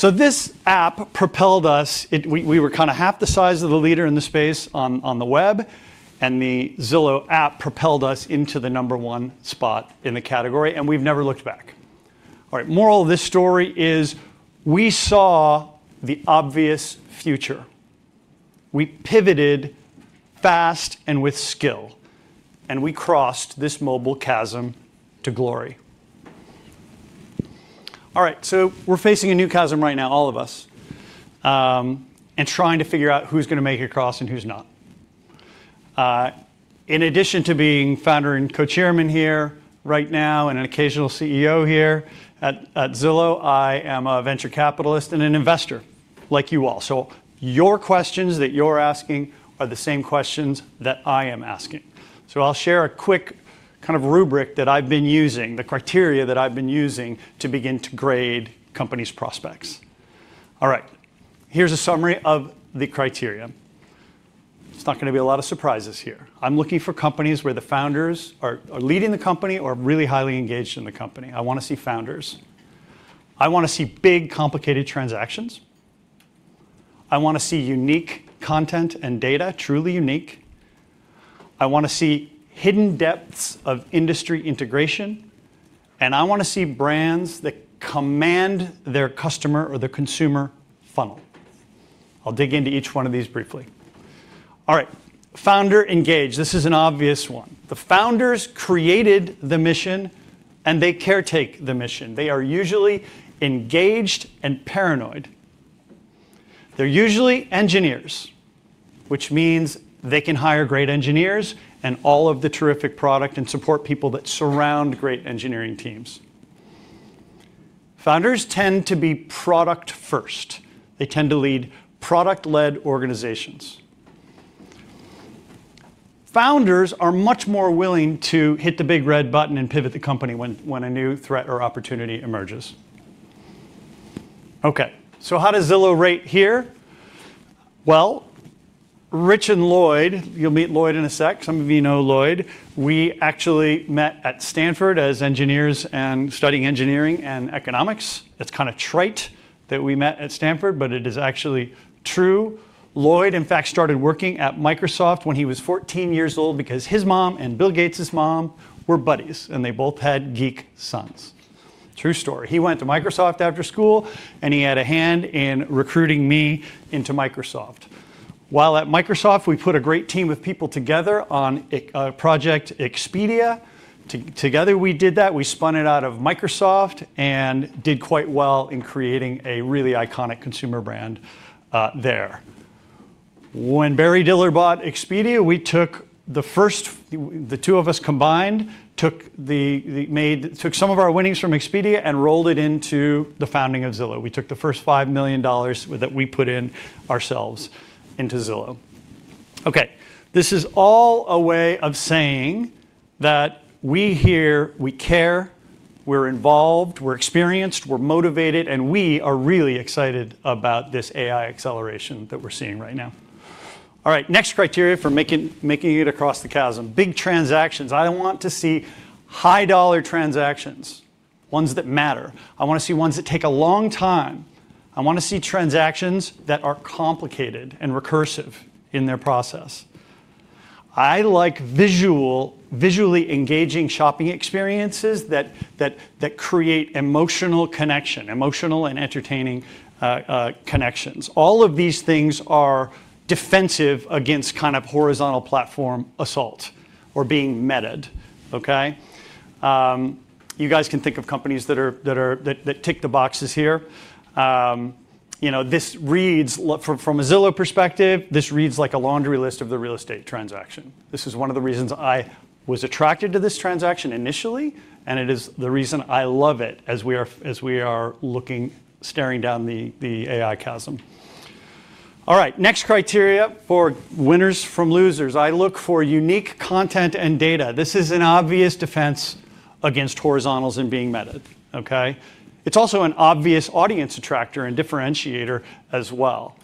This app propelled us. We were kind of half the size of the leader in the space on the web, and the Zillow app propelled us into the number one spot in the category, and we've never looked back. All right. Moral of this story is we saw the obvious future. We pivoted fast and with skill, and we crossed this mobile chasm to glory. All right, we're facing a new chasm right now, all of us, and trying to figure out who's gonna make it across and who's not. In addition to being founder and co-chairman here right now and an occasional CEO here at Zillow, I am a venture capitalist and an investor like you all. Your questions that you're asking are the same questions that I am asking. I'll share a quick kind of rubric that I've been using, the criteria that I've been using to begin to grade companies' prospects. All right. Here's a summary of the criteria. There's not gonna be a lot of surprises here. I'm looking for companies where the founders are leading the company or really highly engaged in the company. I wanna see founders. I wanna see big, complicated transactions. I wanna see unique content and data, truly unique. I wanna see hidden depths of industry integration, and I wanna see brands that command their customer or their consumer funnel. I'll dig into each one of these briefly. All right, founder engaged. This is an obvious one. The founders created the mission, and they caretake the mission. They are usually engaged and paranoid. They're usually engineers, which means they can hire great engineers and all of the terrific product and support people that surround great engineering teams. Founders tend to be product first. They tend to lead product-led organizations. Founders are much more willing to hit the big red button and pivot the company when a new threat or opportunity emerges. Okay, so how does Zillow rate here? Well, Rich and Lloyd, you'll meet Lloyd in a sec. Some of you know Lloyd. We actually met at Stanford as engineers and studying engineering and economics. It's kind of trite that we met at Stanford, but it is actually true. Lloyd, in fact, started working at Microsoft when he was 14 years old because his mom and Bill Gates' mom were buddies, and they both had geek sons. True story. He went to Microsoft after school, and he had a hand in recruiting me into Microsoft. While at Microsoft, we put a great team of people together on a project, Expedia. Together we did that. We spun it out of Microsoft and did quite well in creating a really iconic consumer brand there. When Barry Diller bought Expedia, the two of us combined took some of our winnings from Expedia and rolled it into the founding of Zillow. We took the first $5 million that we put in ourselves into Zillow. Okay. This is all a way of saying that we here, we care, we're involved, we're experienced, we're motivated, and we are really excited about this AI acceleration that we're seeing right now. All right. Next criteria for making it across the chasm, big transactions. I want to see high-dollar transactions, ones that matter. I wanna see ones that take a long time. I want to see transactions that are complicated and recursive in their process. I like visually engaging shopping experiences that create emotional connection and entertaining connections. All of these things are defensive against kind of horizontal platform assault or being meta'd. Okay. You guys can think of companies that tick the boxes here. You know, this reads like, from a Zillow perspective, a laundry list of the real estate transaction. This is one of the reasons I was attracted to this transaction initially, and it is the reason I love it as we are looking, staring down the AI chasm. All right, next criteria for winners from losers. I look for unique content and data. This is an obvious defense against horizontals and being meta'd. Okay? It's also an obvious audience attractor and differentiator as well.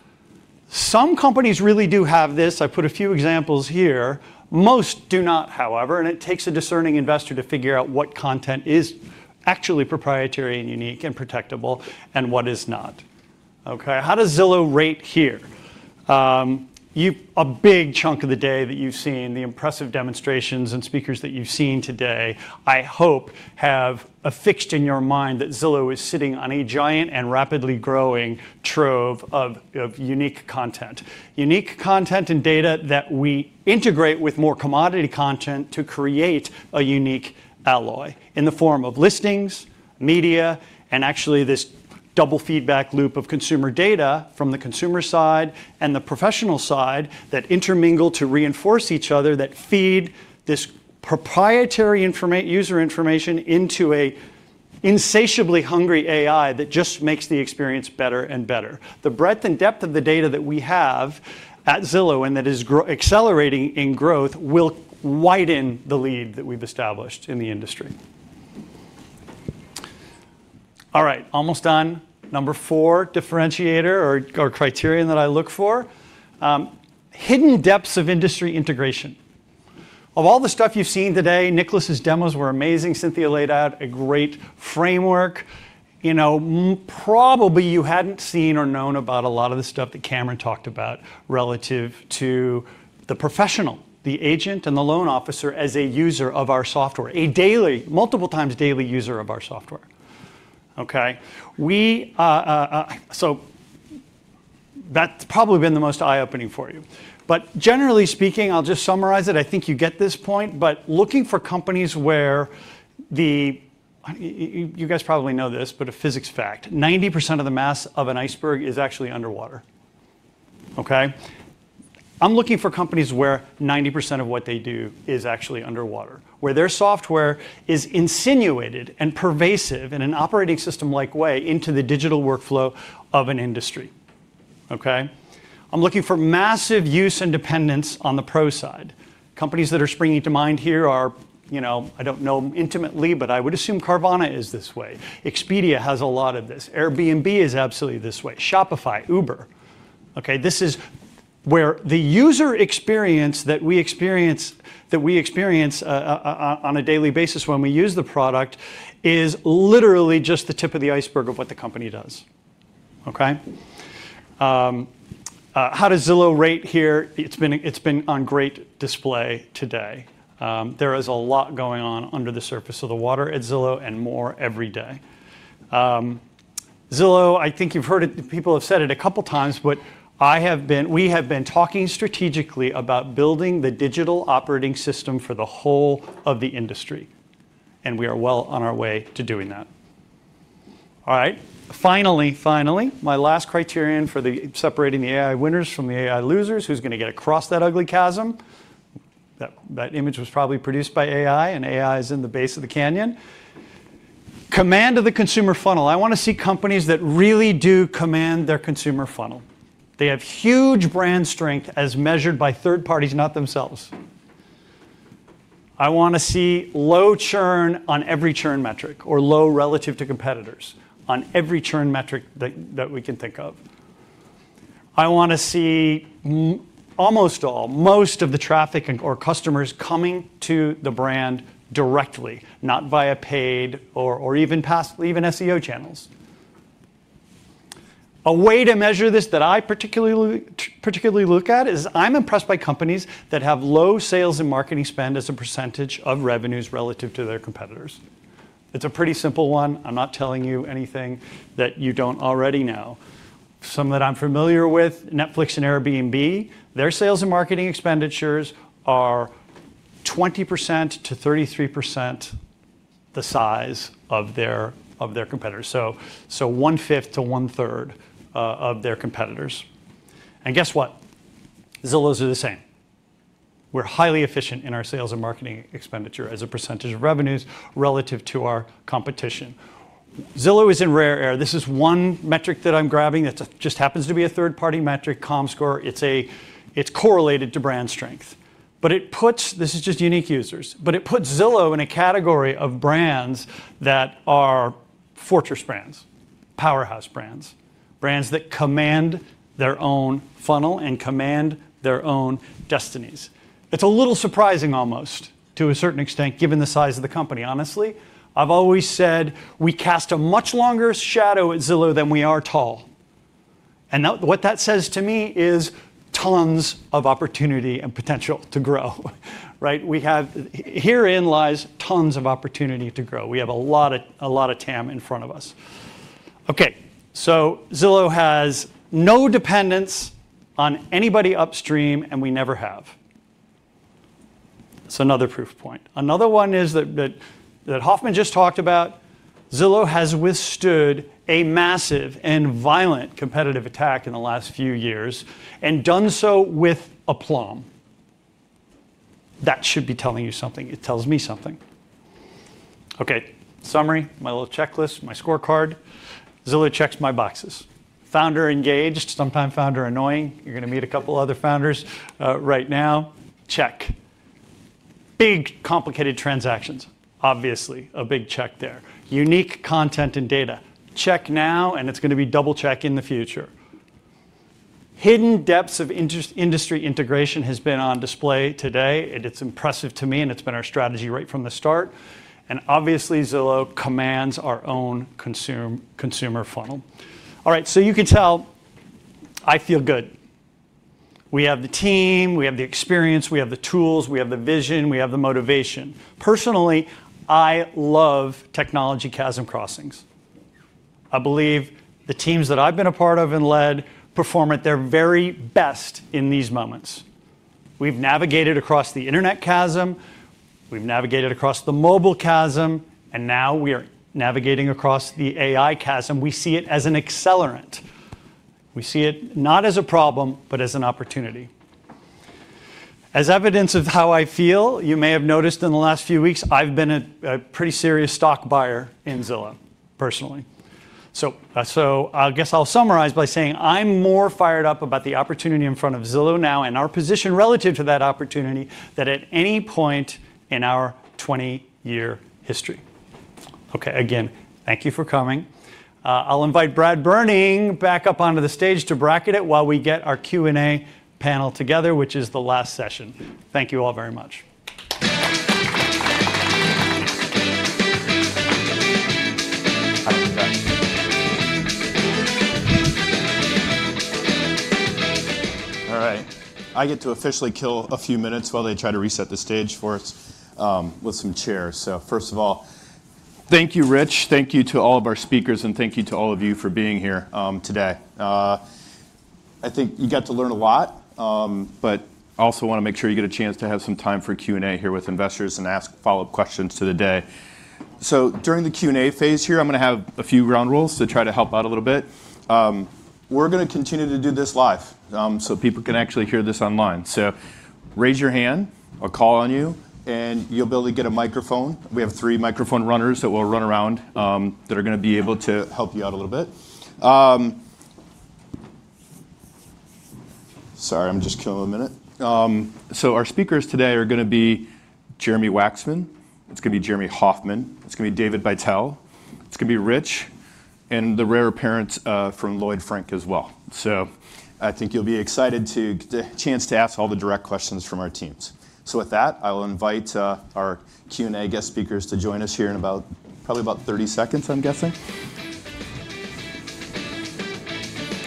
Some companies really do have this. I've put a few examples here. Most do not, however, and it takes a discerning investor to figure out what content is actually proprietary and unique and protectable and what is not. Okay? How does Zillow rate here? You... A big chunk of the day that you've seen, the impressive demonstrations and speakers that you've seen today, I hope have affixed in your mind that Zillow is sitting on a giant and rapidly growing trove of unique content. Unique content and data that we integrate with more commodity content to create a unique alloy in the form of listings, media, and actually this double feedback loop of consumer data from the consumer side and the professional side that intermingle to reinforce each other, that feed this proprietary user information into an insatiably hungry AI that just makes the experience better and better. The breadth and depth of the data that we have at Zillow and that is accelerating in growth will widen the lead that we've established in the industry. All right, almost done. Number four differentiator or criterion that I look for, hidden depths of industry integration. Of all the stuff you've seen today, Nicholas's demos were amazing. Cynthia laid out a great framework. You know, probably you hadn't seen or known about a lot of the stuff that Cameron talked about relative to the professional, the agent and the loan officer as a user of our software. A daily, multiple times daily user of our software. Okay? That's probably been the most eye-opening for you. Generally speaking, I'll just summarize it. I think you get this point, but looking for companies where the. You guys probably know this, but a physics fact, 90% of the mass of an iceberg is actually underwater. Okay? I'm looking for companies where 90% of what they do is actually underwater, where their software is insinuated and pervasive in an operating system-like way into the digital workflow of an industry. Okay? I'm looking for massive use and dependence on the pro side. Companies that are springing to mind here are, you know, I don't know them intimately, but I would assume Carvana is this way. Expedia has a lot of this. Airbnb is absolutely this way. Shopify, Uber. Okay, this is where the user experience that we experience on a daily basis when we use the product is literally just the tip of the iceberg of what the company does. Okay? How does Zillow rate here? It's been on great display today. There is a lot going on under the surface of the water at Zillow and more every day. Zillow, I think you've heard it, people have said it a couple times, but I have been, we have been talking strategically about building the digital operating system for the whole of the industry, and we are well on our way to doing that. All right. Finally, my last criterion for the separating the AI winners from the AI losers, who's gonna get across that ugly chasm. That image was probably produced by AI, and AI is in the base of the canyon. Command of the consumer funnel. I wanna see companies that really do command their consumer funnel. They have huge brand strength as measured by third parties, not themselves. I wanna see low churn on every churn metric or low relative to competitors on every churn metric that we can think of. I wanna see almost all, most of the traffic and or customers coming to the brand directly, not via paid or even SEO channels. A way to measure this that I particularly look at is I'm impressed by companies that have low sales and marketing spend as a percentage of revenues relative to their competitors. It's a pretty simple one. I'm not telling you anything that you don't already know. Some that I'm familiar with, Netflix and Airbnb, their sales and marketing expenditures are 20%-33% the size of their competitors. One-fifth to one-third of their competitors. Guess what? Zillow's are the same. We're highly efficient in our sales and marketing expenditure as a percentage of revenues relative to our competition. Zillow is in rare air. This is one metric that I'm grabbing that's just happens to be a third-party metric, Comscore. It's correlated to brand strength. But it puts, this is just unique users, Zillow in a category of brands that are fortress brands, powerhouse brands that command their own funnel and command their own destinies. It's a little surprising almost to a certain extent, given the size of the company, honestly. I've always said we cast a much longer shadow at Zillow than we are tall. Now what that says to me is tons of opportunity and potential to grow, right? Herein lies tons of opportunity to grow. We have a lot of TAM in front of us. Okay. Zillow has no dependence on anybody upstream, and we never have. It's another proof point. Another one is that Hofmann just talked about. Zillow has withstood a massive and violent competitive attack in the last few years and done so with aplomb. That should be telling you something. It tells me something. Okay. Summary, my little checklist, my scorecard. Zillow checks my boxes. Founder engaged, sometime founder annoying. You're gonna meet a couple other founders, right now. Check. Big complicated transactions, obviously a big check there. Unique content and data, check now, and it's gonna be double check in the future. Hidden depths of industry integration has been on display today, and it's impressive to me, and it's been our strategy right from the start. Obviously, Zillow commands our own consumer funnel. All right. You can tell I feel good. We have the team, we have the experience, we have the tools, we have the vision, we have the motivation. Personally, I love technology chasm crossings. I believe the teams that I've been a part of and led perform at their very best in these moments. We've navigated across the internet chasm, we've navigated across the mobile chasm, and now we are navigating across the AI chasm. We see it as an accelerant. We see it not as a problem, but as an opportunity. As evidence of how I feel, you may have noticed in the last few weeks, I've been pretty serious stock buyer in Zillow, personally. I guess I'll summarize by saying I'm more fired up about the opportunity in front of Zillow now and our position relative to that opportunity than at any point in our 20-year history. Okay. Again, thank you for coming. I'll invite Brad Berning back up onto the stage to bracket it while we get our Q&A panel together, which is the last session. Thank you all very much. All right. I get to officially kill a few minutes while they try to reset the stage for us, with some chairs. First of all, thank you, Rich. Thank you to all of our speakers, and thank you to all of you for being here, today. I think you got to learn a lot, but I also wanna make sure you get a chance to have some time for Q&A here with investors and ask follow-up questions to the day. During the Q&A phase here, I'm gonna have a few ground rules to try to help out a little bit. We're gonna continue to do this live, so people can actually hear this online. Raise your hand, I'll call on you, and you'll be able to get a microphone. We have three microphone runners that will run around, that are gonna be able to help you out a little bit. Sorry, I'm just killing a minute. Our speakers today are gonna be Jeremy Wacksman, it's gonna be Jeremy Hofmann, it's gonna be David Beitel, it's gonna be Rich Barton, and the rare appearance from Lloyd Frink as well. I think you'll be excited to get a chance to ask all the direct questions from our teams. With that, I will invite our Q&A guest speakers to join us here in about, probably about 30 seconds, I'm guessing.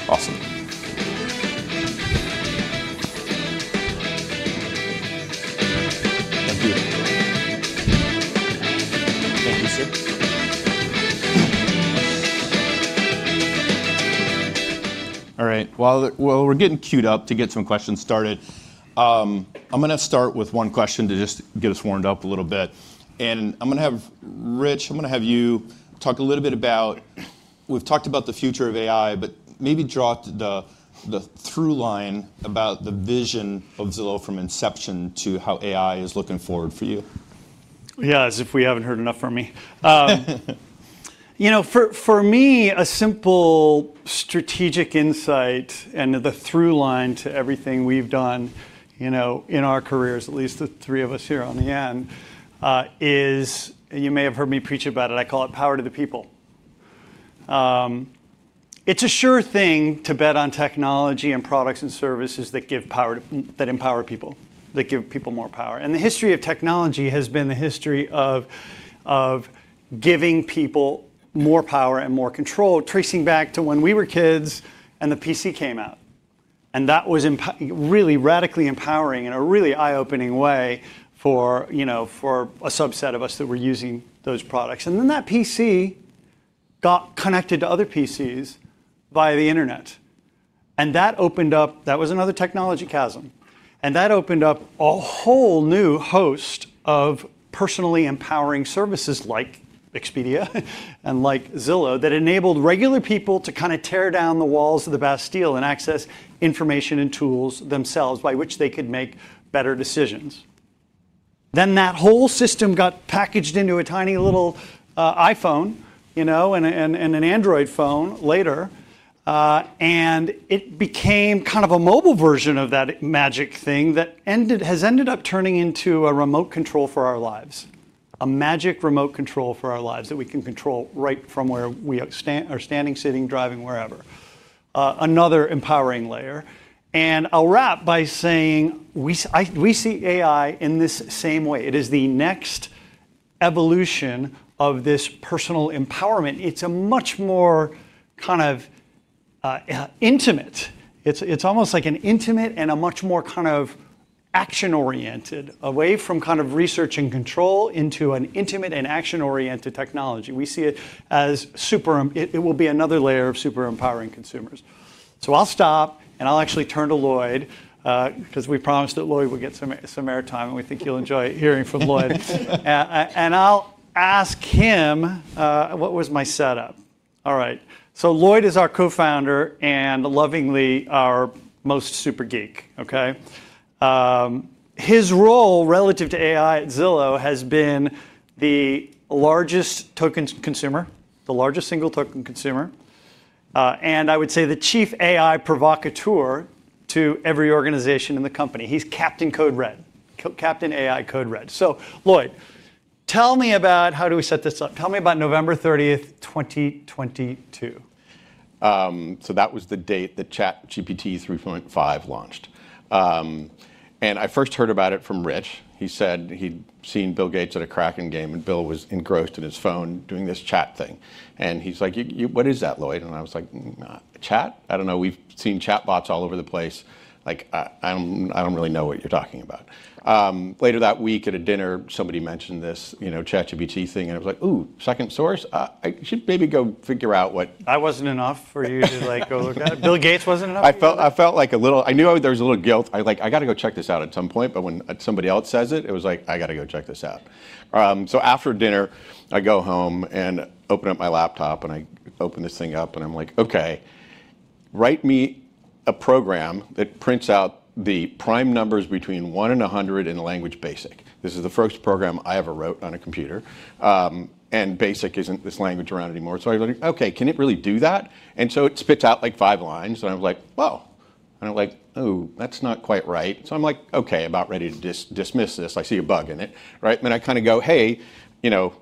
Awesome. Thank you. Thank you, sir. All right. While we're getting queued up to get some questions started, I'm gonna start with one question to just get us warmed up a little bit. I'm gonna have, Rich, you talk a little bit about, we've talked about the future of AI, but maybe draw the through line about the vision of Zillow from inception to how AI is looking forward for you. Yeah, as if we haven't heard enough from me. You know, for me, a simple strategic insight and the through line to everything we've done, you know, in our careers, at least the three of us here on the end, is, you may have heard me preach about it, I call it power to the people. It's a sure thing to bet on technology and products and services that empower people, that give people more power. The history of technology has been the history of giving people more power and more control, tracing back to when we were kids and the PC came out, and that was really radically empowering in a really eye-opening way for, you know, for a subset of us that were using those products. That PC got connected to other PCs via the Internet, and that opened up. That was another technology chasm. That opened up a whole new host of personally empowering services like Expedia and like Zillow, that enabled regular people to kinda tear down the walls of the Bastille and access information and tools themselves by which they could make better decisions. That whole system got packaged into a tiny little iPhone, you know, and an Android phone later, and it became kind of a mobile version of that magic thing that ended, has ended up turning into a remote control for our lives, a magic remote control for our lives that we can control right from where we are standing, sitting, driving, wherever. Another empowering layer. I'll wrap by saying we see AI in this same way. It is the next evolution of this personal empowerment. It's a much more kind of intimate. It's almost like an intimate and a much more kind of action-oriented away from kind of research and control into an intimate and action-oriented technology. We see it as super empowering. It will be another layer of super empowering consumers. I'll stop, and I'll actually turn to Lloyd, 'cause we promised that Lloyd would get some air time, and we think you'll enjoy hearing from Lloyd. I'll ask him, what was my setup? All right. Lloyd is our co-founder and lovingly our most super geek. Okay? His role relative to AI at Zillow has been the largest token consumer, the largest single token consumer, and I would say the chief AI provocateur to every organization in the company. He's Captain AI Code Red. Lloyd, tell me about how do we set this up? Tell me about November 30th, 2022. That was the date that ChatGPT 3.5 launched. I first heard about it from Rich. He said he'd seen Bill Gates at a Kraken game, and Bill was engrossed in his phone doing this chat thing. He's like, "What is that, Lloyd?" I was like, "Chat? I don't know. We've seen chatbots all over the place. Like, I don't really know what you're talking about." Later that week at a dinner, somebody mentioned this, you know, ChatGPT thing, and I was like, "Ooh, second source. I should maybe go figure out what- I wasn't enough for you to go look it up? Bill Gates wasn't enough for you? I felt like a little guilt. I like, "I gotta go check this out at some point," but when somebody else says it was like, "I gotta go check this out." After dinner, I go home and open up my laptop, and I open this thing up, and I'm like, "Okay, write me a program that prints out the prime numbers between one and 100 in language BASIC." This is the first program I ever wrote on a computer. BASIC isn't this language around anymore. I went, "Okay, can it really do that?" It spits out like five lines, and I'm like, "Whoa." I'm like, "Oh, that's not quite right." I'm like, okay, about ready to dismiss this. I see a bug in it, right? I kinda go, "Hey, you know,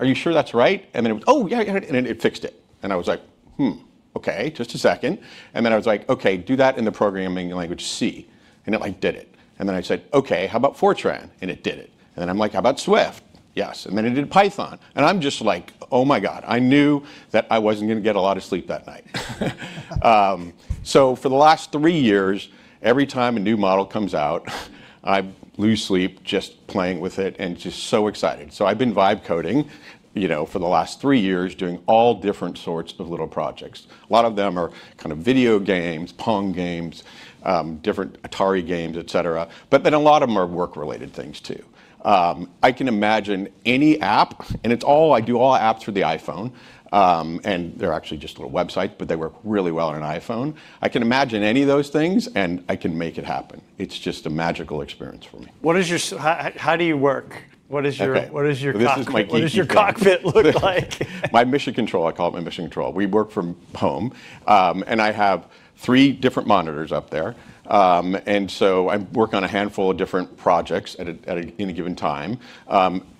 are you sure that's right?" It went, "Oh, yeah." It fixed it. I was like, "Hmm, okay. Just a second." I was like, "Okay, do that in the programming language C." It like did it. I said, "Okay, how about Fortran?" It did it. I'm like, "How about Swift?" Yes. It did Python. I'm just like, "Oh my God." I knew that I wasn't gonna get a lot of sleep that night. For the last three years, every time a new model comes out, I lose sleep just playing with it and just so excited. I've been vibe coding, you know, for the last three years, doing all different sorts of little projects. A lot of them are kind of video games, Pong games, different Atari games, et cetera. A lot of them are work-related things too. I can imagine any app, and I do all apps for the iPhone. They're actually just little websites, but they work really well on an iPhone. I can imagine any of those things, and I can make it happen. It's just a magical experience for me. How do you work? Okay. What is your cockpit? This is my geeky thing. What does your cockpit look like? My mission control. I call it my mission control. We work from home. I have three different monitors up there. I work on a handful of different projects at any given time.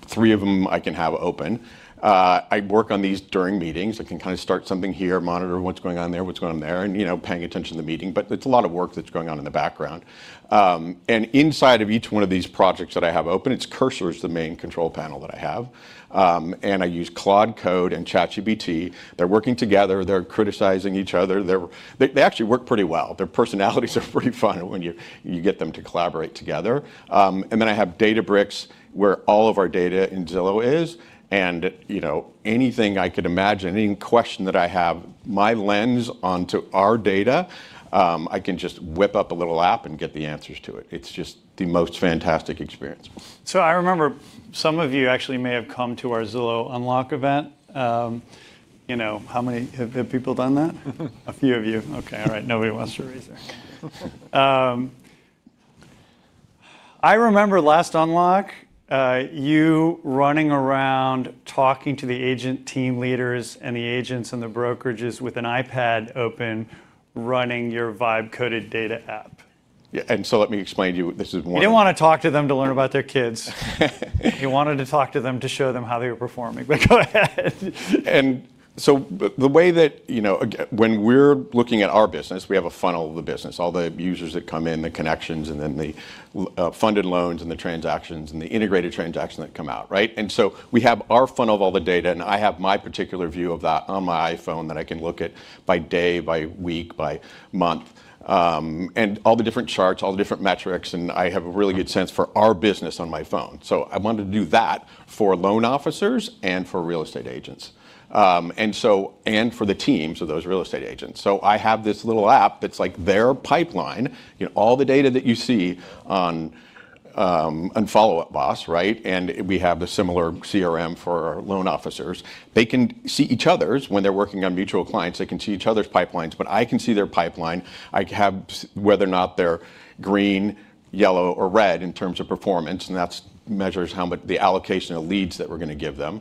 Three of them I can have open. I work on these during meetings. I can kinda start something here, monitor what's going on there, what's going on there, and, you know, paying attention to the meeting. It's a lot of work that's going on in the background. Inside of each one of these projects that I have open, it's Cursor is the main control panel that I have. I use Claude Code and ChatGPT. They're working together. They're criticizing each other. They actually work pretty well. Their personalities are pretty fun when you get them to collaborate together. I have Databricks, where all of our data in Zillow is. You know, anything I could imagine, any question that I have, my lens onto our data, I can just whip up a little app and get the answers to it. It's just the most fantastic experience. I remember some of you actually may have come to our Zillow Unlock event. You know, how many have people done that? A few of you. Okay. All right. Nobody wants to raise their hand. I remember last Unlock, you running around talking to the agent team leaders and the agents and the brokerages with an iPad open running your vibe-coded data app. Yeah. Let me explain to you, this is one- You didn't wanna talk to them to learn about their kids. You wanted to talk to them to show them how they were performing. Go ahead. The way that, you know, when we're looking at our business, we have a funnel of the business, all the users that come in, the connections, and then the funded loans and the transactions and the integrated transaction that come out, right? We have our funnel of all the data, and I have my particular view of that on my iPhone that I can look at by day, by week, by month, all the different charts, all the different metrics, and I have a really good sense for our business on my phone. I wanted to do that for loan officers and for real estate agents and for the teams of those real estate agents. I have this little app that's like their pipeline. You know, all the data that you see on on Follow Up Boss, right? We have a similar CRM for loan officers. They can see each other's when they're working on mutual clients. They can see each other's pipelines. I can see their pipeline. I have whether or not they're green, yellow, or red in terms of performance, and that's measures how much the allocation of leads that we're gonna give them.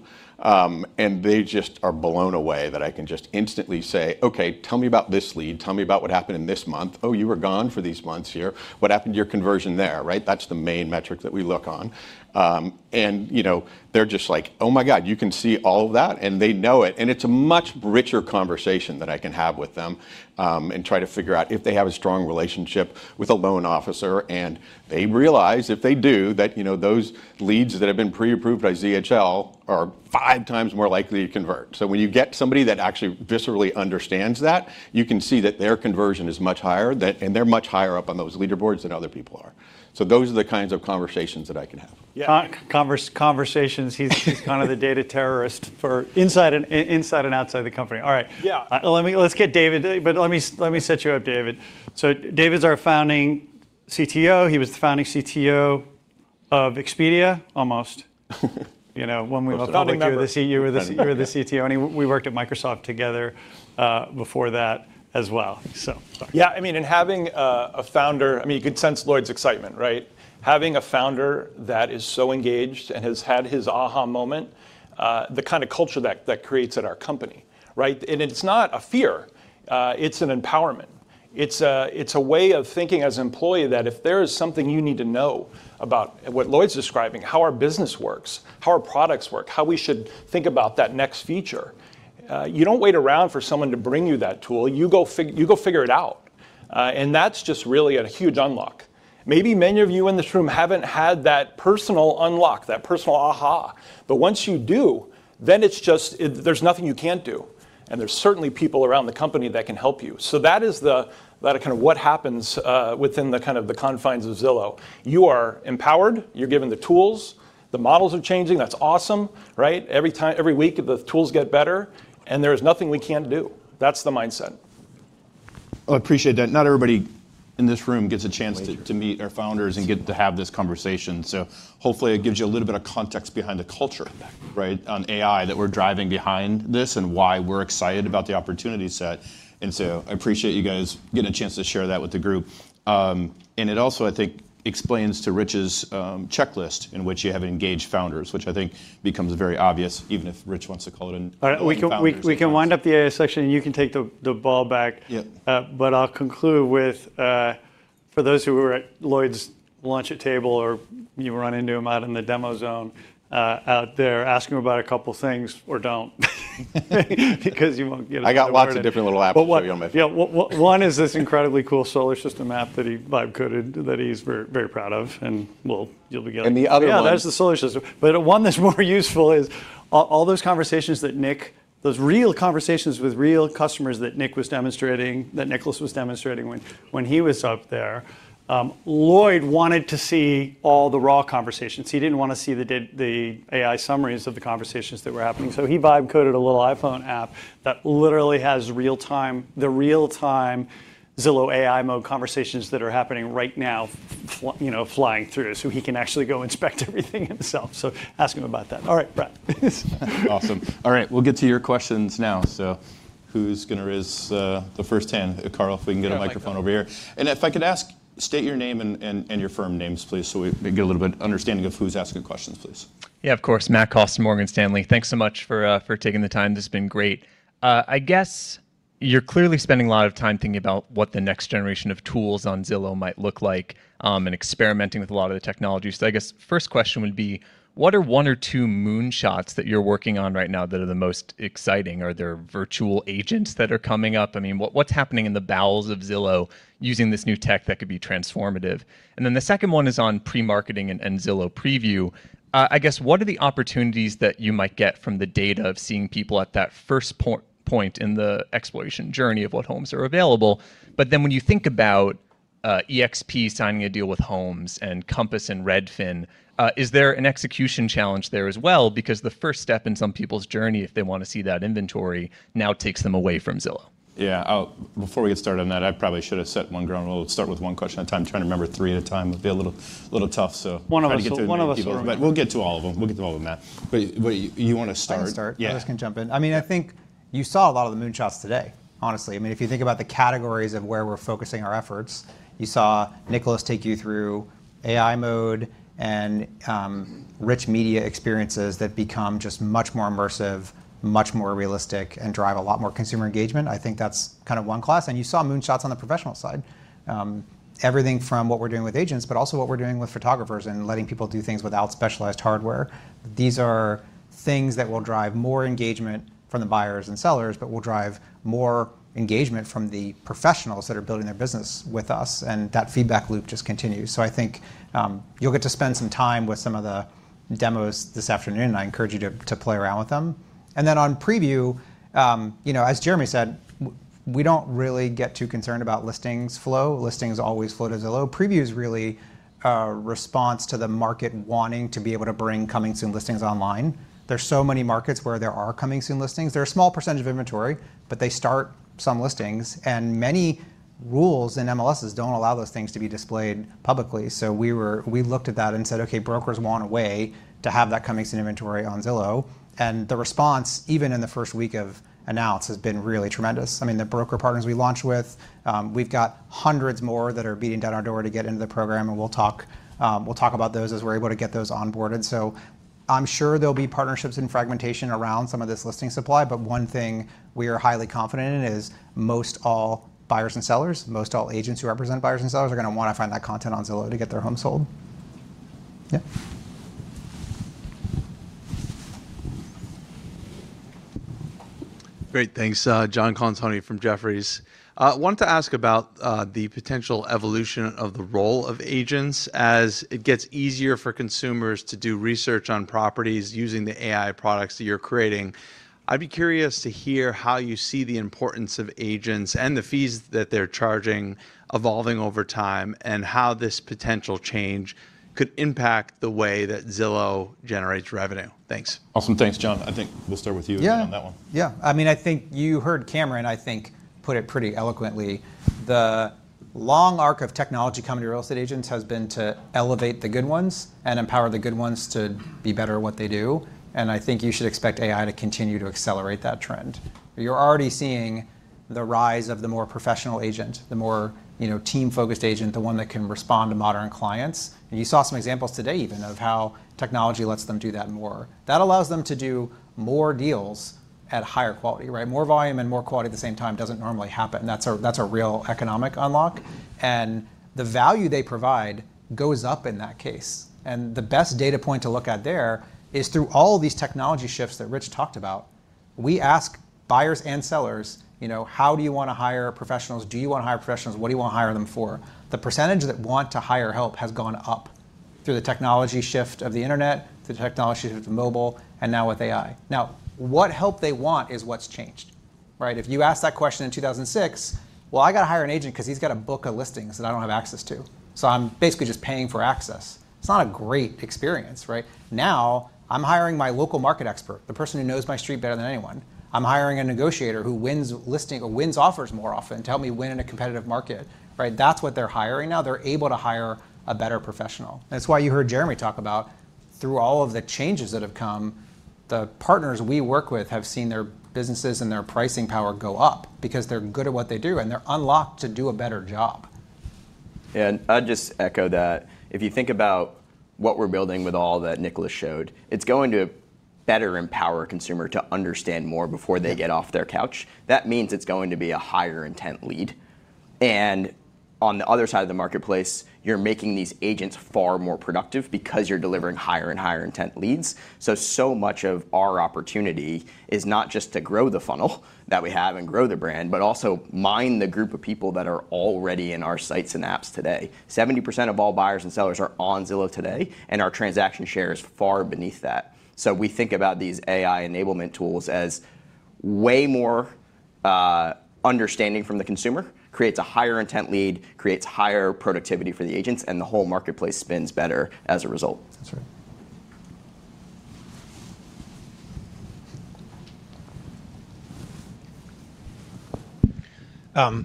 They just are blown away that I can just instantly say, "Okay, tell me about this lead. Tell me about what happened in this month. Oh, you were gone for these months here. What happened to your conversion there," right? That's the main metric that we look on. you know, they're just like, "Oh my God, you can see all of that?" They know it, and it's a much richer conversation that I can have with them, and try to figure out if they have a strong relationship with a loan officer and- They realize if they do that, you know, those leads that have been pre-approved by ZHL are five times more likely to convert. When you get somebody that actually viscerally understands that, you can see that their conversion is much higher, and they're much higher up on those leaderboards than other people are. Those are the kinds of conversations that I can have. Yeah. Conversations. He's kind of the data terrorist for inside and outside the company. All right. Yeah. Let's get David. Let me set you up, David. David's our founding CTO. He was the founding CTO of Expedia almost. You know, when we opened up. I was a founding member. you were the CTO. We worked at Microsoft together before that as well. Yeah. I mean, you could sense Lloyd's excitement, right? Having a founder that is so engaged and has had his aha moment, the kind of culture that creates at our company, right? It's not a fear, it's an empowerment. It's a way of thinking as an employee that if there is something you need to know about what Lloyd's describing, how our business works, how our products work, how we should think about that next feature, you don't wait around for someone to bring you that tool, you go figure it out. That's just really a huge unlock. Maybe many of you in this room haven't had that personal unlock, that personal aha, but once you do, it's just. There's nothing you can't do, and there's certainly people around the company that can help you. That is the kind of what happens within the kind of confines of Zillow. You are empowered, you're given the tools, the models are changing. That's awesome, right? Every week the tools get better, and there is nothing we can't do. That's the mindset. I appreciate that. Not everybody in this room gets a chance to Major to meet our founders and get to have this conversation. Hopefully it gives you a little bit of context behind the culture. Exactly Right, on AI that we're driving behind this and why we're excited about the opportunity set. I appreciate you guys getting a chance to share that with the group. It also I think explains to Rich's checklist in which you have engaged founders, which I think becomes very obvious even if Rich wants to call it an un-founder checklist. All right. We can wind up the AI section and you can take the ball back. Yeah. I'll conclude with for those who were at Lloyd's launch at table or you run into him out in the demo zone out there, ask him about a couple things or don't because you won't get a lot of I got lots of different little apps to show you all maybe. One is this incredibly cool solar system app that he vibe coded that he's very, very proud of. You'll be getting- The other one. Yeah, that was the solar system. One that's more useful is all those conversations that Nick was demonstrating, that Nicholas was demonstrating when he was up there. Lloyd wanted to see all the raw conversations. He didn't wanna see the AI summaries of the conversations that were happening, so he vibe coded a little iPhone app that literally has real time Zillow AI mode conversations that are happening right now, you know, flying through, so he can actually go inspect everything himself. Ask him about that. All right, Brad. Awesome. All right, we'll get to your questions now. Who's gonna raise the first hand? Carl, if we can get a microphone over here. If I could ask, state your name and your firm names, please, so we maybe get a little bit of understanding of who's asking questions, please. Yeah, of course. Matt Cost, Morgan Stanley. Thanks so much for taking the time. This has been great. I guess you're clearly spending a lot of time thinking about what the next generation of tools on Zillow might look like, and experimenting with a lot of the technology. I guess first question would be, what are one or two moonshots that you're working on right now that are the most exciting? Are there virtual agents that are coming up? I mean, what's happening in the bowels of Zillow using this new tech that could be transformative? Then the second one is on pre-marketing and Zillow Preview. I guess what are the opportunities that you might get from the data of seeing people at that first point in the exploration journey of what homes are available? when you think about, EXP signing a deal with Homes.com and Compass and Redfin, is there an execution challenge there as well? Because the first step in some people's journey if they wanna see that inventory now takes them away from Zillow. Yeah. Before we get started on that, I probably should have set one ground rule. Start with one question at a time. Trying to remember three at a time would be a little tough. One of us will remember. We'll get to all of them, Matt. You wanna start? I can start. Yeah. Lloyd can jump in. I mean, I think you saw a lot of the moonshots today, honestly. I mean, if you think about the categories of where we're focusing our efforts, you saw Nicholas take you through AI Mode and rich media experiences that become just much more immersive, much more realistic, and drive a lot more consumer engagement. I think that's kind of one class. You saw moonshots on the professional side. Everything from what we're doing with agents, but also what we're doing with photographers and letting people do things without specialized hardware. These are things that will drive more engagement from the buyers and sellers, but will drive more engagement from the professionals that are building their business with us, and that feedback loop just continues. I think you'll get to spend some time with some of the demos this afternoon, and I encourage you to play around with them. Then on Preview, you know, as Jeremy said, we don't really get too concerned about listings flow. Listings always flow to Zillow. Preview is really a response to the market wanting to be able to bring coming soon listings online. There are so many markets where there are coming soon listings. They're a small percentage of inventory, but they start some listings, and many rules and MLSs don't allow those things to be displayed publicly. We looked at that and said, "Okay, brokers want a way to have that coming soon inventory on Zillow." The response, even in the first week of announcement, has been really tremendous. I mean, the broker partners we launched with, we've got hundreds more that are beating down our door to get into the program, and we'll talk about those as we're able to get those onboarded. I'm sure there'll be partnerships and fragmentation around some of this listing supply, but one thing we are highly confident in is most all buyers and sellers, most all agents who represent buyers and sellers are gonna wanna find that content on Zillow to get their home sold. Yeah Great, thanks. John Colantuoni from Jefferies. I wanted to ask about the potential evolution of the role of agents as it gets easier for consumers to do research on properties using the AI products that you're creating. I'd be curious to hear how you see the importance of agents and the fees that they're charging evolving over time, and how this potential change could impact the way that Zillow generates revenue. Thanks. Awesome. Thanks, John. I think we'll start with you. Yeah on that one. Yeah. I mean, I think you heard Cameron, I think, put it pretty eloquently. The long arc of technology coming to real estate agents has been to elevate the good ones and empower the good ones to be better at what they do, and I think you should expect AI to continue to accelerate that trend. You're already seeing the rise of the more professional agent, the more, you know, team-focused agent, the one that can respond to modern clients, and you saw some examples today even of how technology lets them do that more. That allows them to do more deals at a higher quality, right? More volume and more quality at the same time doesn't normally happen. That's a real economic unlock, and the value they provide goes up in that case. The best data point to look at there is through all of these technology shifts that Rich talked about, we ask buyers and sellers, you know, "How do you wanna hire professionals? Do you wanna hire professionals? What do you wanna hire them for?" The percentage that want to hire help has gone up through the technology shift of the internet, through the technology shift of mobile, and now with AI. Now, what help they want is what's changed, right? If you asked that question in 2006, "Well, I gotta hire an agent 'cause he's got a book of listings that I don't have access to, so I'm basically just paying for access." It's not a great experience, right? Now, I'm hiring my local market expert, the person who knows my street better than anyone. I'm hiring a negotiator who wins listing or wins offers more often to help me win in a competitive market, right? That's what they're hiring now. They're able to hire a better professional. That's why you heard Jeremy talk about through all of the changes that have come, the partners we work with have seen their businesses and their pricing power go up because they're good at what they do, and they're unlocked to do a better job. I'd just echo that. If you think about what we're building with all that Nicholas showed, it's going to better empower a consumer to understand more before they get off their couch. That means it's going to be a higher intent lead. On the other side of the marketplace, you're making these agents far more productive because you're delivering higher and higher intent leads. So much of our opportunity is not just to grow the funnel that we have and grow the brand, but also mine the group of people that are already in our sites and apps today. 70% of all buyers and sellers are on Zillow today, and our transaction share is far beneath that. We think about these AI enablement tools as way more understanding from the consumer, creates a higher intent lead, creates higher productivity for the agents, and the whole marketplace spins better as a result. That's right.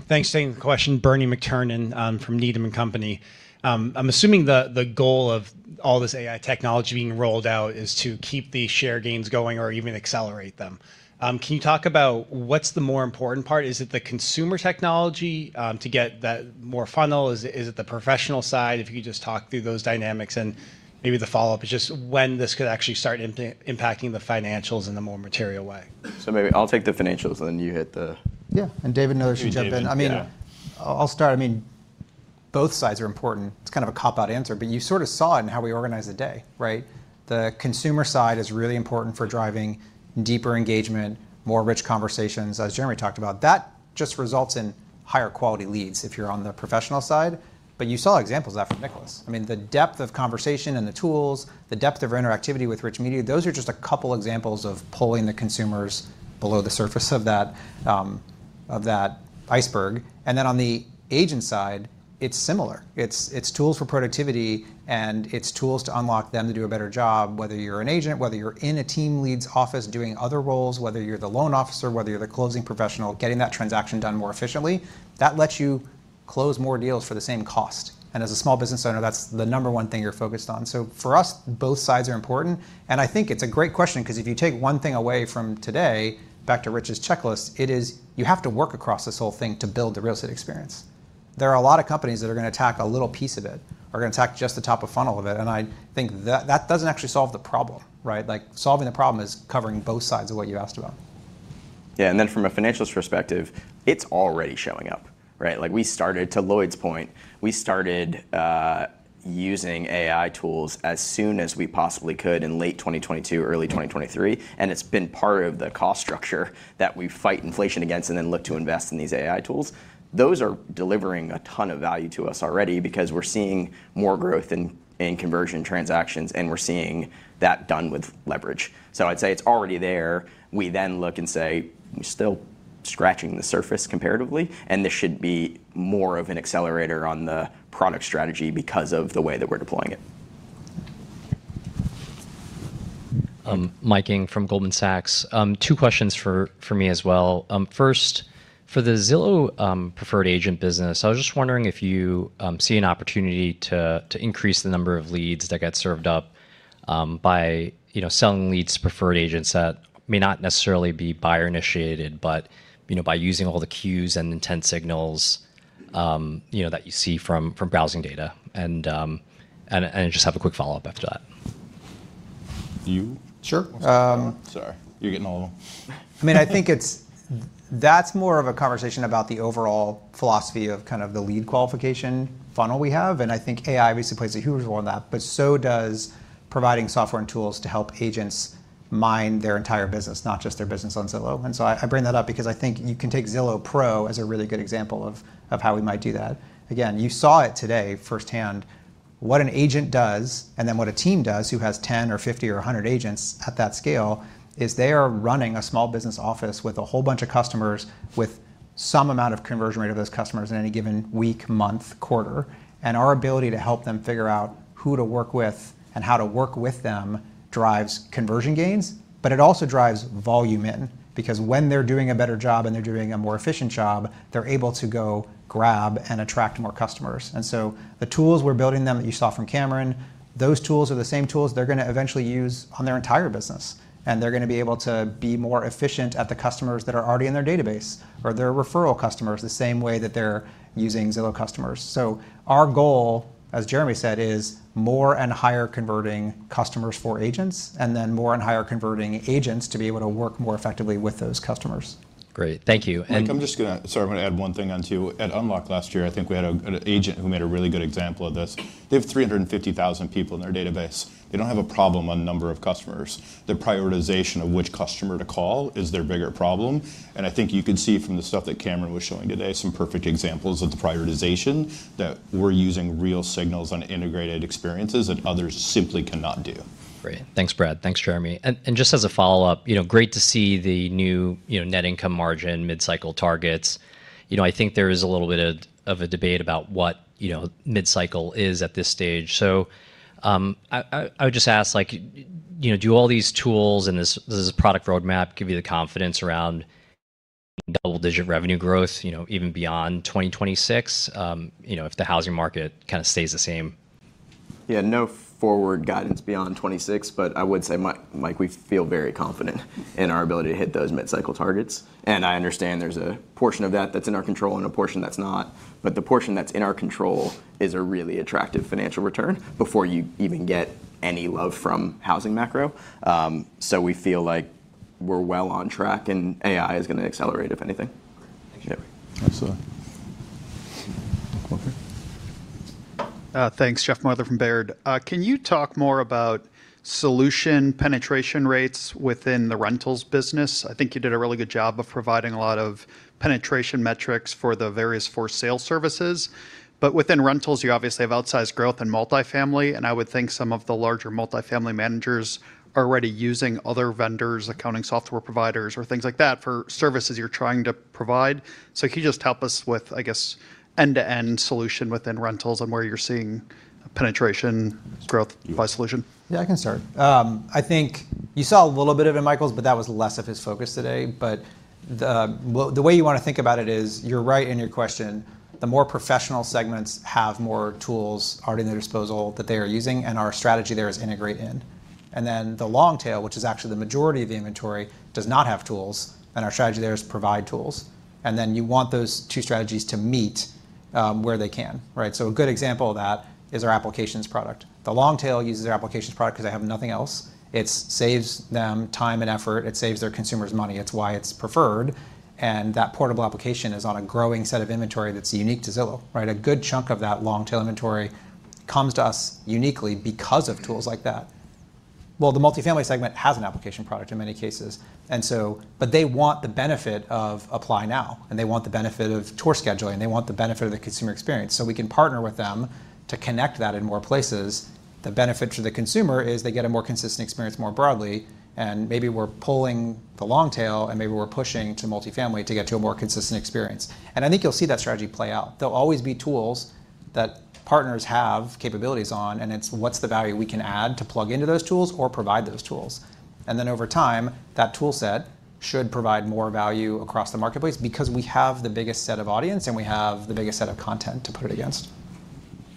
Thanks. Taking the question, Bernie McTernan, from Needham & Company. I'm assuming the goal of all this AI technology being rolled out is to keep the share gains going or even accelerate them. Can you talk about what's the more important part? Is it the consumer technology to get that more funnel? Is it the professional side? If you could just talk through those dynamics, and maybe the follow-up is just when this could actually start impacting the financials in a more material way. Maybe I'll take the financials, and you hit the- Yeah. David Beitel should jump in. I mean. Yeah I'll start. I mean, both sides are important. It's kind of a cop-out answer, but you sort of saw it in how we organized the day, right? The consumer side is really important for driving deeper engagement, more rich conversations, as Jeremy talked about. That just results in higher quality leads if you're on the professional side. But you saw examples of that from Nicholas. I mean, the depth of conversation and the tools, the depth of interactivity with rich media, those are just a couple examples of pulling the consumers below the surface of that, of that iceberg. Then on the agent side, it's similar. It's tools for productivity, and it's tools to unlock them to do a better job, whether you're an agent, whether you're in a team lead's office doing other roles, whether you're the loan officer, whether you're the closing professional, getting that transaction done more efficiently. That lets you close more deals for the same cost. As a small business owner, that's the number one thing you're focused on. For us, both sides are important. I think it's a great question 'cause if you take one thing away from today, back to Rich's checklist, it is you have to work across this whole thing to build the real estate experience. There are a lot of companies that are gonna attack a little piece of it, are gonna attack just the top of funnel of it, and I think that doesn't actually solve the problem, right? Like, solving the problem is covering both sides of what you asked about. Yeah. From a financial perspective, it's already showing up, right? Like, we started, to Lloyd's point, using AI tools as soon as we possibly could in late 2022, early 2023, and it's been part of the cost structure that we fight inflation against and then look to invest in these AI tools. Those are delivering a ton of value to us already because we're seeing more growth in conversion transactions, and we're seeing that done with leverage. I'd say it's already there. We look and say we're still scratching the surface comparatively, and this should be more of an accelerator on the product strategy because of the way that we're deploying it. Mike Ng from Goldman Sachs. Two questions for me as well. First, for the Zillow Preferred agent business, I was just wondering if you see an opportunity to increase the number of leads that get served up by, you know, selling leads to preferred agents that may not necessarily be buyer-initiated, but, you know, by using all the cues and intent signals, you know, that you see from browsing data. I just have a quick follow-up after that. You? Sure. Sorry. You're getting all of them. That's more of a conversation about the overall philosophy of kind of the lead qualification funnel we have, and I think AI obviously plays a huge role in that, but so does providing software and tools to help agents mine their entire business, not just their business on Zillow. I bring that up because I think you can take Zillow Pro as a really good example of how we might do that. Again, you saw it today firsthand what an agent does and then what a team does who has 10 or 50 or 100 agents at that scale, is they are running a small business office with a whole bunch of customers with some amount of conversion rate of those customers in any given week, month, quarter. Our ability to help them figure out who to work with and how to work with them drives conversion gains, but it also drives volume in, because when they're doing a better job and they're doing a more efficient job, they're able to go grab and attract more customers. The tools we're building them that you saw from Cameron, those tools are the same tools they're gonna eventually use on their entire business. They're gonna be able to be more efficient at the customers that are already in their database or their referral customers, the same way that they're using Zillow customers. Our goal, as Jeremy said, is more and higher converting customers for agents and then more and higher converting agents to be able to work more effectively with those customers. Great. Thank you. Mike, I'm gonna add one thing onto At Unlock last year, I think we had an agent who made a really good example of this. They have 350,000 people in their database. They don't have a problem on number of customers. The prioritization of which customer to call is their bigger problem, and I think you could see from the stuff that Cameron was showing today some perfect examples of the prioritization that we're using real signals on integrated experiences that others simply cannot do. Great. Thanks, Brad. Thanks, Jeremy. Just as a follow-up, you know, great to see the new, you know, net income margin mid-cycle targets. You know, I think there is a little bit of a debate about what, you know, mid-cycle is at this stage. I would just ask, like, you know, do all these tools and this product roadmap give you the confidence around double-digit revenue growth, you know, even beyond 2026, you know, if the housing market kinda stays the same? Yeah, no forward guidance beyond 26, but I would say, Mike, we feel very confident in our ability to hit those mid-cycle targets. I understand there's a portion of that that's in our control and a portion that's not, but the portion that's in our control is a really attractive financial return before you even get any love from housing macro. We feel like we're well on track, and AI is gonna accelerate, if anything. Okay. Thank you. Yeah. Absolutely. Over here. Thanks. Jeff Meuler from Baird. Can you talk more about solution penetration rates within the rentals business? I think you did a really good job of providing a lot of penetration metrics for the various for-sale services. But within rentals, you obviously have outsized growth in multifamily, and I would think some of the larger multifamily managers are already using other vendors, accounting software providers or things like that for services you're trying to provide. Can you just help us with, I guess, end-to-end solution within rentals and where you're seeing penetration growth by solution? Yeah, I can start. I think you saw a little bit of it in Michael's, but that was less of his focus today. The way you wanna think about it is, you're right in your question, the more professional segments have more tools already at their disposal that they are using, and our strategy there is integrate in. The long tail, which is actually the majority of the inventory, does not have tools, and our strategy there is provide tools. You want those two strategies to meet, where they can, right? A good example of that is our applications product. The long tail uses our applications product 'cause they have nothing else. It saves them time and effort. It saves their consumers money. It's why it's preferred, and that portable application is on a growing set of inventory that's unique to Zillow, right? A good chunk of that long tail inventory comes to us uniquely because of tools like that. Well, the multifamily segment has an application product in many cases, but they want the benefit of Apply Now, and they want the benefit of tour scheduling, they want the benefit of the consumer experience, so we can partner with them to connect that in more places. The benefit to the consumer is they get a more consistent experience more broadly, and maybe we're pulling the long tail, and maybe we're pushing to multifamily to get to a more consistent experience. I think you'll see that strategy play out. There'll always be tools that partners have capabilities on, and it's what's the value we can add to plug into those tools or provide those tools. Over time, that tool set should provide more value across the marketplace because we have the biggest set of audience, and we have the biggest set of content to put it against.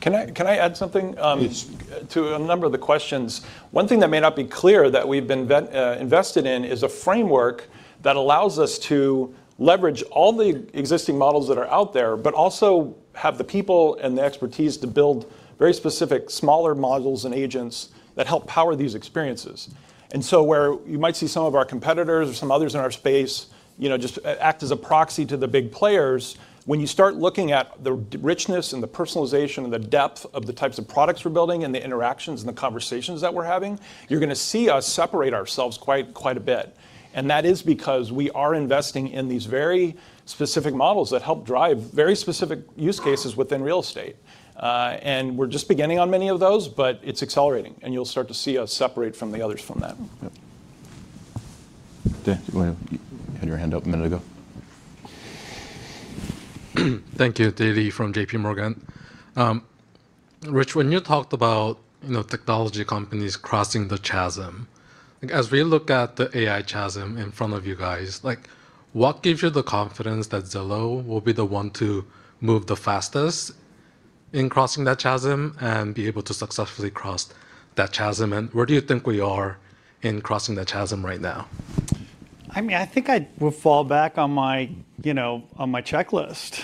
Can I add something? Please To a number of the questions. One thing that may not be clear that we've been invested in is a framework that allows us to leverage all the existing models that are out there, but also have the people and the expertise to build very specific smaller models and agents that help power these experiences. Where you might see some of our competitors or some others in our space, you know, just act as a proxy to the big players, when you start looking at the richness and the personalization and the depth of the types of products we're building and the interactions and the conversations that we're having, you're gonna see us separate ourselves quite a bit. That is because we are investing in these very specific models that help drive very specific use cases within real estate. We're just beginning on many of those, but it's accelerating, and you'll start to see us separate from the others from that. Yep. Dave, you had your hand up a minute ago. Thank you. Dae Lee from J.P. Morgan. Rich, when you talked about, you know, technology companies crossing the chasm, like, as we look at the AI chasm in front of you guys, like, what gives you the confidence that Zillow will be the one to move the fastest in crossing that chasm and be able to successfully cross that chasm? Where do you think we are in crossing that chasm right now? I mean, I think I would fall back on my, you know, on my checklist.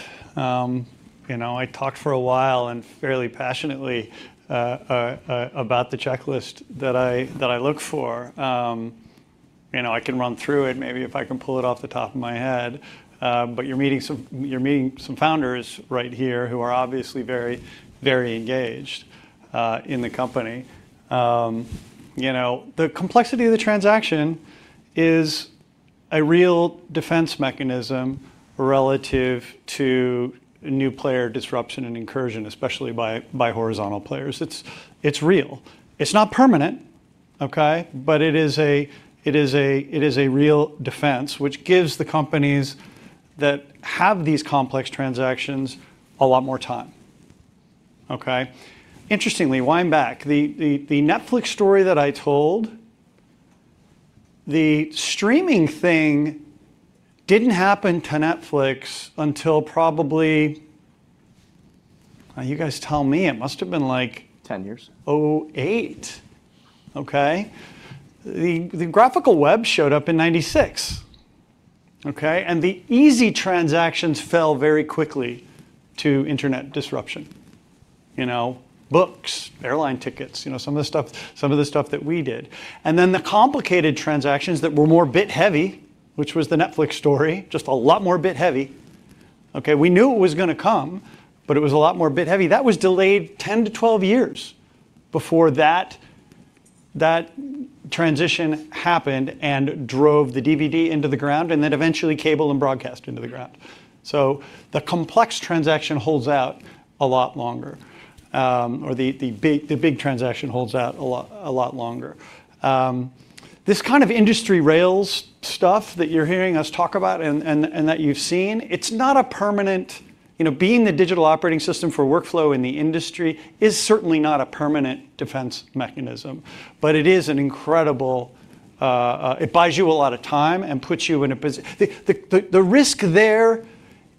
You know, I talked for a while and fairly passionately about the checklist that I look for. You know, I can run through it maybe if I can pull it off the top of my head, but you're meeting some founders right here who are obviously very engaged in the company. You know, the complexity of the transaction is a real defense mechanism relative to new player disruption and incursion, especially by horizontal players. It's real. It's not permanent, okay? It is a real defense which gives the companies that have these complex transactions a lot more time, okay? Interestingly, wind back. The Netflix story that I told, the streaming thing didn't happen to Netflix until probably. You guys tell me. It must have been like 10 years. 2008. Okay? The graphical web showed up in 1996, okay? The easy transactions fell very quickly to internet disruption. You know, books, airline tickets, you know, some of the stuff that we did. Then the complicated transactions that were more byte heavy, which was the Netflix story, just a lot more byte heavy, okay, we knew it was gonna come, but it was a lot more byte heavy. That was delayed 10-12 years before that transition happened and drove the DVD into the ground and then eventually cable and broadcast into the ground. The complex transaction holds out a lot longer, or the big transaction holds out a lot longer. This kind of industry rails stuff that you're hearing us talk about and that you've seen, it's not permanent. You know, being the digital operating system for workflow in the industry is certainly not a permanent defense mechanism, but it is an incredible, it buys you a lot of time and puts you in a position. The risk there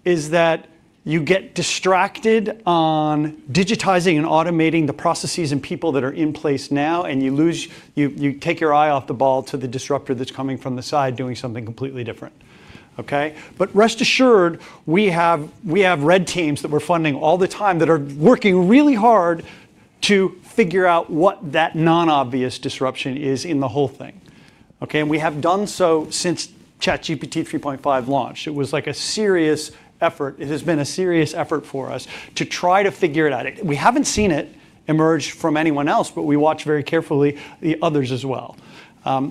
is that you get distracted on digitizing and automating the processes and people that are in place now, and you take your eye off the ball to the disruptor that's coming from the side doing something completely different, okay? Rest assured, we have red teams that we're funding all the time that are working really hard to figure out what that non-obvious disruption is in the whole thing, okay? We have done so since ChatGPT 3.5 launched. It was like a serious effort. It has been a serious effort for us to try to figure it out. We haven't seen it emerge from anyone else, but we watch very carefully the others as well.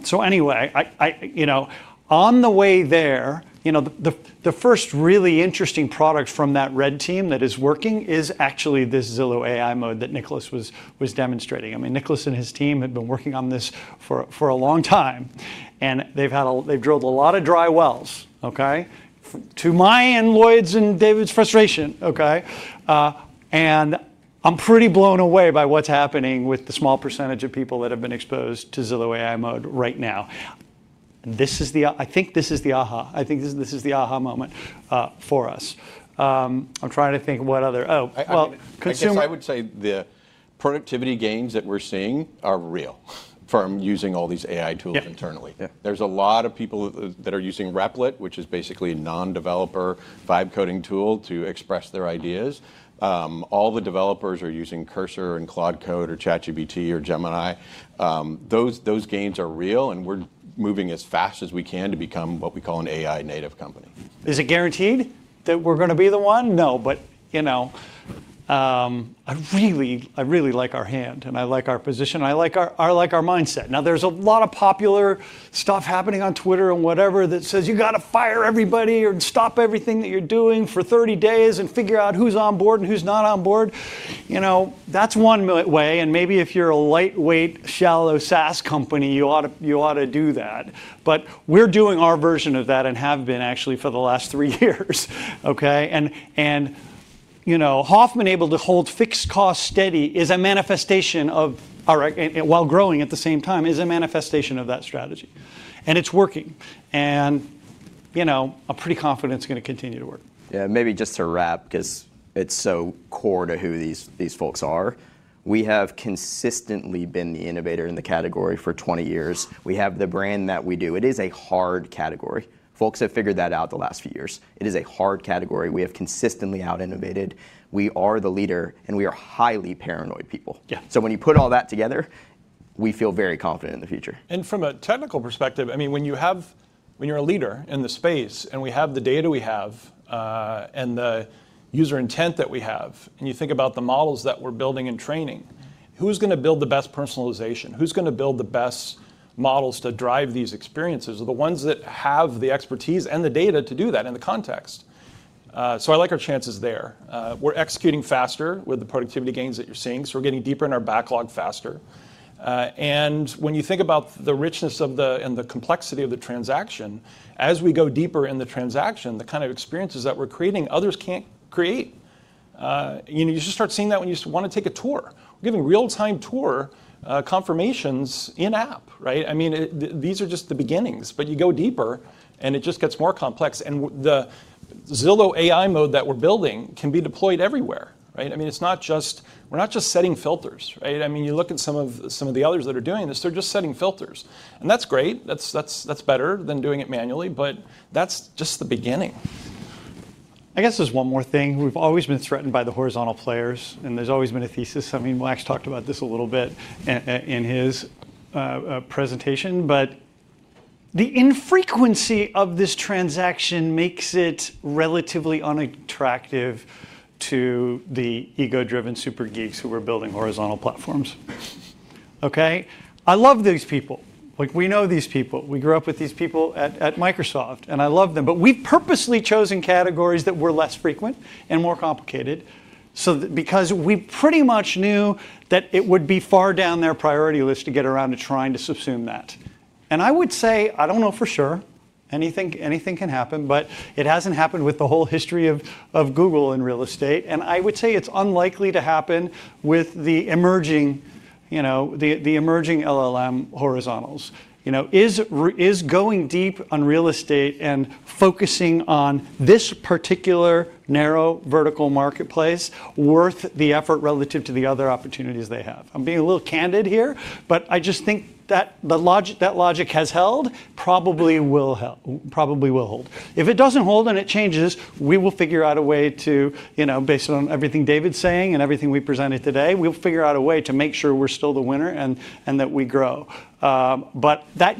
So anyway, I... You know, on the way there, you know, the first really interesting product from that red team that is working is actually this Zillow AI Mode that Nicholas was demonstrating. I mean, Nicholas and his team have been working on this for a long time, and they've drilled a lot of dry wells, okay? To my and Lloyd's and David's frustration, okay? I'm pretty blown away by what's happening with the small percentage of people that have been exposed to Zillow AI Mode right now. This is the aha. I think this is the aha moment for us. I'm trying to think what other... Oh, well, consumer I mean, I guess I would say the productivity gains that we're seeing are real from using all these AI tools internally. Yeah. Yeah. There's a lot of people that are using Replit, which is basically a non-developer vibe coding tool to express their ideas. All the developers are using Cursor and Claude Code or ChatGPT or Gemini. Those gains are real, and we're moving as fast as we can to become what we call an AI native company. Is it guaranteed that we're gonna be the one? No. But you know I really like our hand and I like our position and I like our mindset. Now, there's a lot of popular stuff happening on Twitter and whatever that says, "You gotta fire everybody or stop everything that you're doing for 30 days and figure out who's on board and who's not on board." You know, that's one way, and maybe if you're a lightweight, shallow SaaS company, you ought to do that. But we're doing our version of that and have been actually for the last three years, okay? You know, Hofmann able to hold fixed costs steady while growing at the same time is a manifestation of that strategy. It's working. You know, I'm pretty confident it's gonna continue to work. Yeah. Maybe just to wrap, 'cause it's so core to who these folks are. We have consistently been the innovator in the category for 20 years. We have the brand that we do. It is a hard category. Folks have figured that out the last few years. It is a hard category. We have consistently out-innovated. We are the leader, and we are highly paranoid people. Yeah. When you put all that together, we feel very confident in the future. From a technical perspective, I mean, when you're a leader in the space, and we have the data we have, and the user intent that we have, and you think about the models that we're building and training, who's gonna build the best personalization? Who's gonna build the best models to drive these experiences are the ones that have the expertise and the data to do that in the context. So I like our chances there. We're executing faster with the productivity gains that you're seeing, so we're getting deeper in our backlog faster. When you think about the richness and the complexity of the transaction, as we go deeper in the transaction, the kind of experiences that we're creating, others can't create. You should start seeing that when you wanna take a tour. We're giving real-time tour confirmations in-app, right? I mean, these are just the beginnings, but you go deeper, and it just gets more complex. The Zillow AI Mode that we're building can be deployed everywhere, right? I mean, it's not just. We're not just setting filters, right? I mean, you look at some of the others that are doing this, they're just setting filters. That's great. That's better than doing it manually, but that's just the beginning. I guess there's one more thing. We've always been threatened by the horizontal players, and there's always been a thesis. I mean, Wax talked about this a little bit in his presentation. The infrequency of this transaction makes it relatively unattractive to the ego-driven super geeks who are building horizontal platforms. Okay. I love these people. Like, we know these people. We grew up with these people at Microsoft, and I love them. We've purposely chosen categories that were less frequent and more complicated because we pretty much knew that it would be far down their priority list to get around to trying to subsume that. I would say, I don't know for sure, anything can happen, but it hasn't happened with the whole history of Google in real estate, and I would say it's unlikely to happen with the emerging LLM horizontals. You know, is going deep on real estate and focusing on this particular narrow vertical marketplace worth the effort relative to the other opportunities they have? I'm being a little candid here, but I just think that the logic has held, probably will hold. If it doesn't hold and it changes, we will figure out a way to, you know, based on everything David's saying and everything we presented today, we'll figure out a way to make sure we're still the winner and that we grow. But that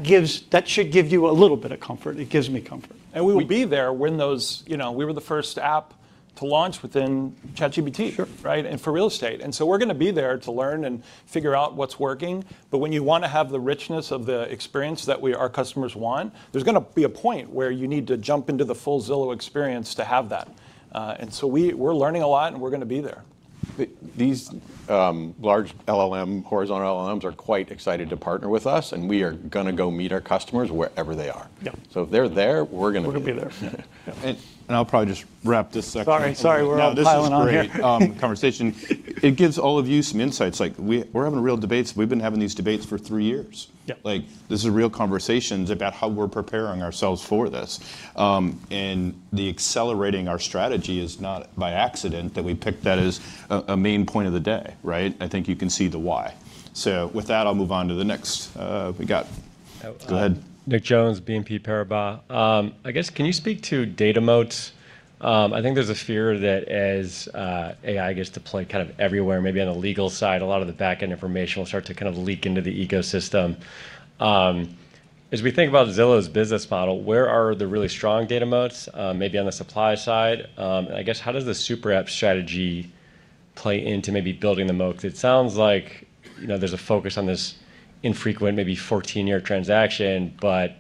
should give you a little bit of comfort. It gives me comfort. We will be there when those, you know, we were the first app to launch within ChatGPT. Sure Right? For real estate. We're gonna be there to learn and figure out what's working. When you wanna have the richness of the experience that we, our customers want, there's gonna be a point where you need to jump into the full Zillow experience to have that. We're learning a lot, and we're gonna be there. These large LLM, horizontal LLMs are quite excited to partner with us, and we are gonna go meet our customers wherever they are. Yeah. If they're there, we're gonna be there. We're gonna be there. Yeah. I'll probably just wrap this section. Sorry. We're all piling on here. No, this is great, conversation. It gives all of you some insights. Like, we're having real debates. We've been having these debates for three years. Yeah. Like, this is real conversations about how we're preparing ourselves for this. The accelerating our strategy is not by accident that we picked that as a main point of the day, right? I think you can see the why. With that, I'll move on to the next, we got. Oh, um- Go ahead. Nicholas Jones, BNP Paribas. I guess, can you speak to data moats? I think there's a fear that as AI gets to play kind of everywhere, maybe on the legal side, a lot of the back-end information will start to kind of leak into the ecosystem. As we think about Zillow's business model, where are the really strong data moats, maybe on the supply side? I guess how does the super app strategy play into maybe building the moats? It sounds like, you know, there's a focus on this infrequent, maybe 14-year transaction, but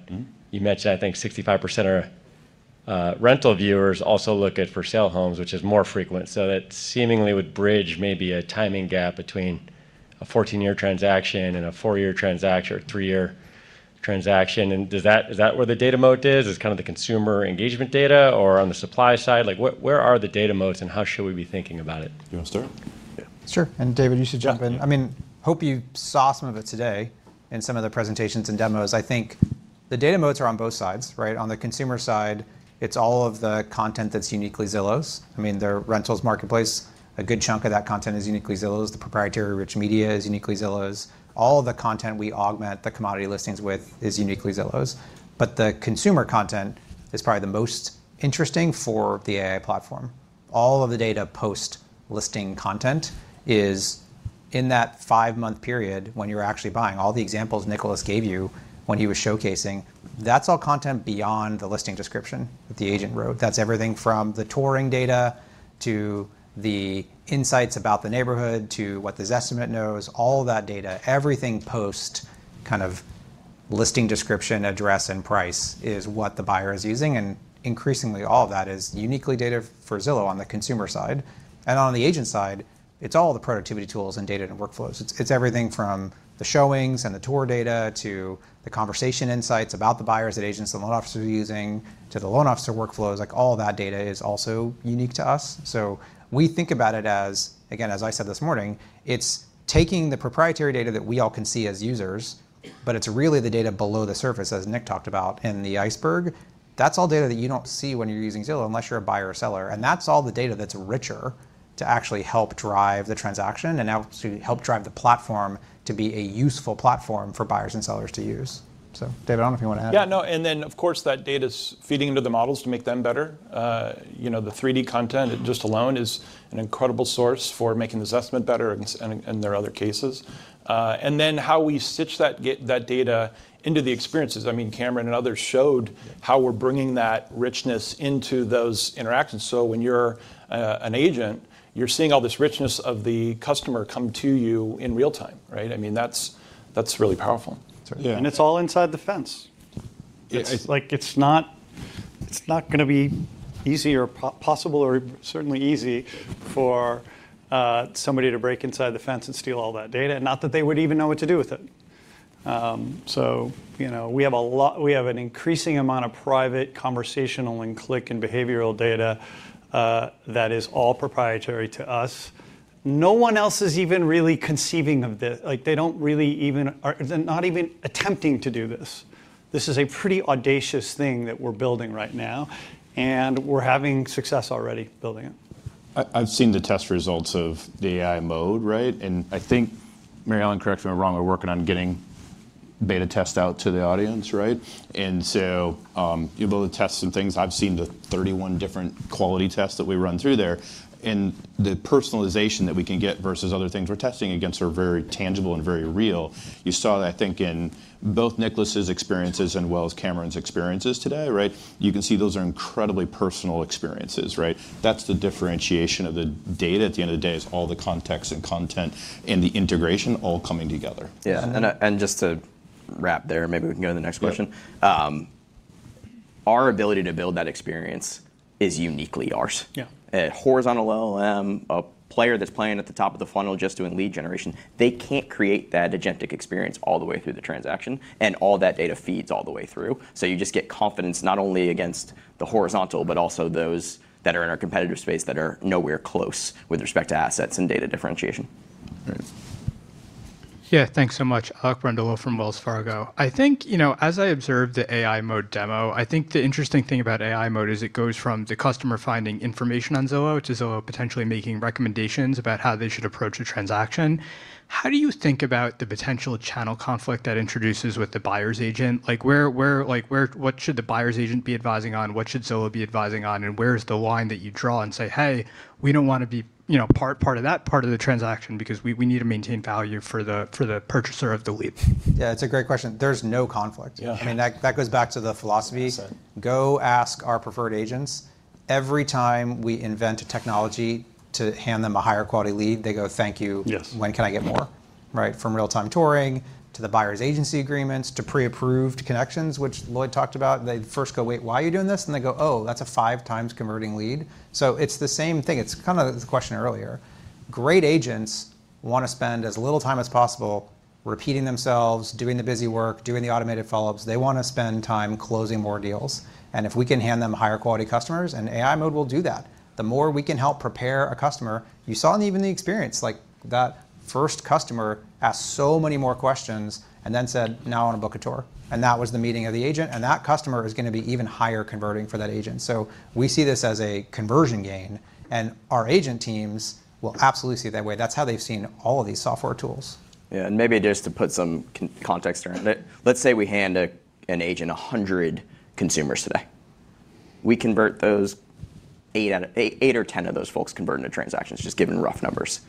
you mentioned, I think 65% are rental viewers also look at for sale homes, which is more frequent. That seemingly would bridge maybe a timing gap between a 14-year transaction and a 4-year transaction or 3-year transaction. Does that Is that where the data moat is? It's kind of the consumer engagement data or on the supply side? Like, where are the data moats, and how should we be thinking about it? You wanna start? Yeah. Sure. David, you should jump in. Yeah. I mean, I hope you saw some of it today in some of the presentations and demos. I think the data moats are on both sides, right? On the consumer side, it's all of the content that's uniquely Zillow's. I mean, their rentals marketplace, a good chunk of that content is uniquely Zillow's. The proprietary rich media is uniquely Zillow's. All of the content we augment the commodity listings with is uniquely Zillow's. But the consumer content is probably the most interesting for the AI platform. All of the data post-listing content is in that five-month period when you're actually buying. All the examples Nicholas gave you when he was showcasing, that's all content beyond the listing description that the agent wrote. That's everything from the touring data to the insights about the neighborhood to what the Zestimate knows, all that data. Everything post kind of listing description, address, and price is what the buyer is using, and increasingly all of that is uniquely data for Zillow on the consumer side. On the agent side, it's all the productivity tools and data and workflows. It's everything from the showings and the tour data to the conversation insights about the buyers that agents and loan officers are using to the loan officer workflows. Like, all of that data is also unique to us. We think about it as, again, as I said this morning, it's taking the proprietary data that we all can see as users, but it's really the data below the surface, as Nick talked about, in the iceberg. That's all data that you don't see when you're using Zillow unless you're a buyer or seller, and that's all the data that's richer to actually help drive the transaction and now to help drive the platform to be a useful platform for buyers and sellers to use. David, I don't know if you wanna add. Yeah, no. Of course, that data's feeding into the models to make them better. You know, the 3D content just alone is an incredible source for making the Zestimate better and there are other cases. How we stitch that data into the experiences. I mean, Cameron and others showed how we're bringing that richness into those interactions. When you're an agent, you're seeing all this richness of the customer come to you in real time, right? I mean, that's really powerful. That's right. Yeah. It's all inside the fence. Yes. It's like it's not gonna be easy or possible or certainly easy for somebody to break inside the fence and steal all that data, and not that they would even know what to do with it. You know, we have an increasing amount of private conversational and click and behavioral data that is all proprietary to us. No one else is even really conceiving of this. Like, they're not even attempting to do this. This is a pretty audacious thing that we're building right now, and we're having success already building it. I've seen the test results of the AI Mode, right? I think, Mary Ellen, correct me if I'm wrong, we're working on getting beta test out to the audience, right? You build a test, some things I've seen, the 31 different quality tests that we run through there and the personalization that we can get versus other things we're testing against are very tangible and very real. You saw that, I think, in both Nicholas's experiences and well, Cameron's experiences today, right? You can see those are incredibly personal experiences, right? That's the differentiation of the data at the end of the day, is all the context and content and the integration all coming together. Yeah. Just to wrap there, maybe we can go to the next question. Yeah. Our ability to build that experience is uniquely ours. Yeah. A horizontal LLM, a player that's playing at the top of the funnel just doing lead generation, they can't create that agentic experience all the way through the transaction. All that data feeds all the way through. You just get confidence not only against the horizontal, but also those that are in our competitor space that are nowhere close with respect to assets and data differentiation. Right. Yeah. Thanks so much. Alec Brondolo from Wells Fargo. I think, you know, as I observed the AI Mode demo, I think the interesting thing about AI Mode is it goes from the customer finding information on Zillow to Zillow potentially making recommendations about how they should approach a transaction. How do you think about the potential channel conflict that introduces with the buyer's agent? Like, where, what should the buyer's agent be advising on? What should Zillow be advising on, and where's the line that you draw and say, "Hey, we don't wanna be, you know, part of that part of the transaction because we need to maintain value for the purchaser of the lead"? Yeah, it's a great question. There's no conflict. Yeah. I mean, that goes back to the philosophy. Yes. Go ask our Premier agents. Every time we invent a technology to hand them a higher quality lead, they go, "Thank you. Yes. When can I get more?" Right? From Real-Time Touring to the buyer's agency agreements to pre-approved connections, which Lloyd talked about, they first go, "Wait, why are you doing this?" Then they go, "Oh, that's a five times converting lead." It's the same thing. It's kind of the question earlier. Great agents wanna spend as little time as possible repeating themselves, doing the busy work, doing the automated follow-ups. They wanna spend time closing more deals, and if we can hand them higher quality customers, and AI Mode will do that. The more we can help prepare a customer. You saw in even the experience, like, that first customer asked so many more questions and then said, "Now I wanna book a tour." That was the meeting of the agent, and that customer is gonna be even higher converting for that agent. We see this as a conversion gain, and our agent teams will absolutely see it that way. That's how they've seen all of these software tools. Yeah. Maybe just to put some context around it, let's say we hand an agent 100 consumers today. We convert eight or 10 of those folks into transactions, just giving rough numbers.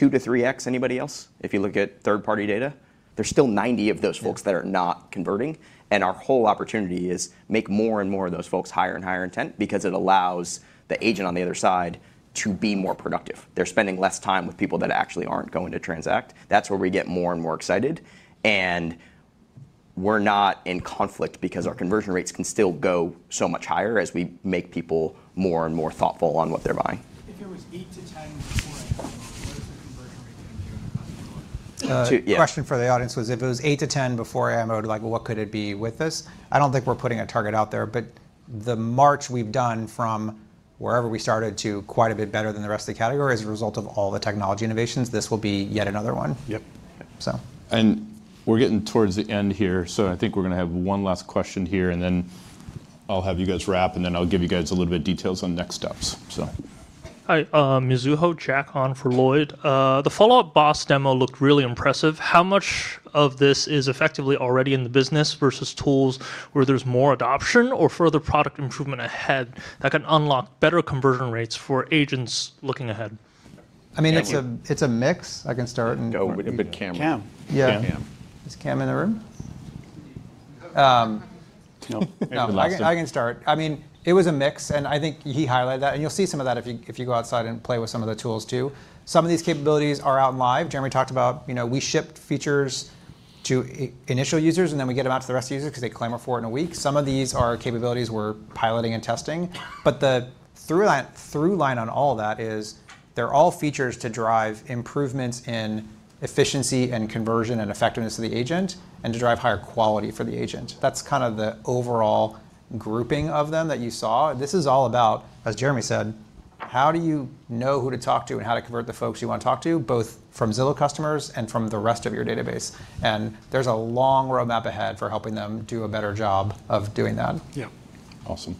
That's 2x-3x anybody else if you look at third-party data. There's still 90 of those folks. Yeah that are not converting, and our whole opportunity is make more and more of those folks higher and higher intent because it allows the agent on the other side to be more productive. They're spending less time with people that actually aren't going to transact. That's where we get more and more excited. We're not in conflict because our conversion rates can still go so much higher as we make people more and more thoughtful on what they're buying. If it was 8%-10% before AMOD, what is the conversion rate during AMOD? Uh- Two. Yeah. The question for the audience was if it was 8-10 before AMOD, like, what could it be with this? I don't think we're putting a target out there. The march we've done from wherever we started to quite a bit better than the rest of the category as a result of all the technology innovations. This will be yet another one. Yep. So... We're getting towards the end here, so I think we're gonna have one last question here, and then I'll have you guys wrap, and then I'll give you guys a little bit of details on next steps. Hi. Mizuho. Jack Han for Lloyd Frink. The Follow Up Boss demo looked really impressive. How much of this is effectively already in the business versus tools where there's more adoption or further product improvement ahead that can unlock better conversion rates for agents looking ahead? I mean, it's a. Jeremy... it's a mix. No, Cam Yeah. Cam. Is Cam in the room? No. No, I can start. I mean, it was a mix, and I think he highlighted that, and you'll see some of that if you go outside and play with some of the tools too. Some of these capabilities are live. Jeremy talked about, you know, we ship features to initial users, and then we get 'em out to the rest of the users 'cause they claim 'em in a week. Some of these are capabilities we're piloting and testing. The through line on all that is they're all features to drive improvements in efficiency and conversion and effectiveness of the agent and to drive higher quality for the agent. That's kind of the overall grouping of them that you saw. This is all about, as Jeremy said, how do you know who to talk to and how to convert the folks you wanna talk to, both from Zillow customers and from the rest of your database? There's a long roadmap ahead for helping them do a better job of doing that. Yeah. Awesome.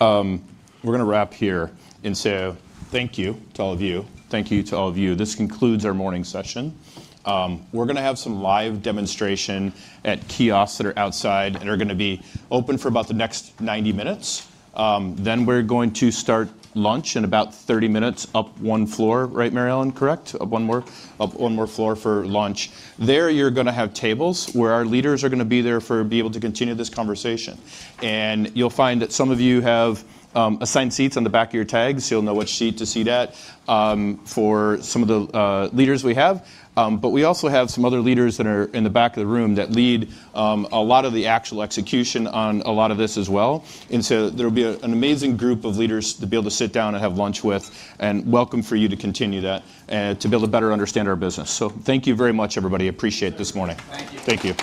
We're gonna wrap here. Thank you to all of you. This concludes our morning session. We're gonna have some live demonstration at kiosks that are outside and are gonna be open for about the next 90 minutes. Then we're going to start lunch in about 30 minutes up one floor, right, Mary Ellen? Correct. Up one more floor for lunch. There you're gonna have tables where our leaders are gonna be there for you to be able to continue this conversation. You'll find that some of you have assigned seats on the back of your tags, so you'll know which seat to sit at for some of the leaders we have. We also have some other leaders that are in the back of the room that lead a lot of the actual execution on a lot of this as well. There'll be an amazing group of leaders to be able to sit down and have lunch with, and welcome for you to continue that to be able to better understand our business. Thank you very much, everybody. Appreciate this morning. Thank you. Thank you.